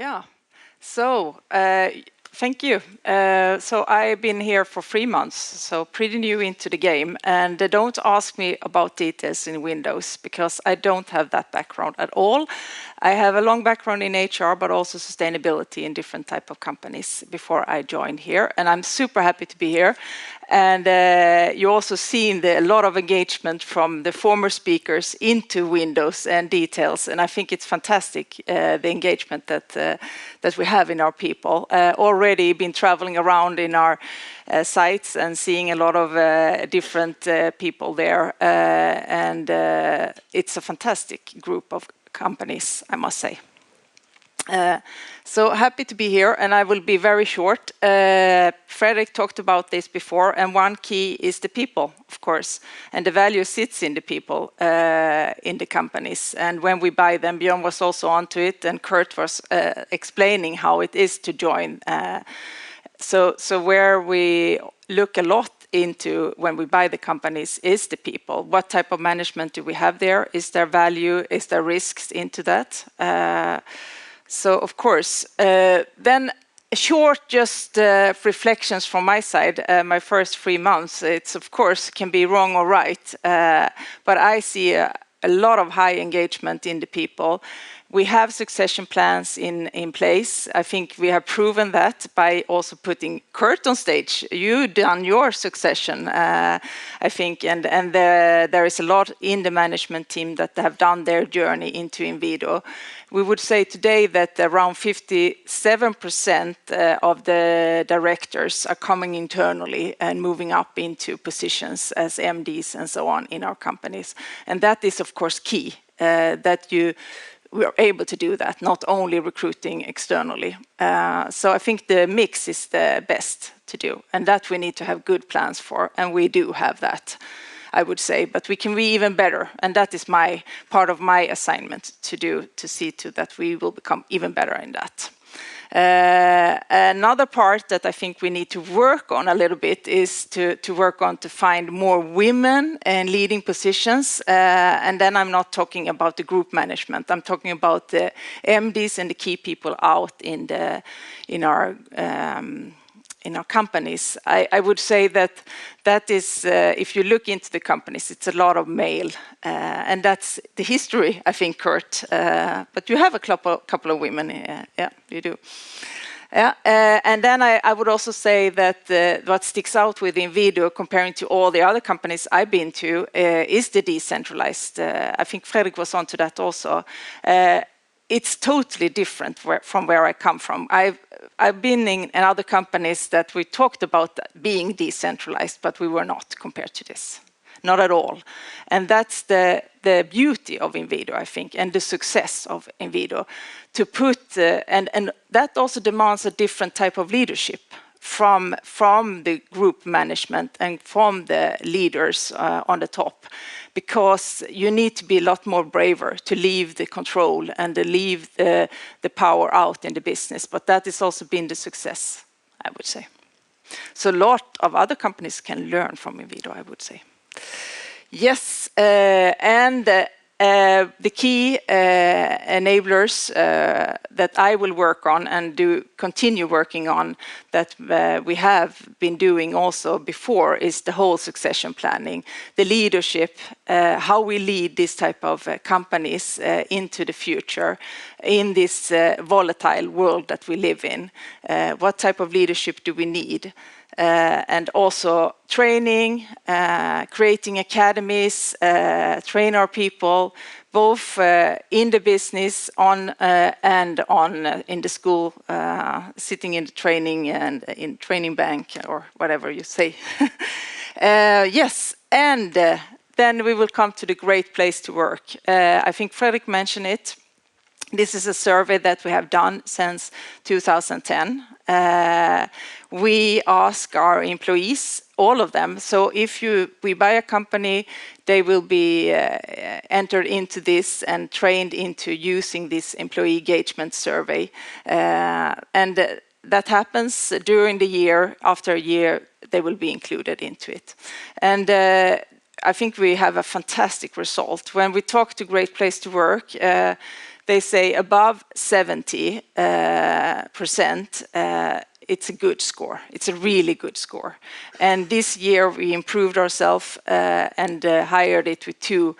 Yeah, so thank you. So I've been here for three months, so pretty new into the game. And don't ask me about details in windows because I don't have that background at all. I have a long background in HR, but also sustainability in different types of companies before I joined here. And I'm super happy to be here. And you also see a lot of engagement from the former speakers into windows and details. And I think it's fantastic, the engagement that we have in our people. Already been traveling around in our sites and seeing a lot of different people there. And it's a fantastic group of companies, I must say. So happy to be here, and I will be very short. Fredrik talked about this before, and one key is the people, of course. And the value sits in the people in the companies. And when we buy them, Björn was also onto it, and Kurt was explaining how it is to join. So where we look a lot into when we buy the companies is the people. What type of management do we have there? Is there value? Is there risks into that? So of course, then short just reflections from my side, my first three months, it's of course can be wrong or right, but I see a lot of high engagement in the people. We have succession plans in place. I think we have proven that by also putting Kurt on stage. You've done your succession, I think, and there is a lot in the management team that have done their journey into Inwido. We would say today that around 57% of the directors are coming internally and moving up into positions as MDs and so on in our companies. And that is, of course, key that you were able to do that, not only recruiting externally. So I think the mix is the best to do, and that we need to have good plans for, and we do have that, I would say, but we can be even better. And that is part of my assignment to do to see to that we will become even better in that. Another part that I think we need to work on a little bit is to work on to find more women in leading positions. I'm not talking about the group management. I'm talking about the MDs and the key people out in our companies. I would say that that is, if you look into the companies, it's a lot of male. And that's the history, I think, Kurt. But you have a couple of women. Yeah, you do. Yeah. And then I would also say that what sticks out with Inwido, comparing to all the other companies I've been to, is the decentralized. I think Fredrik was onto that also. It's totally different from where I come from. I've been in other companies that we talked about being decentralized, but we were not compared to this. Not at all. And that's the beauty of Inwido, I think, and the success of Inwido. And that also demands a different type of leadership from the group management and from the leaders on the top because you need to be a lot more braver to leave the control and to leave the power out in the business. But that has also been the success, I would say. So a lot of other companies can learn from Inwido, I would say. Yes. And the key enablers that I will work on and continue working on that we have been doing also before is the whole succession planning, the leadership, how we lead these types of companies into the future in this volatile world that we live in. What type of leadership do we need? And also training, creating academies, train our people both in the business and in the school, sitting in the training and in training bank or whatever you say. Yes. Then we will come to the Great Place to Work. I think Fredrik mentioned it. This is a survey that we have done since 2010. We ask our employees, all of them. So if we buy a company, they will be entered into this and trained into using this employee engagement survey. And that happens during the year. After a year, they will be included into it. And I think we have a fantastic result. When we talk to Great Place to Work, they say above 70%, it's a good score. It's a really good score. And this year, we improved ourselves and hit it with 2%.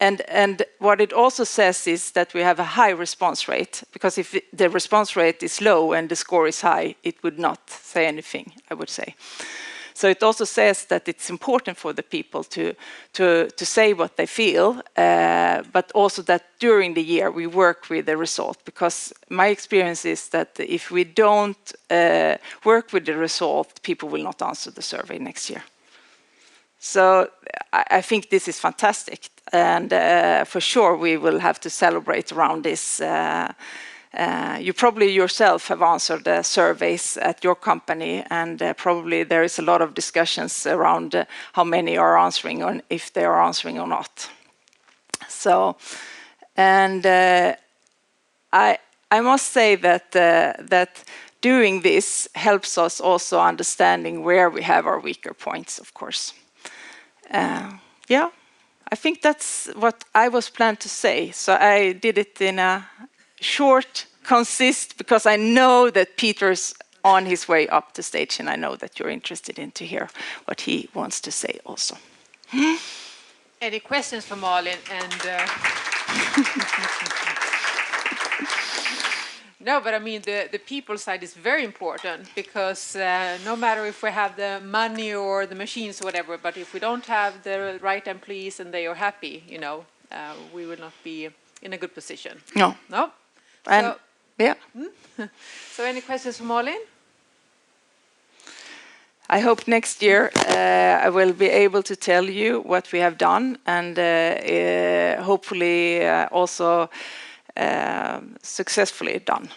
And what it also says is that we have a high response rate because if the response rate is low and the score is high, it would not say anything, I would say. So it also says that it's important for the people to say what they feel, but also that during the year, we work with the result because my experience is that if we don't work with the result, people will not answer the survey next year. So I think this is fantastic. And for sure, we will have to celebrate around this. You probably yourself have answered the surveys at your company, and probably there is a lot of discussions around how many are answering and if they are answering or not. And I must say that doing this helps us also understanding where we have our weaker points, of course. Yeah, I think that's what I was planned to say. So I did it in a short session because I know that Peter's on his way up to the stage, and I know that you're interested to hear what he wants to say also. Any questions for Malin? No, but I mean, the people side is very important because no matter if we have the money or the machines or whatever, but if we don't have the right employees and they are happy, we will not be in a good position. No. Yeah. So any questions for Malin? I hope next year I will be able to tell you what we have done and hopefully also successfully done.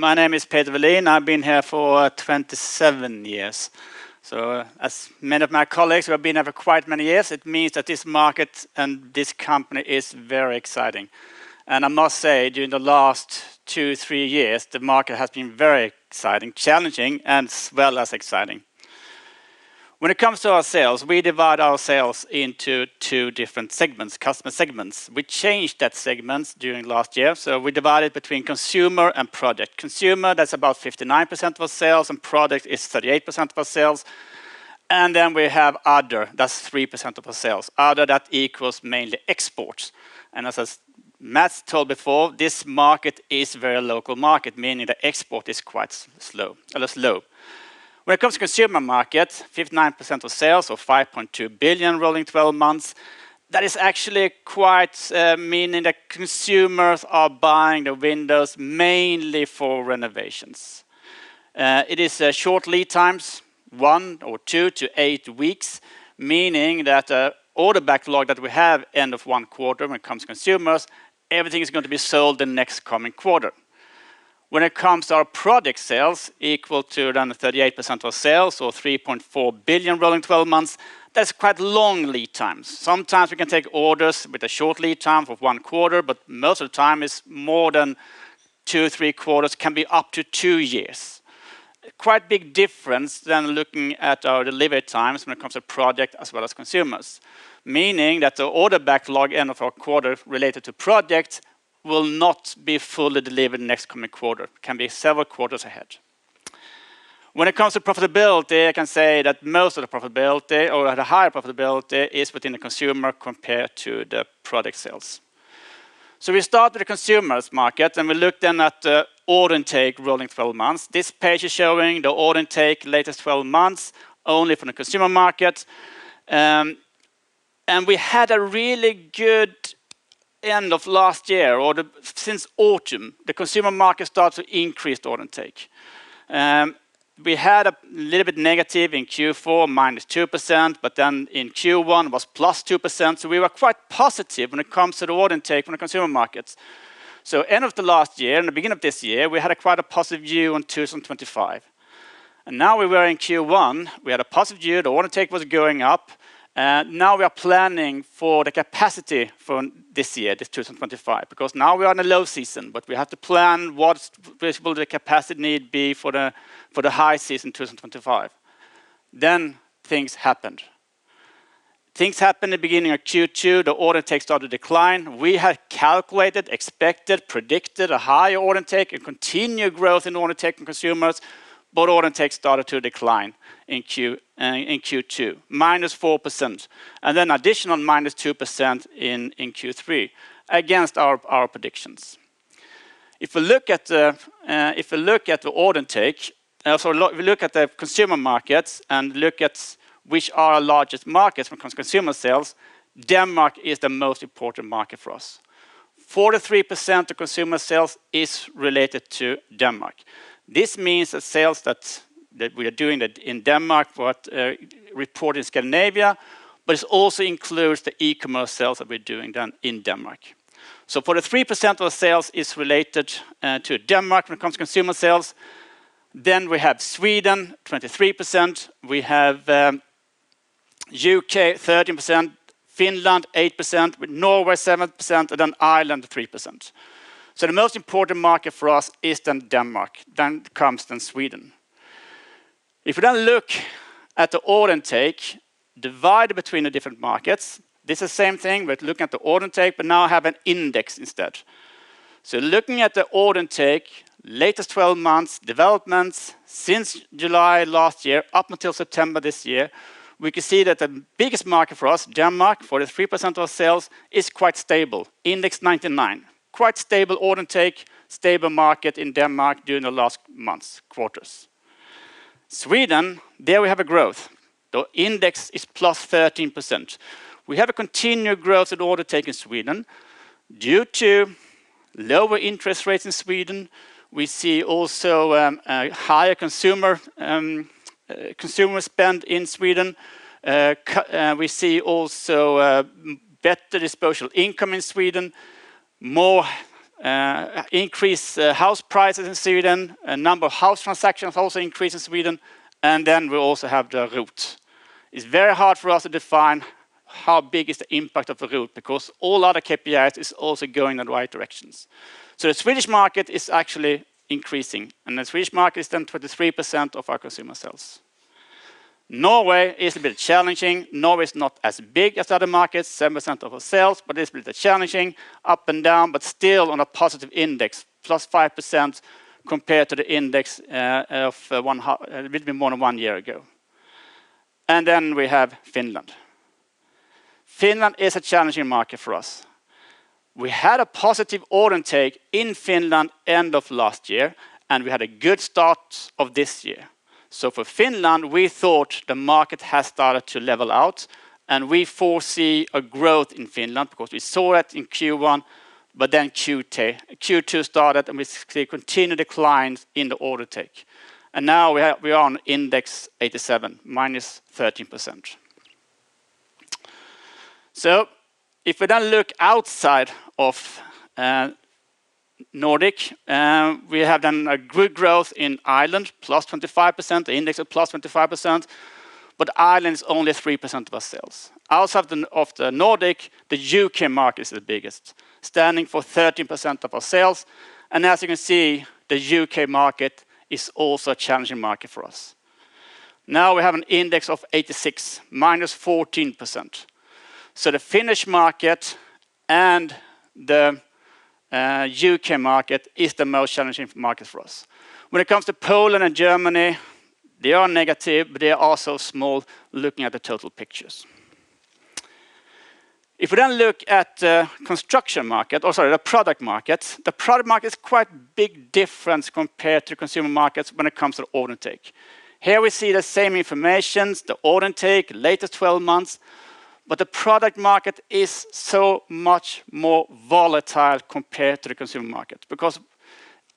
My name is Peter Welin. I've been here for 27 years. So as many of my colleagues who have been here for quite many years, it means that this market and this company is very exciting. I must say, during the last two, three years, the market has been very exciting, challenging, and as well as exciting. When it comes to our sales, we divide our sales into two different segments, customer segments. We changed that segment during last year. So we divide it between consumer and product. Consumer, that's about 59% of our sales, and product is 38% of our sales. And then we have other, that's 3% of our sales. Other, that equals mainly exports. And as Matt told before, this market is a very local market, meaning the export is quite slow. When it comes to consumer market, 59% of sales or 5.2 billion rolling 12 months, that is actually quite meaning that consumers are buying the windows mainly for renovations. It is short lead times, one or two to eight weeks, meaning that all the backlog that we have end of one quarter when it comes to consumers, everything is going to be sold the next coming quarter. When it comes to our product sales, equal to then 38% of sales or 3.4 billion SEK rolling 12 months, that's quite long lead times. Sometimes we can take orders with a short lead time of one quarter, but most of the time it's more than two, three quarters, can be up to two years. Quite big difference than looking at our delivery times when it comes to project as well as consumers. Meaning that the order backlog end of our quarter related to projects will not be fully delivered next coming quarter, can be several quarters ahead. When it comes to profitability, I can say that most of the profitability or the higher profitability is within the consumer compared to the product sales. We start with the consumer market and we looked in at the order intake rolling 12 months. This page is showing the order intake latest 12 months only from the consumer market, and we had a really good end of last year or since autumn, the consumer market started to increase the order intake. We had a little bit negative in Q4, -2%, but then in Q1 was +2%. We were quite positive when it comes to the order intake from the consumer markets. End of the last year, in the beginning of this year, we had quite a positive view on 2025. Now we were in Q1. We had a positive view. The order intake was going up, and now we are planning for the capacity for this year, this 2025, because now we are in a low season, but we have to plan what will the capacity need be for the high season 2025. Then things happened. Things happened in the beginning of Q2. The order intake started to decline. We had calculated, expected, predicted a higher order intake and continued growth in order intake and consumers, but order intake started to decline in Q2, -4%, and then additional -2% in Q3 against our predictions. If we look at the order intake, if we look at the consumer markets and look at which are our largest markets when it comes to consumer sales, Denmark is the most important market for us. 43% of consumer sales is related to Denmark. This means that sales that we are doing in Denmark were reported in Scandinavia, but it also includes the e-commerce sales that we're doing then in Denmark, so 43% of the sales is related to Denmark when it comes to consumer sales, then we have Sweden 23%, we have U.K. 13%, Finland 8%, with Norway 7%, and then Ireland 3%, so the most important market for us is then Denmark, then comes then Sweden. If we then look at the order intake, divide it between the different markets, this is the same thing with looking at the order intake, but now have an index instead. So looking at the order intake, latest 12 months, developments since July last year up until September this year, we can see that the biggest market for us, Denmark, 43% of our sales, is quite stable, index 99, quite stable order intake, stable market in Denmark during the last months, quarters. Sweden, there we have a growth. The index is +13%. We have a continued growth in order intake Sweden. Due to lower interest rates in Sweden, we see also higher consumer spend in Sweden. We see also better disposable income in Sweden, more increased house prices in Sweden, a number of house transactions also increased in Sweden. And then we also have the ROT. It's very hard for us to define how big is the impact of the ROT because all other KPIs is also going in the right directions. The Swedish market is actually increasing, and the Swedish market is then 23% of our consumer sales. Norway is a bit challenging. Norway is not as big as the other markets, 7% of our sales, but it's a bit challenging, up and down, but still on a positive index, +5% compared to the index of a little bit more than one year ago. We have Finland. Finland is a challenging market for us. We had a positive order intake in Finland end of last year, and we had a good start of this year. For Finland, we thought the market has started to level out, and we foresee a growth in Finland because we saw it in Q1, but then Q2 started and we see continued declines in the order intake. Now we are on index 87, -13%. If we then look outside of Nordic, we have then a good growth in Ireland, +25%, the index of +25%, but Ireland is only 3% of our sales. Outside of the Nordic, the U.K. market is the biggest, standing for 13% of our sales. And as you can see, the U.K. market is also a challenging market for us. Now we have an index of 86, -14%. So the Finnish market and the U.K. market is the most challenging market for us. When it comes to Poland and Germany, they are negative, but they are also small looking at the total pictures. If we then look at the construction market, or sorry, the product market, the product market is quite a big difference compared to consumer markets when it comes to the order intake. Here we see the same information, the order intake, latest 12 months, but the product market is so much more volatile compared to the consumer market because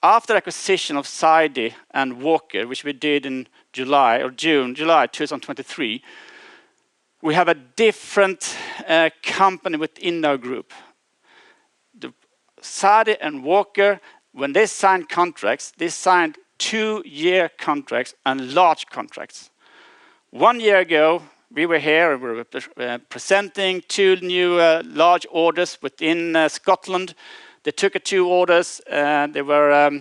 after the acquisition of Sidey and Walker, which we did in July or June, July 2023, we have a different company within our group. Sidey and Walker, when they signed contracts, they signed two-year contracts and large contracts. One year ago, we were here and we were presenting two new large orders within Scotland. They took two orders. They were a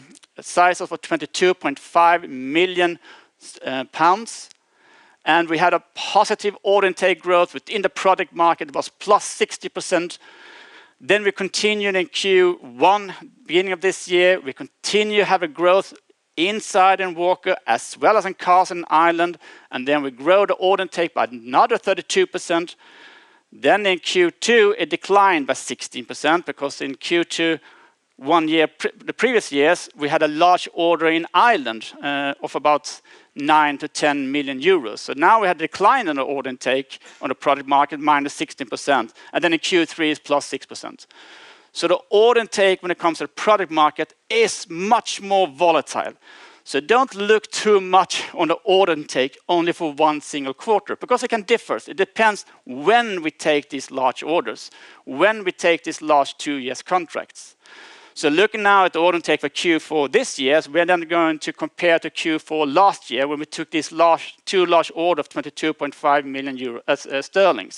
size of 22.5 million pounds. We had a positive order intake growth within the product market. It was plus 60%. We continued in Q1, beginning of this year. We continue to have a growth inside Sidey and Walker, as well as in Carlson and Ireland. We grow the order intake by another 32%. In Q2, it declined by 16% because in Q2 one year, the previous year, we had a large order in Ireland of about 9-10 million euros. So now we had a decline in the order intake on the product market, -16%. In Q3, it is +6%. The order intake when it comes to the product market is much more volatile. Do not look too much on the order intake only for one single quarter because it can differ. It depends when we take these large orders, when we take these large two-year contracts. Looking now at the order intake for Q4 this year, we are then going to compare to Q4 last year when we took these two large orders of 22.5 million sterling.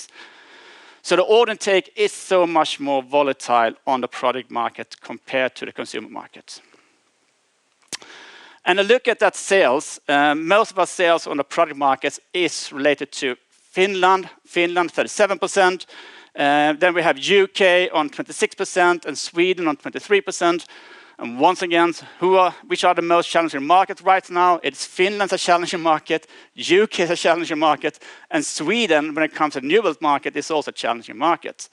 The order intake is so much more volatile on the product market compared to the consumer markets. Look at that sales. Most of our sales on the product markets is related to Finland, Finland 37%. Then we have U.K. 26% and Sweden 23%. Once again, which are the most challenging markets right now? It's Finland's a challenging market, U.K.'s a challenging market, and Sweden, when it comes to the new build market, is also a challenging market.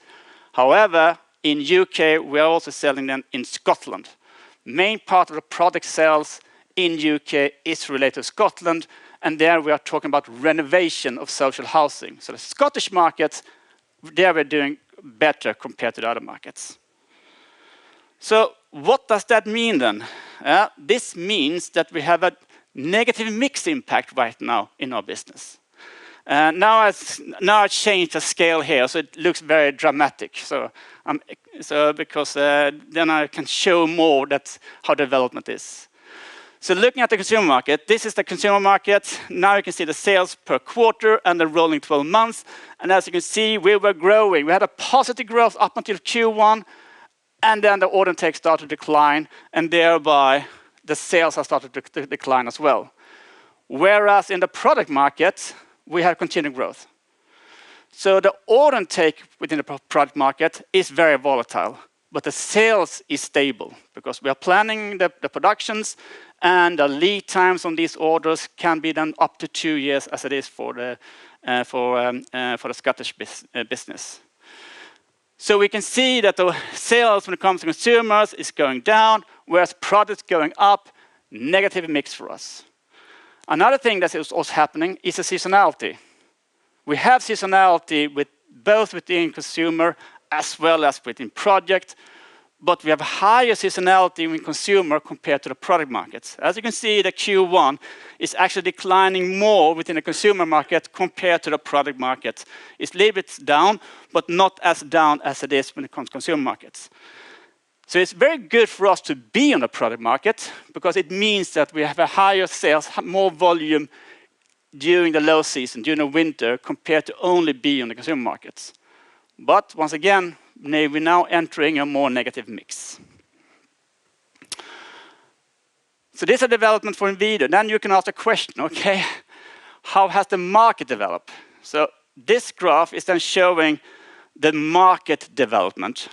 However, in U.K., we're also selling them in Scotland. Main part of the product sales in U.K. is related to Scotland, and there we are talking about renovation of social housing. The Scottish markets, there we're doing better compared to the other markets. What does that mean then? This means that we have a negative mixed impact right now in our business. Now I've changed the scale here, so it looks very dramatic. So because then I can show more. That's how development is. So looking at the consumer market, this is the consumer market. Now you can see the sales per quarter and the rolling 12 months. And as you can see, we were growing. We had a positive growth up until Q1, and then the order intake started to decline, and thereby the sales have started to decline as well. Whereas in the product market, we have continued growth. So the order intake within the product market is very volatile, but the sales is stable because we are planning the productions and the lead times on these orders can be done up to two years as it is for the Scottish business. So we can see that the sales when it comes to consumers is going down, whereas product is going up, negative mix for us. Another thing that is also happening is the seasonality. We have seasonality both within consumer as well as within project, but we have a higher seasonality within consumer compared to the product markets. As you can see, the Q1 is actually declining more within the consumer market compared to the product market. It's a little bit down, but not as down as it is when it comes to consumer markets. So it's very good for us to be on the product market because it means that we have a higher sales, more volume during the low season, during the winter, compared to only being on the consumer markets. But once again, we're now entering a more negative mix. So this is a development for Inwido. Then you can ask a question, okay, how has the market developed? So this graph is then showing the market development.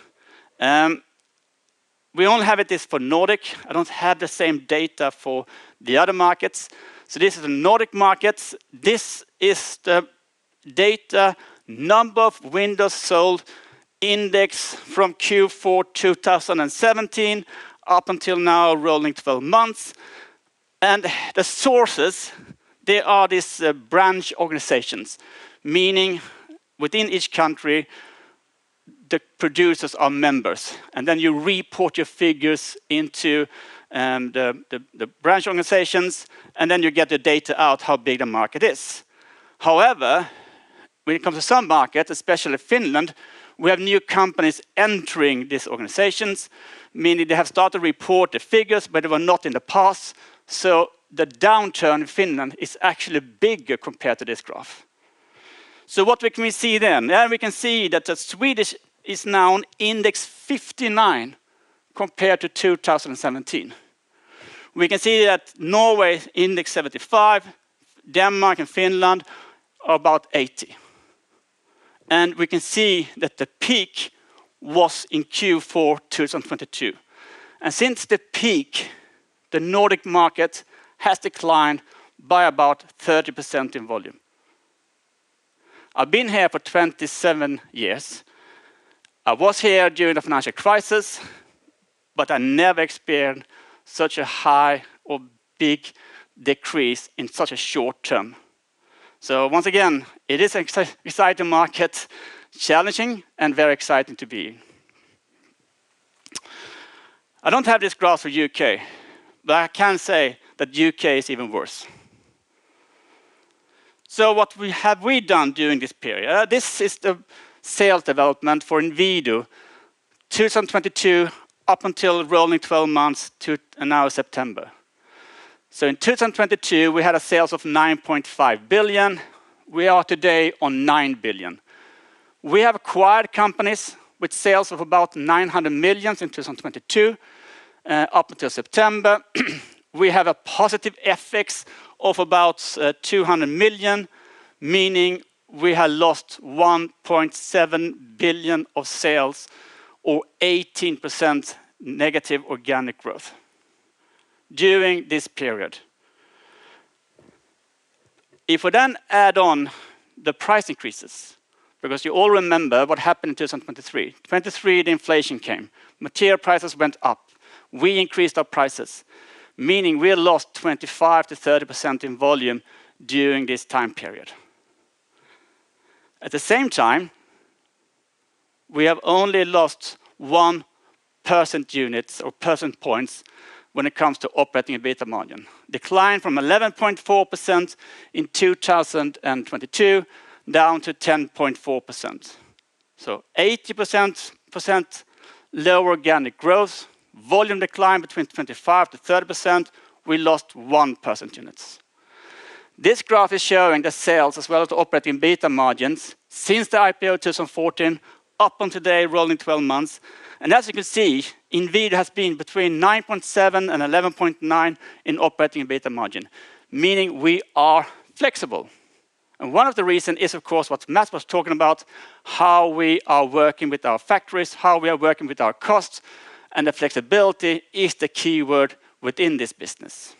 We only have this for Nordic. I don't have the same data for the other markets. So this is the Nordic markets. This is the data number of windows sold index from Q4 2017 up until now, rolling 12 months. And the sources, they are these branch organizations, meaning within each country, the producers are members. And then you report your figures into the branch organizations, and then you get the data out how big the market is. However, when it comes to some markets, especially Finland, we have new companies entering these organizations, meaning they have started to report the figures, but they were not in the past. So the downturn in Finland is actually bigger compared to this graph. So what can we see then? We can see that the Swedish is now index 59 compared to 2017. We can see that Norway is index 75, Denmark and Finland are about 80. We can see that the peak was in Q4 2022. Since the peak, the Nordic market has declined by about 30% in volume. I've been here for 27 years. I was here during the financial crisis, but I never experienced such a high or big decrease in such a short term. Once again, it is an exciting market, challenging and very exciting to be. I don't have this graph for U.K., but I can say that U.K. is even worse. What have we done during this period? This is the sales development for Inwido 2022 up until rolling 12 months to now September. In 2022, we had sales of 9.5 billion. We are today on 9 billion. We have acquired companies with sales of about 900 million in 2022 up until September. We have a positive FX of about 200 million, meaning we have lost 1.7 billion of sales or 18% negative organic growth during this period. If we then add on the price increases, because you all remember what happened in 2023, 2023, the inflation came, material prices went up, we increased our prices, meaning we lost 25%-30% in volume during this time period. At the same time, we have only lost one percent units or percent points when it comes to operating EBITDA margin, declined from 11.4% in 2022 down to 10.4%. So 80% lower organic growth, volume decline between 25%-30%, we lost 1% units. This graph is showing the sales as well as operating EBITDA margins since the IPO 2014 up until today, rolling 12 months. As you can see, Inwido has been between 9.7% and 11.9% in operating EBIT margin, meaning we are flexible. One of the reasons is, of course, what Mats was talking about, how we are working with our factories, how we are working with our costs, and the flexibility is the keyword within this business.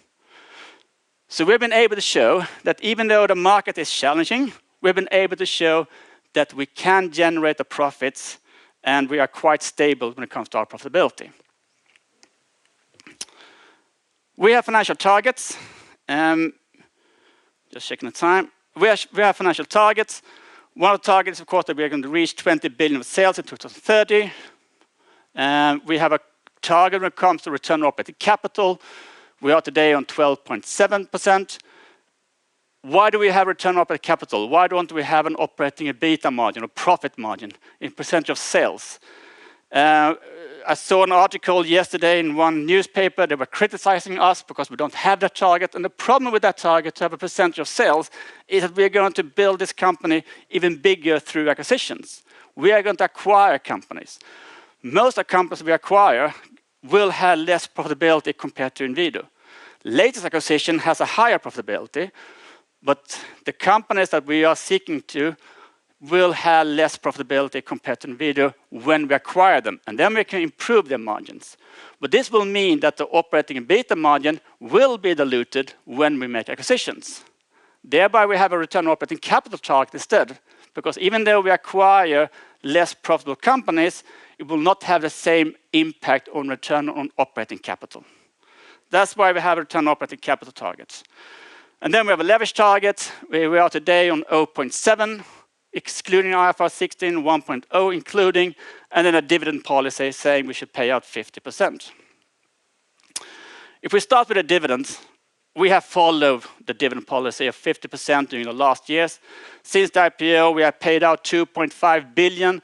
We've been able to show that even though the market is challenging, we've been able to show that we can generate the profits and we are quite stable when it comes to our profitability. We have financial targets. Just checking the time. We have financial targets. One of the targets is, of course, that we are going to reach 20 billion SEK of sales in 2030. We have a target when it comes to return on operating capital. We are today on 12.7%. Why do we have return on operating capital? Why don't we have an operating EBIT margin or profit margin in percentage of sales? I saw an article yesterday in one newspaper. They were criticizing us because we don't have that target. And the problem with that target to have a percentage of sales is that we are going to build this company even bigger through acquisitions. We are going to acquire companies. Most of the companies we acquire will have less profitability compared to Inwido. Latest acquisition has a higher profitability, but the companies that we are seeking to will have less profitability compared to Inwido when we acquire them. And then we can improve their margins. But this will mean that the operating EBIT margin will be diluted when we make acquisitions. Thereby, we have a Return on Operating Capital target instead, because even though we acquire less profitable companies, it will not have the same impact on Return on Operating Capital. That's why we have Return on Operating Capital targets. And then we have a leverage target. We are today on 0.7, excluding IFRS 16, 1.0 including, and then a dividend policy saying we should pay out 50%. If we start with the dividends, we have followed the dividend policy of 50% during the last years. Since the IPO, we have paid out 2.5 billion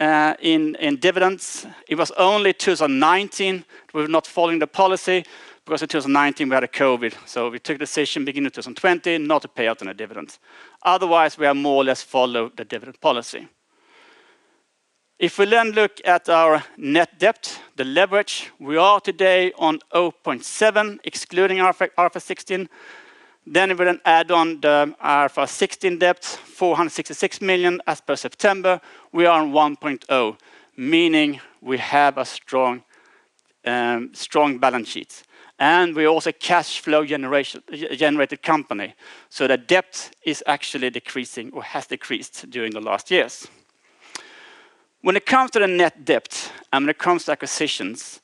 in dividends. It was only 2019. We're not following the policy because in 2019 we had a COVID. So we took a decision beginning in 2020 not to pay out on the dividends. Otherwise, we have more or less followed the dividend policy. If we then look at our net debt, the leverage, we are today on 0.7, excluding IFRS 16. We then add on the IFRS 16 debt, 466 million as per September. We are on 1.0, meaning we have a strong balance sheet, and we are also a cash flow generated company. The debt is actually decreasing or has decreased during the last years. When it comes to the net debt and when it comes to acquisitions,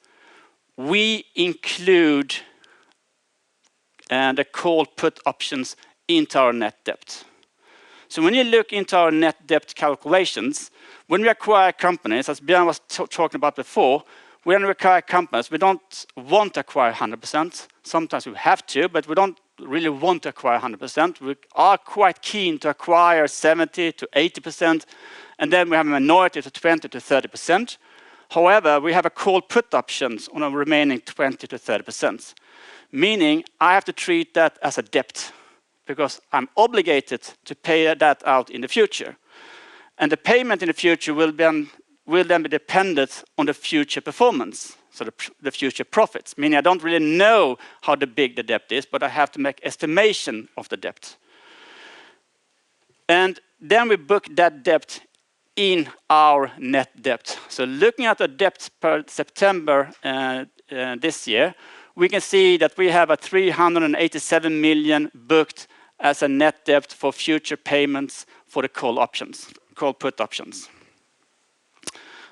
we include the call put options into our net debt. When you look into our net debt calculations, when we acquire companies, as Björn was talking about before, we only acquire companies. We don't want to acquire 100%. Sometimes we have to, but we don't really want to acquire 100%. We are quite keen to acquire 70%-80%, and then we have a minority to 20%-30%. However, we have call/put options on our remaining 20%-30%, meaning I have to treat that as a debt because I'm obligated to pay that out in the future. The payment in the future will then be dependent on the future performance, so the future profits, meaning I don't really know how big the debt is, but I have to make an estimation of the debt. Then we book that debt in our net debt. Looking at the debt per September this year, we can see that we have 387 million booked as a net debt for future payments for the call/put options.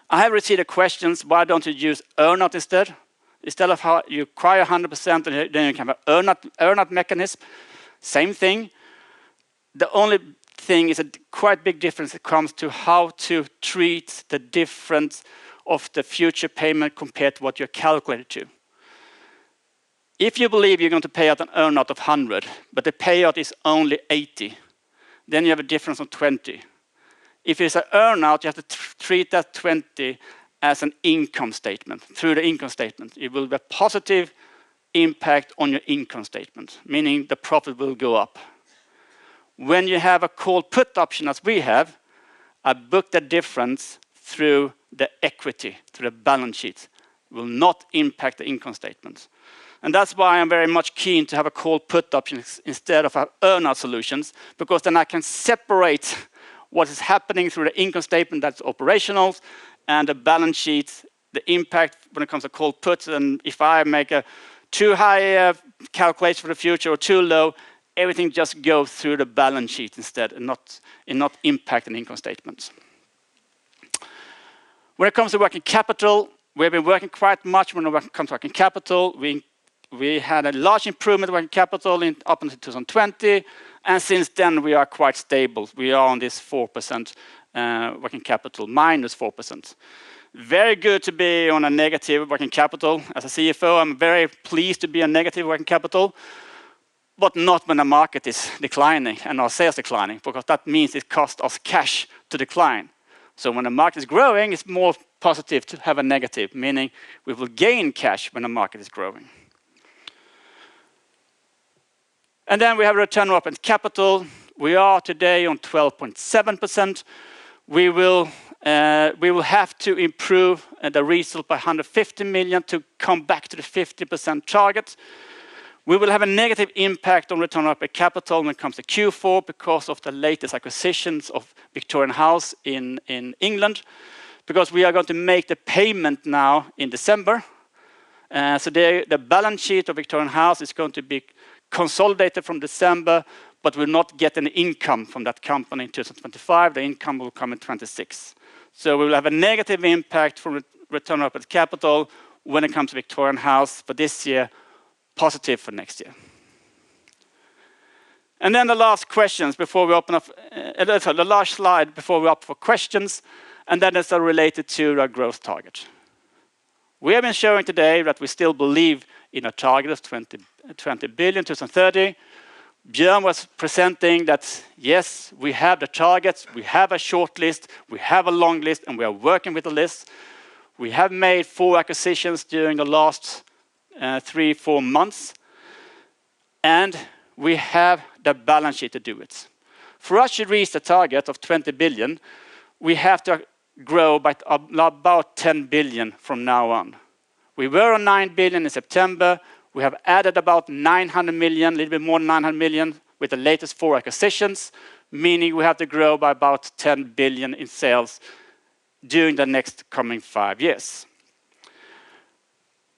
I have received a question: why don't you use earn-out instead? Instead of how you acquire 100%, then you can have an earn-out mechanism. Same thing. The only thing is a quite big difference when it comes to how to treat the difference of the future payment compared to what you're calculated to. If you believe you're going to pay out an earn-out of 100, but the payout is only 80, then you have a difference of 20. If it's an earn-out, you have to treat that 20 as an income statement. Through the income statement, it will be a positive impact on your income statement, meaning the profit will go up. When you have a call/put option as we have, I book the difference through the equity, through the balance sheet. It will not impact the income statement. That's why I'm very much keen to have a call/put option instead of earn-out solutions, because then I can separate what is happening through the income statement, that's operational, and the balance sheet, the impact when it comes to call/puts. And if I make a too high calculation for the future or too low, everything just goes through the balance sheet instead and not impact an income statement. When it comes to working capital, we've been working quite much when it comes to working capital. We had a large improvement in working capital up until 2020, and since then we are quite stable. We are on this 4% working capital minus 4%. Very good to be on a negative working capital. As a CFO, I'm very pleased to be on negative working capital, but not when the market is declining and our sales are declining, because that means it costs us cash to decline. So when the market is growing, it's more positive to have a negative, meaning we will gain cash when the market is growing, and then we have return on operating capital. We are today on 12.7%. We will have to improve the resale by 150 million to come back to the 50% target. We will have a negative impact on return on operating capital when it comes to Q4 because of the latest acquisitions of Victorian Sliders in England, because we are going to make the payment now in December, so the balance sheet of Victorian Sliders is going to be consolidated from December, but we'll not get any income from that company in 2025. The income will come in 2026, so we will have a negative impact from Return on Operating Capital when it comes to Victorian Sliders for this year, positive for next year, and then the last questions before we open up the last slide before we open for questions, and that is related to our growth target. We have been showing today that we still believe in a target of 20 billion SEK in 2030. Björn was presenting that, yes, we have the targets, we have a short list, we have a long list, and we are working with the list. We have made four acquisitions during the last three, four months, and we have the balance sheet to do it. For us to reach the target of 20 billion SEK, we have to grow by about 10 billion SEK from now on. We were on 9 billion SEK in September. We have added about 900 million, a little bit more than 900 million with the latest four acquisitions, meaning we have to grow by about 10 billion in sales during the next coming five years.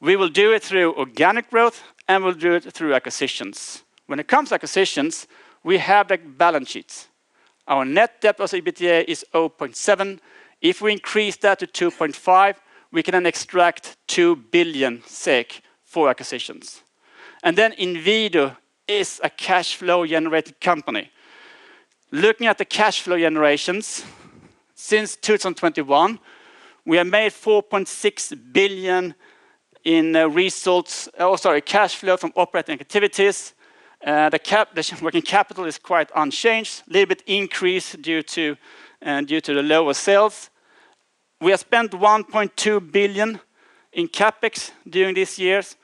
We will do it through organic growth, and we'll do it through acquisitions. When it comes to acquisitions, we have the balance sheets. Our net debt to EBITDA is 0.7. If we increase that to 2.5, we can then extract 2 billion SEK for acquisitions. Then Inwido is a cash flow generated company. Looking at the cash flow generations, since 2021, we have made 4.6 billion in results or sorry, cash flow from operating activities. The working capital is quite unchanged, a little bit increased due to the lower sales. We have spent 1.2 billion SEK in CapEx during these years,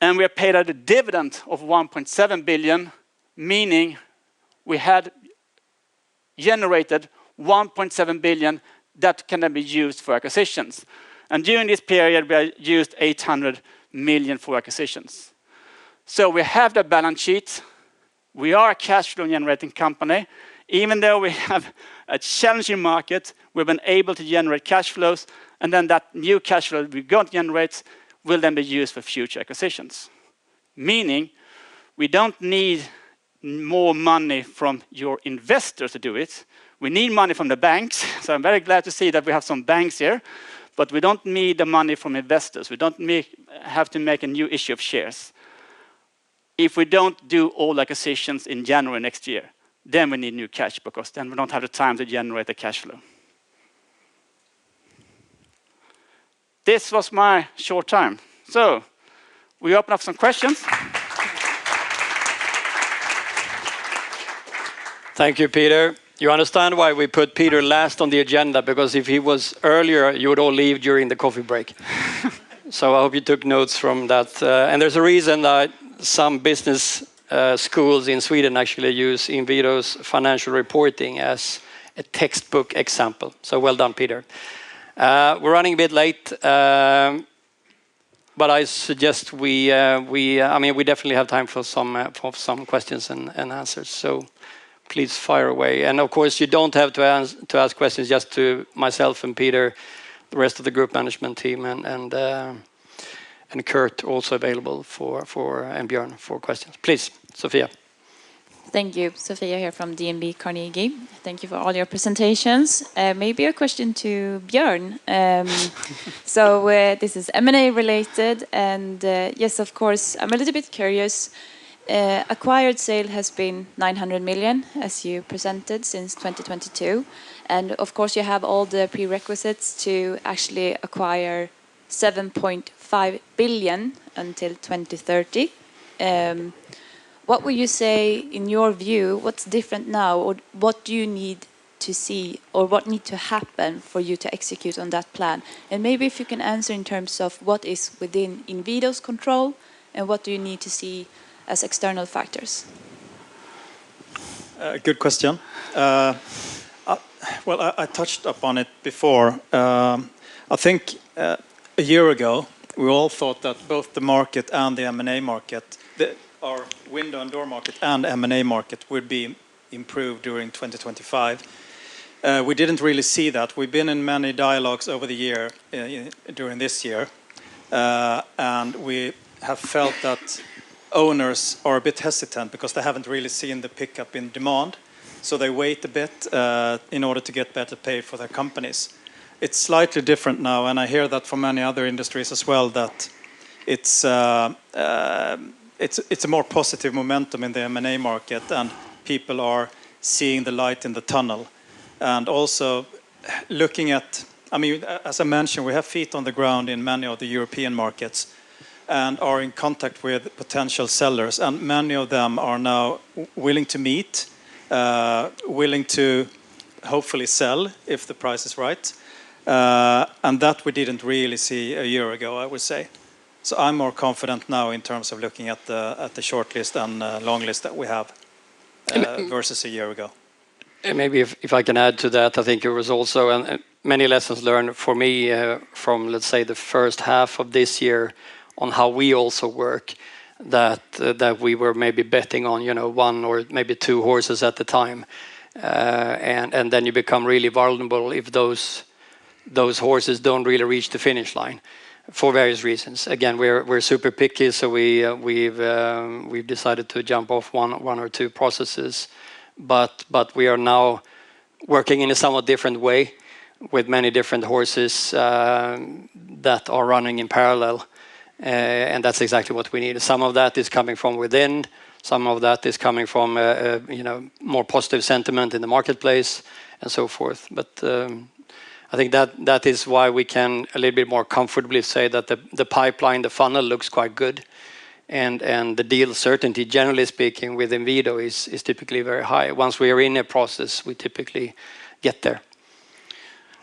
and we have paid out a dividend of 1.7 billion SEK, meaning we had generated 1.7 billion SEK that can then be used for acquisitions, and during this period, we have used 800 million for acquisitions, so we have the balance sheet. We are a cash flow generating company. Even though we have a challenging market, we've been able to generate cash flows, and then that new cash flow we've got to generate will then be used for future acquisitions, meaning we don't need more money from your investors to do it. We need money from the banks, so I'm very glad to see that we have some banks here, but we don't need the money from investors. We don't have to make a new issue of shares. If we don't do all acquisitions in January next year, then we need new cash because then we don't have the time to generate the cash flow. This was my short time. So we open up some questions. Thank you, Peter. You understand why we put Peter last on the agenda, because if he was earlier, you would all leave during the coffee break. So I hope you took notes from that. And there's a reason that some business schools in Sweden actually use Inwido's financial reporting as a textbook example. So well done, Peter. We're running a bit late, but I suggest we, I mean, we definitely have time for some questions and answers. So please fire away. And of course, you don't have to ask questions just to myself and Peter, the rest of the group management team, and Kurt also available for Björn for questions. Please, Sofia. Thank you. Sofia here from DNB Carnegie. Thank you for all your presentations. Maybe a question to Björn. So this is M&A related. And yes, of course, I'm a little bit curious. Acquired sales has been 900 million, as you presented, since 2022. And of course, you have all the prerequisites to actually acquire 7.5 billion until 2030. What would you say, in your view, what's different now, or what do you need to see, or what needs to happen for you to execute on that plan? And maybe if you can answer in terms of what is within Inwido's control and what do you need to see as external factors. Good question. Well, I touched upon it before. I think a year ago, we all thought that both the market and the M&A market, our window and door market and M&A market, would be improved during 2025. We didn't really see that. We've been in many dialogues over the year during this year, and we have felt that owners are a bit hesitant because they haven't really seen the pickup in demand. So they wait a bit in order to get better pay for their companies. It's slightly different now, and I hear that from many other industries as well, that it's a more positive momentum in the M&A market, and people are seeing the light in the tunnel, and also looking at, I mean, as I mentioned, we have feet on the ground in many of the European markets and are in contact with potential sellers, and many of them are now willing to meet, willing to hopefully sell if the price is right, and that we didn't really see a year ago, I would say. So I'm more confident now in terms of looking at the short list and long list that we have versus a year ago. And maybe if I can add to that, I think it was also many lessons learned for me from, let's say, the first half of this year on how we also work, that we were maybe betting on one or maybe two horses at the time. And then you become really vulnerable if those horses don't really reach the finish line for various reasons. Again, we're super picky, so we've decided to jump off one or two processes. But we are now working in a somewhat different way with many different horses that are running in parallel, and that's exactly what we need. Some of that is coming from within. Some of that is coming from more positive sentiment in the marketplace and so forth. I think that is why we can a little bit more comfortably say that the pipeline, the funnel looks quite good, and the deal certainty, generally speaking, with Inwido is typically very high. Once we are in a process, we typically get there.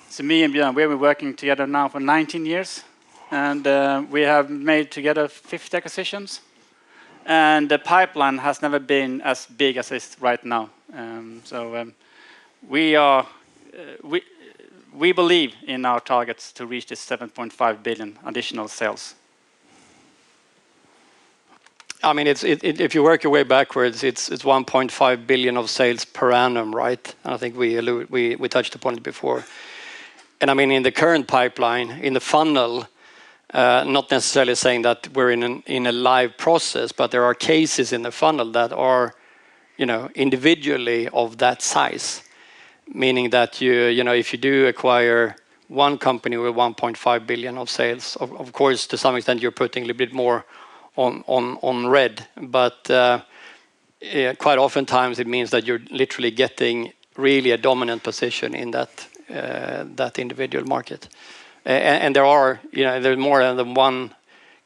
So me and Björn, we've been working together now for 19 years, and we have made together 50 acquisitions. And the pipeline has never been as big as it is right now. So we believe in our targets to reach this 7.5 billion additional sales. I mean, if you work your way backwards, it's 1.5 billion of sales per annum, right? I think we touched upon it before. I mean, in the current pipeline, in the funnel, not necessarily saying that we're in a live process, but there are cases in the funnel that are individually of that size, meaning that if you do acquire one company with 1.5 billion SEK of sales, of course, to some extent, you're putting a little bit more on red. But quite oftentimes, it means that you're literally getting really a dominant position in that individual market. And there are more than one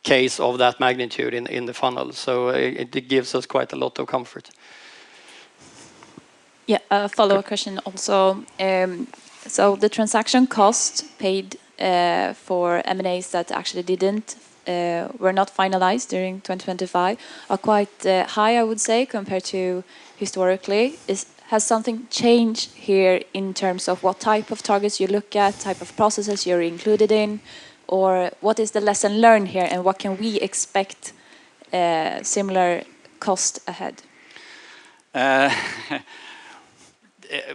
case of that magnitude in the funnel. So it gives us quite a lot of comfort. Yeah, a follow-up question also. So the transaction costs paid for M&As that actually didn't, were not finalized during 2025, are quite high, I would say, compared to historically. Has something changed here in terms of what type of targets you look at, type of processes you're included in, or what is the lesson learned here and what can we expect similar costs ahead?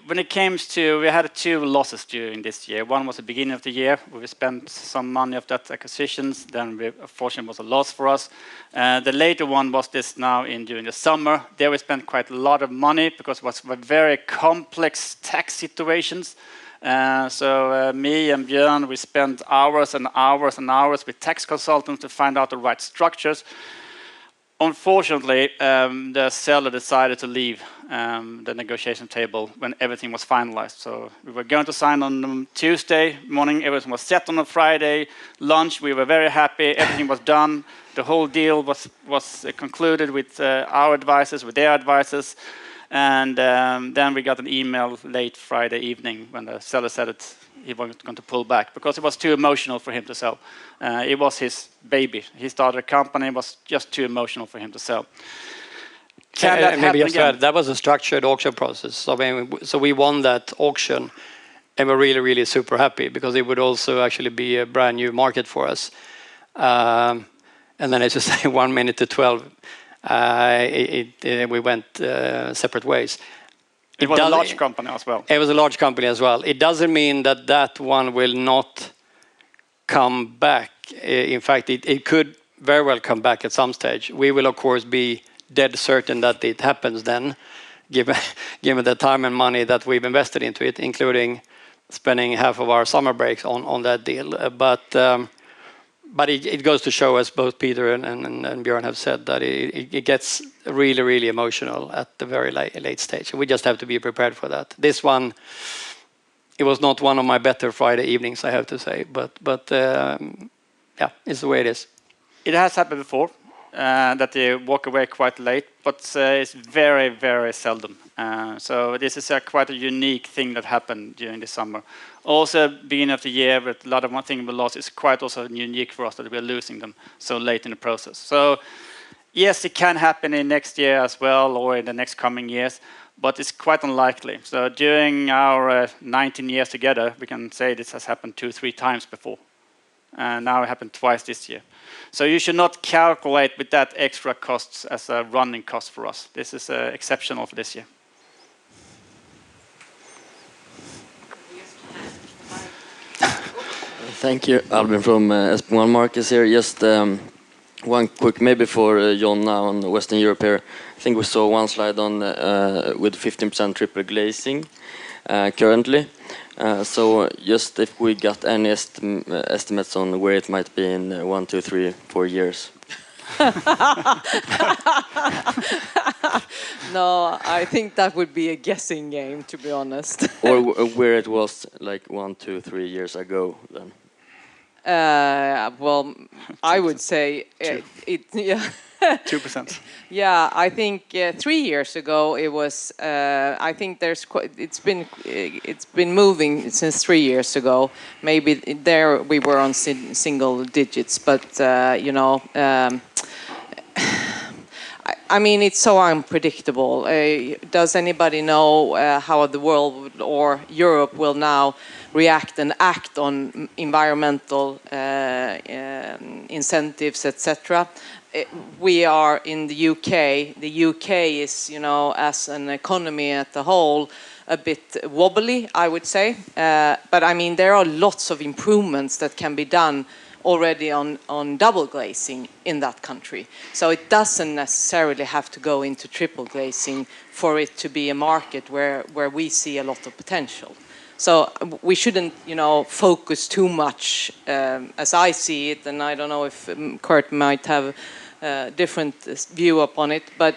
When it comes to, we had two losses during this year. One was at the beginning of the year, where we spent some money of that acquisitions. Then the fortune was a loss for us. The later one was this now during the summer. There we spent quite a lot of money because it was very complex tax situations. So me and Björn, we spent hours and hours and hours with tax consultants to find out the right structures. Unfortunately, the seller decided to leave the negotiation table when everything was finalized. So we were going to sign on Tuesday morning. Everything was set on a Friday lunch. We were very happy. Everything was done. The whole deal was concluded with our advice, with their advice, and then we got an email late Friday evening when the seller said he was going to pull back because it was too emotional for him to sell. It was his baby. He started a company. It was just too emotional for him to sell. Can I add maybe a third? That was a structured auction process, so we won that auction, and we're really, really super happy because it would also actually be a brand new market for us, and then it's just one minute to 12. We went separate ways. It was a large company as well. It was a large company as well. It doesn't mean that that one will not come back. In fact, it could very well come back at some stage. We will, of course, be dead certain that it happens then, given the time and money that we've invested into it, including spending half of our summer breaks on that deal. But it goes to show us both Peter and Björn have said that it gets really, really emotional at the very late stage. We just have to be prepared for that. This one, it was not one of my better Friday evenings, I have to say. But yeah, it's the way it is. It has happened before that they walk away quite late, but it's very, very seldom. So this is quite a unique thing that happened during the summer. Also, at the beginning of the year, a lot of things we lost is quite also unique for us that we're losing them so late in the process. So yes, it can happen in next year as well or in the next coming years, but it's quite unlikely. So during our 19 years together, we can say this has happened two, three times before. And now it happened twice this year. So you should not calculate with that extra costs as a running cost for us. This is exceptional for this year. Thank you. Albin from Kepler Cheuvreux Esperlan Markets here. Just one quick maybe for Jonna now in Western Europe here. I think we saw one slide with 15% triple glazing currently. So just if we got any estimates on where it might be in one, two, three, four years. No, I think that would be a guessing game, to be honest. Or where it was like one, two, three years ago then. Well, I would say yeah 2%. Yeah, I think three years ago it was. I think it's been moving since three years ago. Maybe there we were on single digits, but I mean, it's so unpredictable. Does anybody know how the world or Europe will now react and act on environmental incentives, etc.? We are in the U.K. The U.K. is, as an economy as a whole, a bit wobbly, I would say. But I mean, there are lots of improvements that can be done already on double glazing in that country. So it doesn't necessarily have to go into triple glazing for it to be a market where we see a lot of potential. So we shouldn't focus too much as I see it. I don't know if Kurt might have a different view upon it, but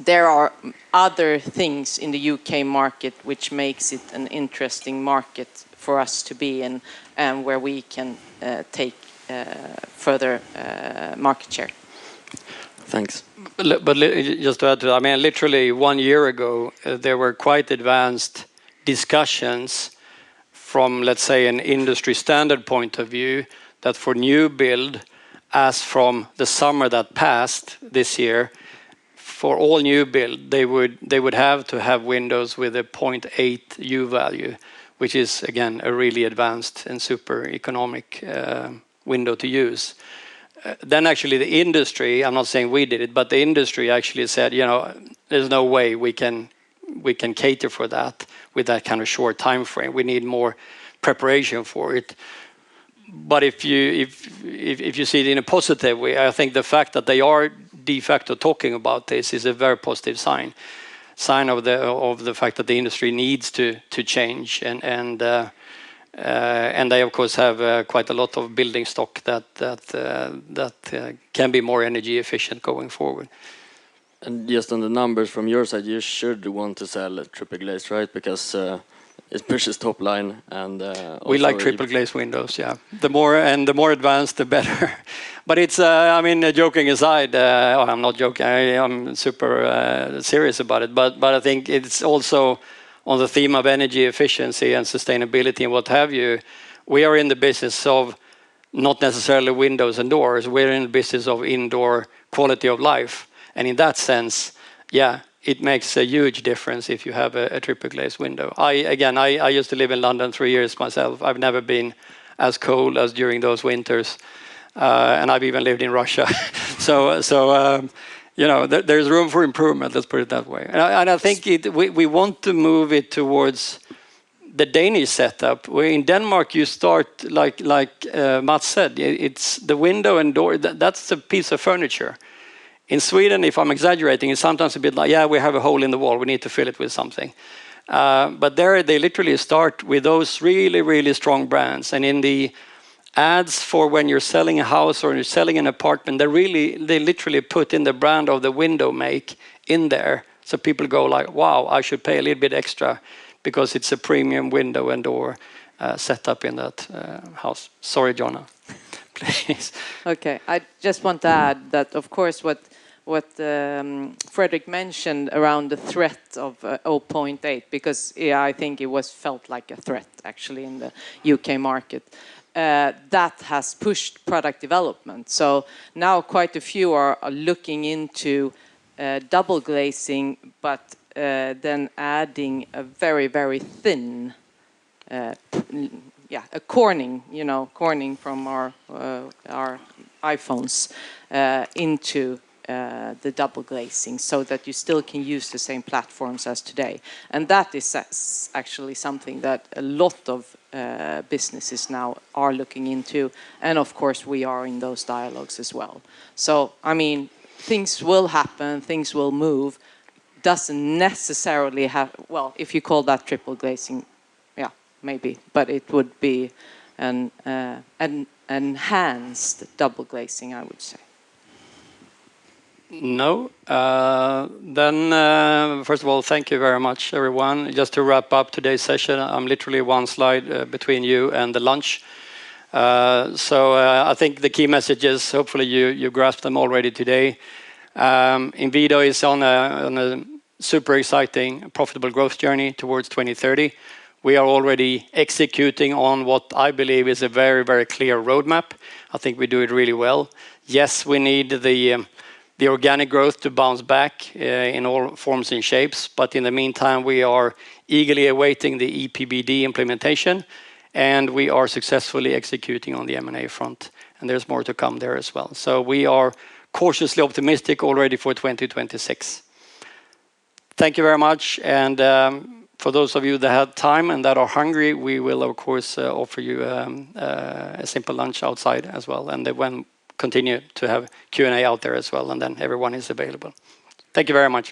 there are other things in the U.K. market which makes it an interesting market for us to be in and where we can take further market share. Thanks. Just to add to that, I mean, literally one year ago, there were quite advanced discussions from, let's say, an industry standard point of view that for new build, as from the summer that passed this year, for all new build, they would have to have windows with a 0.8 U-value, which is, again, a really advanced and super economic window to use. Then actually the industry, I'm not saying we did it, but the industry actually said, there's no way we can cater for that with that kind of short time frame. We need more preparation for it. But if you see it in a positive way, I think the fact that they are de facto talking about this is a very positive sign of the fact that the industry needs to change. And they, of course, have quite a lot of building stock that can be more energy efficient going forward. And just on the numbers from your side, you should want to sell triple glazing, right? Because it pushes top line. And we like triple glazing windows, yeah. The more advanced, the better. But I mean, joking aside, I'm not joking. I'm super serious about it. But I think it's also on the theme of energy efficiency and sustainability and what have you. We are in the business of not necessarily windows and doors. We're in the business of indoor quality of life. In that sense, yeah, it makes a huge difference if you have a triple-glazed window. Again, I used to live in London three years myself. I've never been as cold as during those winters. And I've even lived in Russia. So there's room for improvement, let's put it that way. And I think we want to move it towards the Danish setup. In Denmark, you start, like Matt said, it's the window and door. That's a piece of furniture. In Sweden, if I'm exaggerating, it's sometimes a bit like, yeah, we have a hole in the wall. We need to fill it with something. But there, they literally start with those really, really strong brands. And in the ads for when you're selling a house or you're selling an apartment, they literally put in the brand of the window make in there. People go like, wow, I should pay a little bit extra because it's a premium window and door setup in that house. Sorry, Jonna, please. Okay. I just want to add that, of course, what Fredrik mentioned around the threat of 0.8, because I think it was felt like a threat actually in the U.K. market, that has pushed product development. Now quite a few are looking into double glazing, but then adding a very, very thin, yeah, a Corning from our iPhones into the double glazing so that you still can use the same platforms as today. And that is actually something that a lot of businesses now are looking into. And of course, we are in those dialogues as well. So I mean, things will happen. Things will move. Doesn't necessarily have, well, if you call that triple glazing, yeah, maybe, but it would be an enhanced double glazing, I would say. No. Then first of all, thank you very much, everyone. Just to wrap up today's session, I'm literally one slide between you and the lunch. So I think the key messages, hopefully you grasped them already today. Inwido is on a super exciting, profitable growth journey towards 2030. We are already executing on what I believe is a very, very clear roadmap. I think we do it really well. Yes, we need the organic growth to bounce back in all forms and shapes. But in the meantime, we are eagerly awaiting the EPBD implementation. And we are successfully executing on the M&A front. And there's more to come there as well. So we are cautiously optimistic already for 2026. Thank you very much. And for those of you that had time and that are hungry, we will, of course, offer you a simple lunch outside as well. And they will continue to have Q&A out there as well. And then everyone is available. Thank you very much.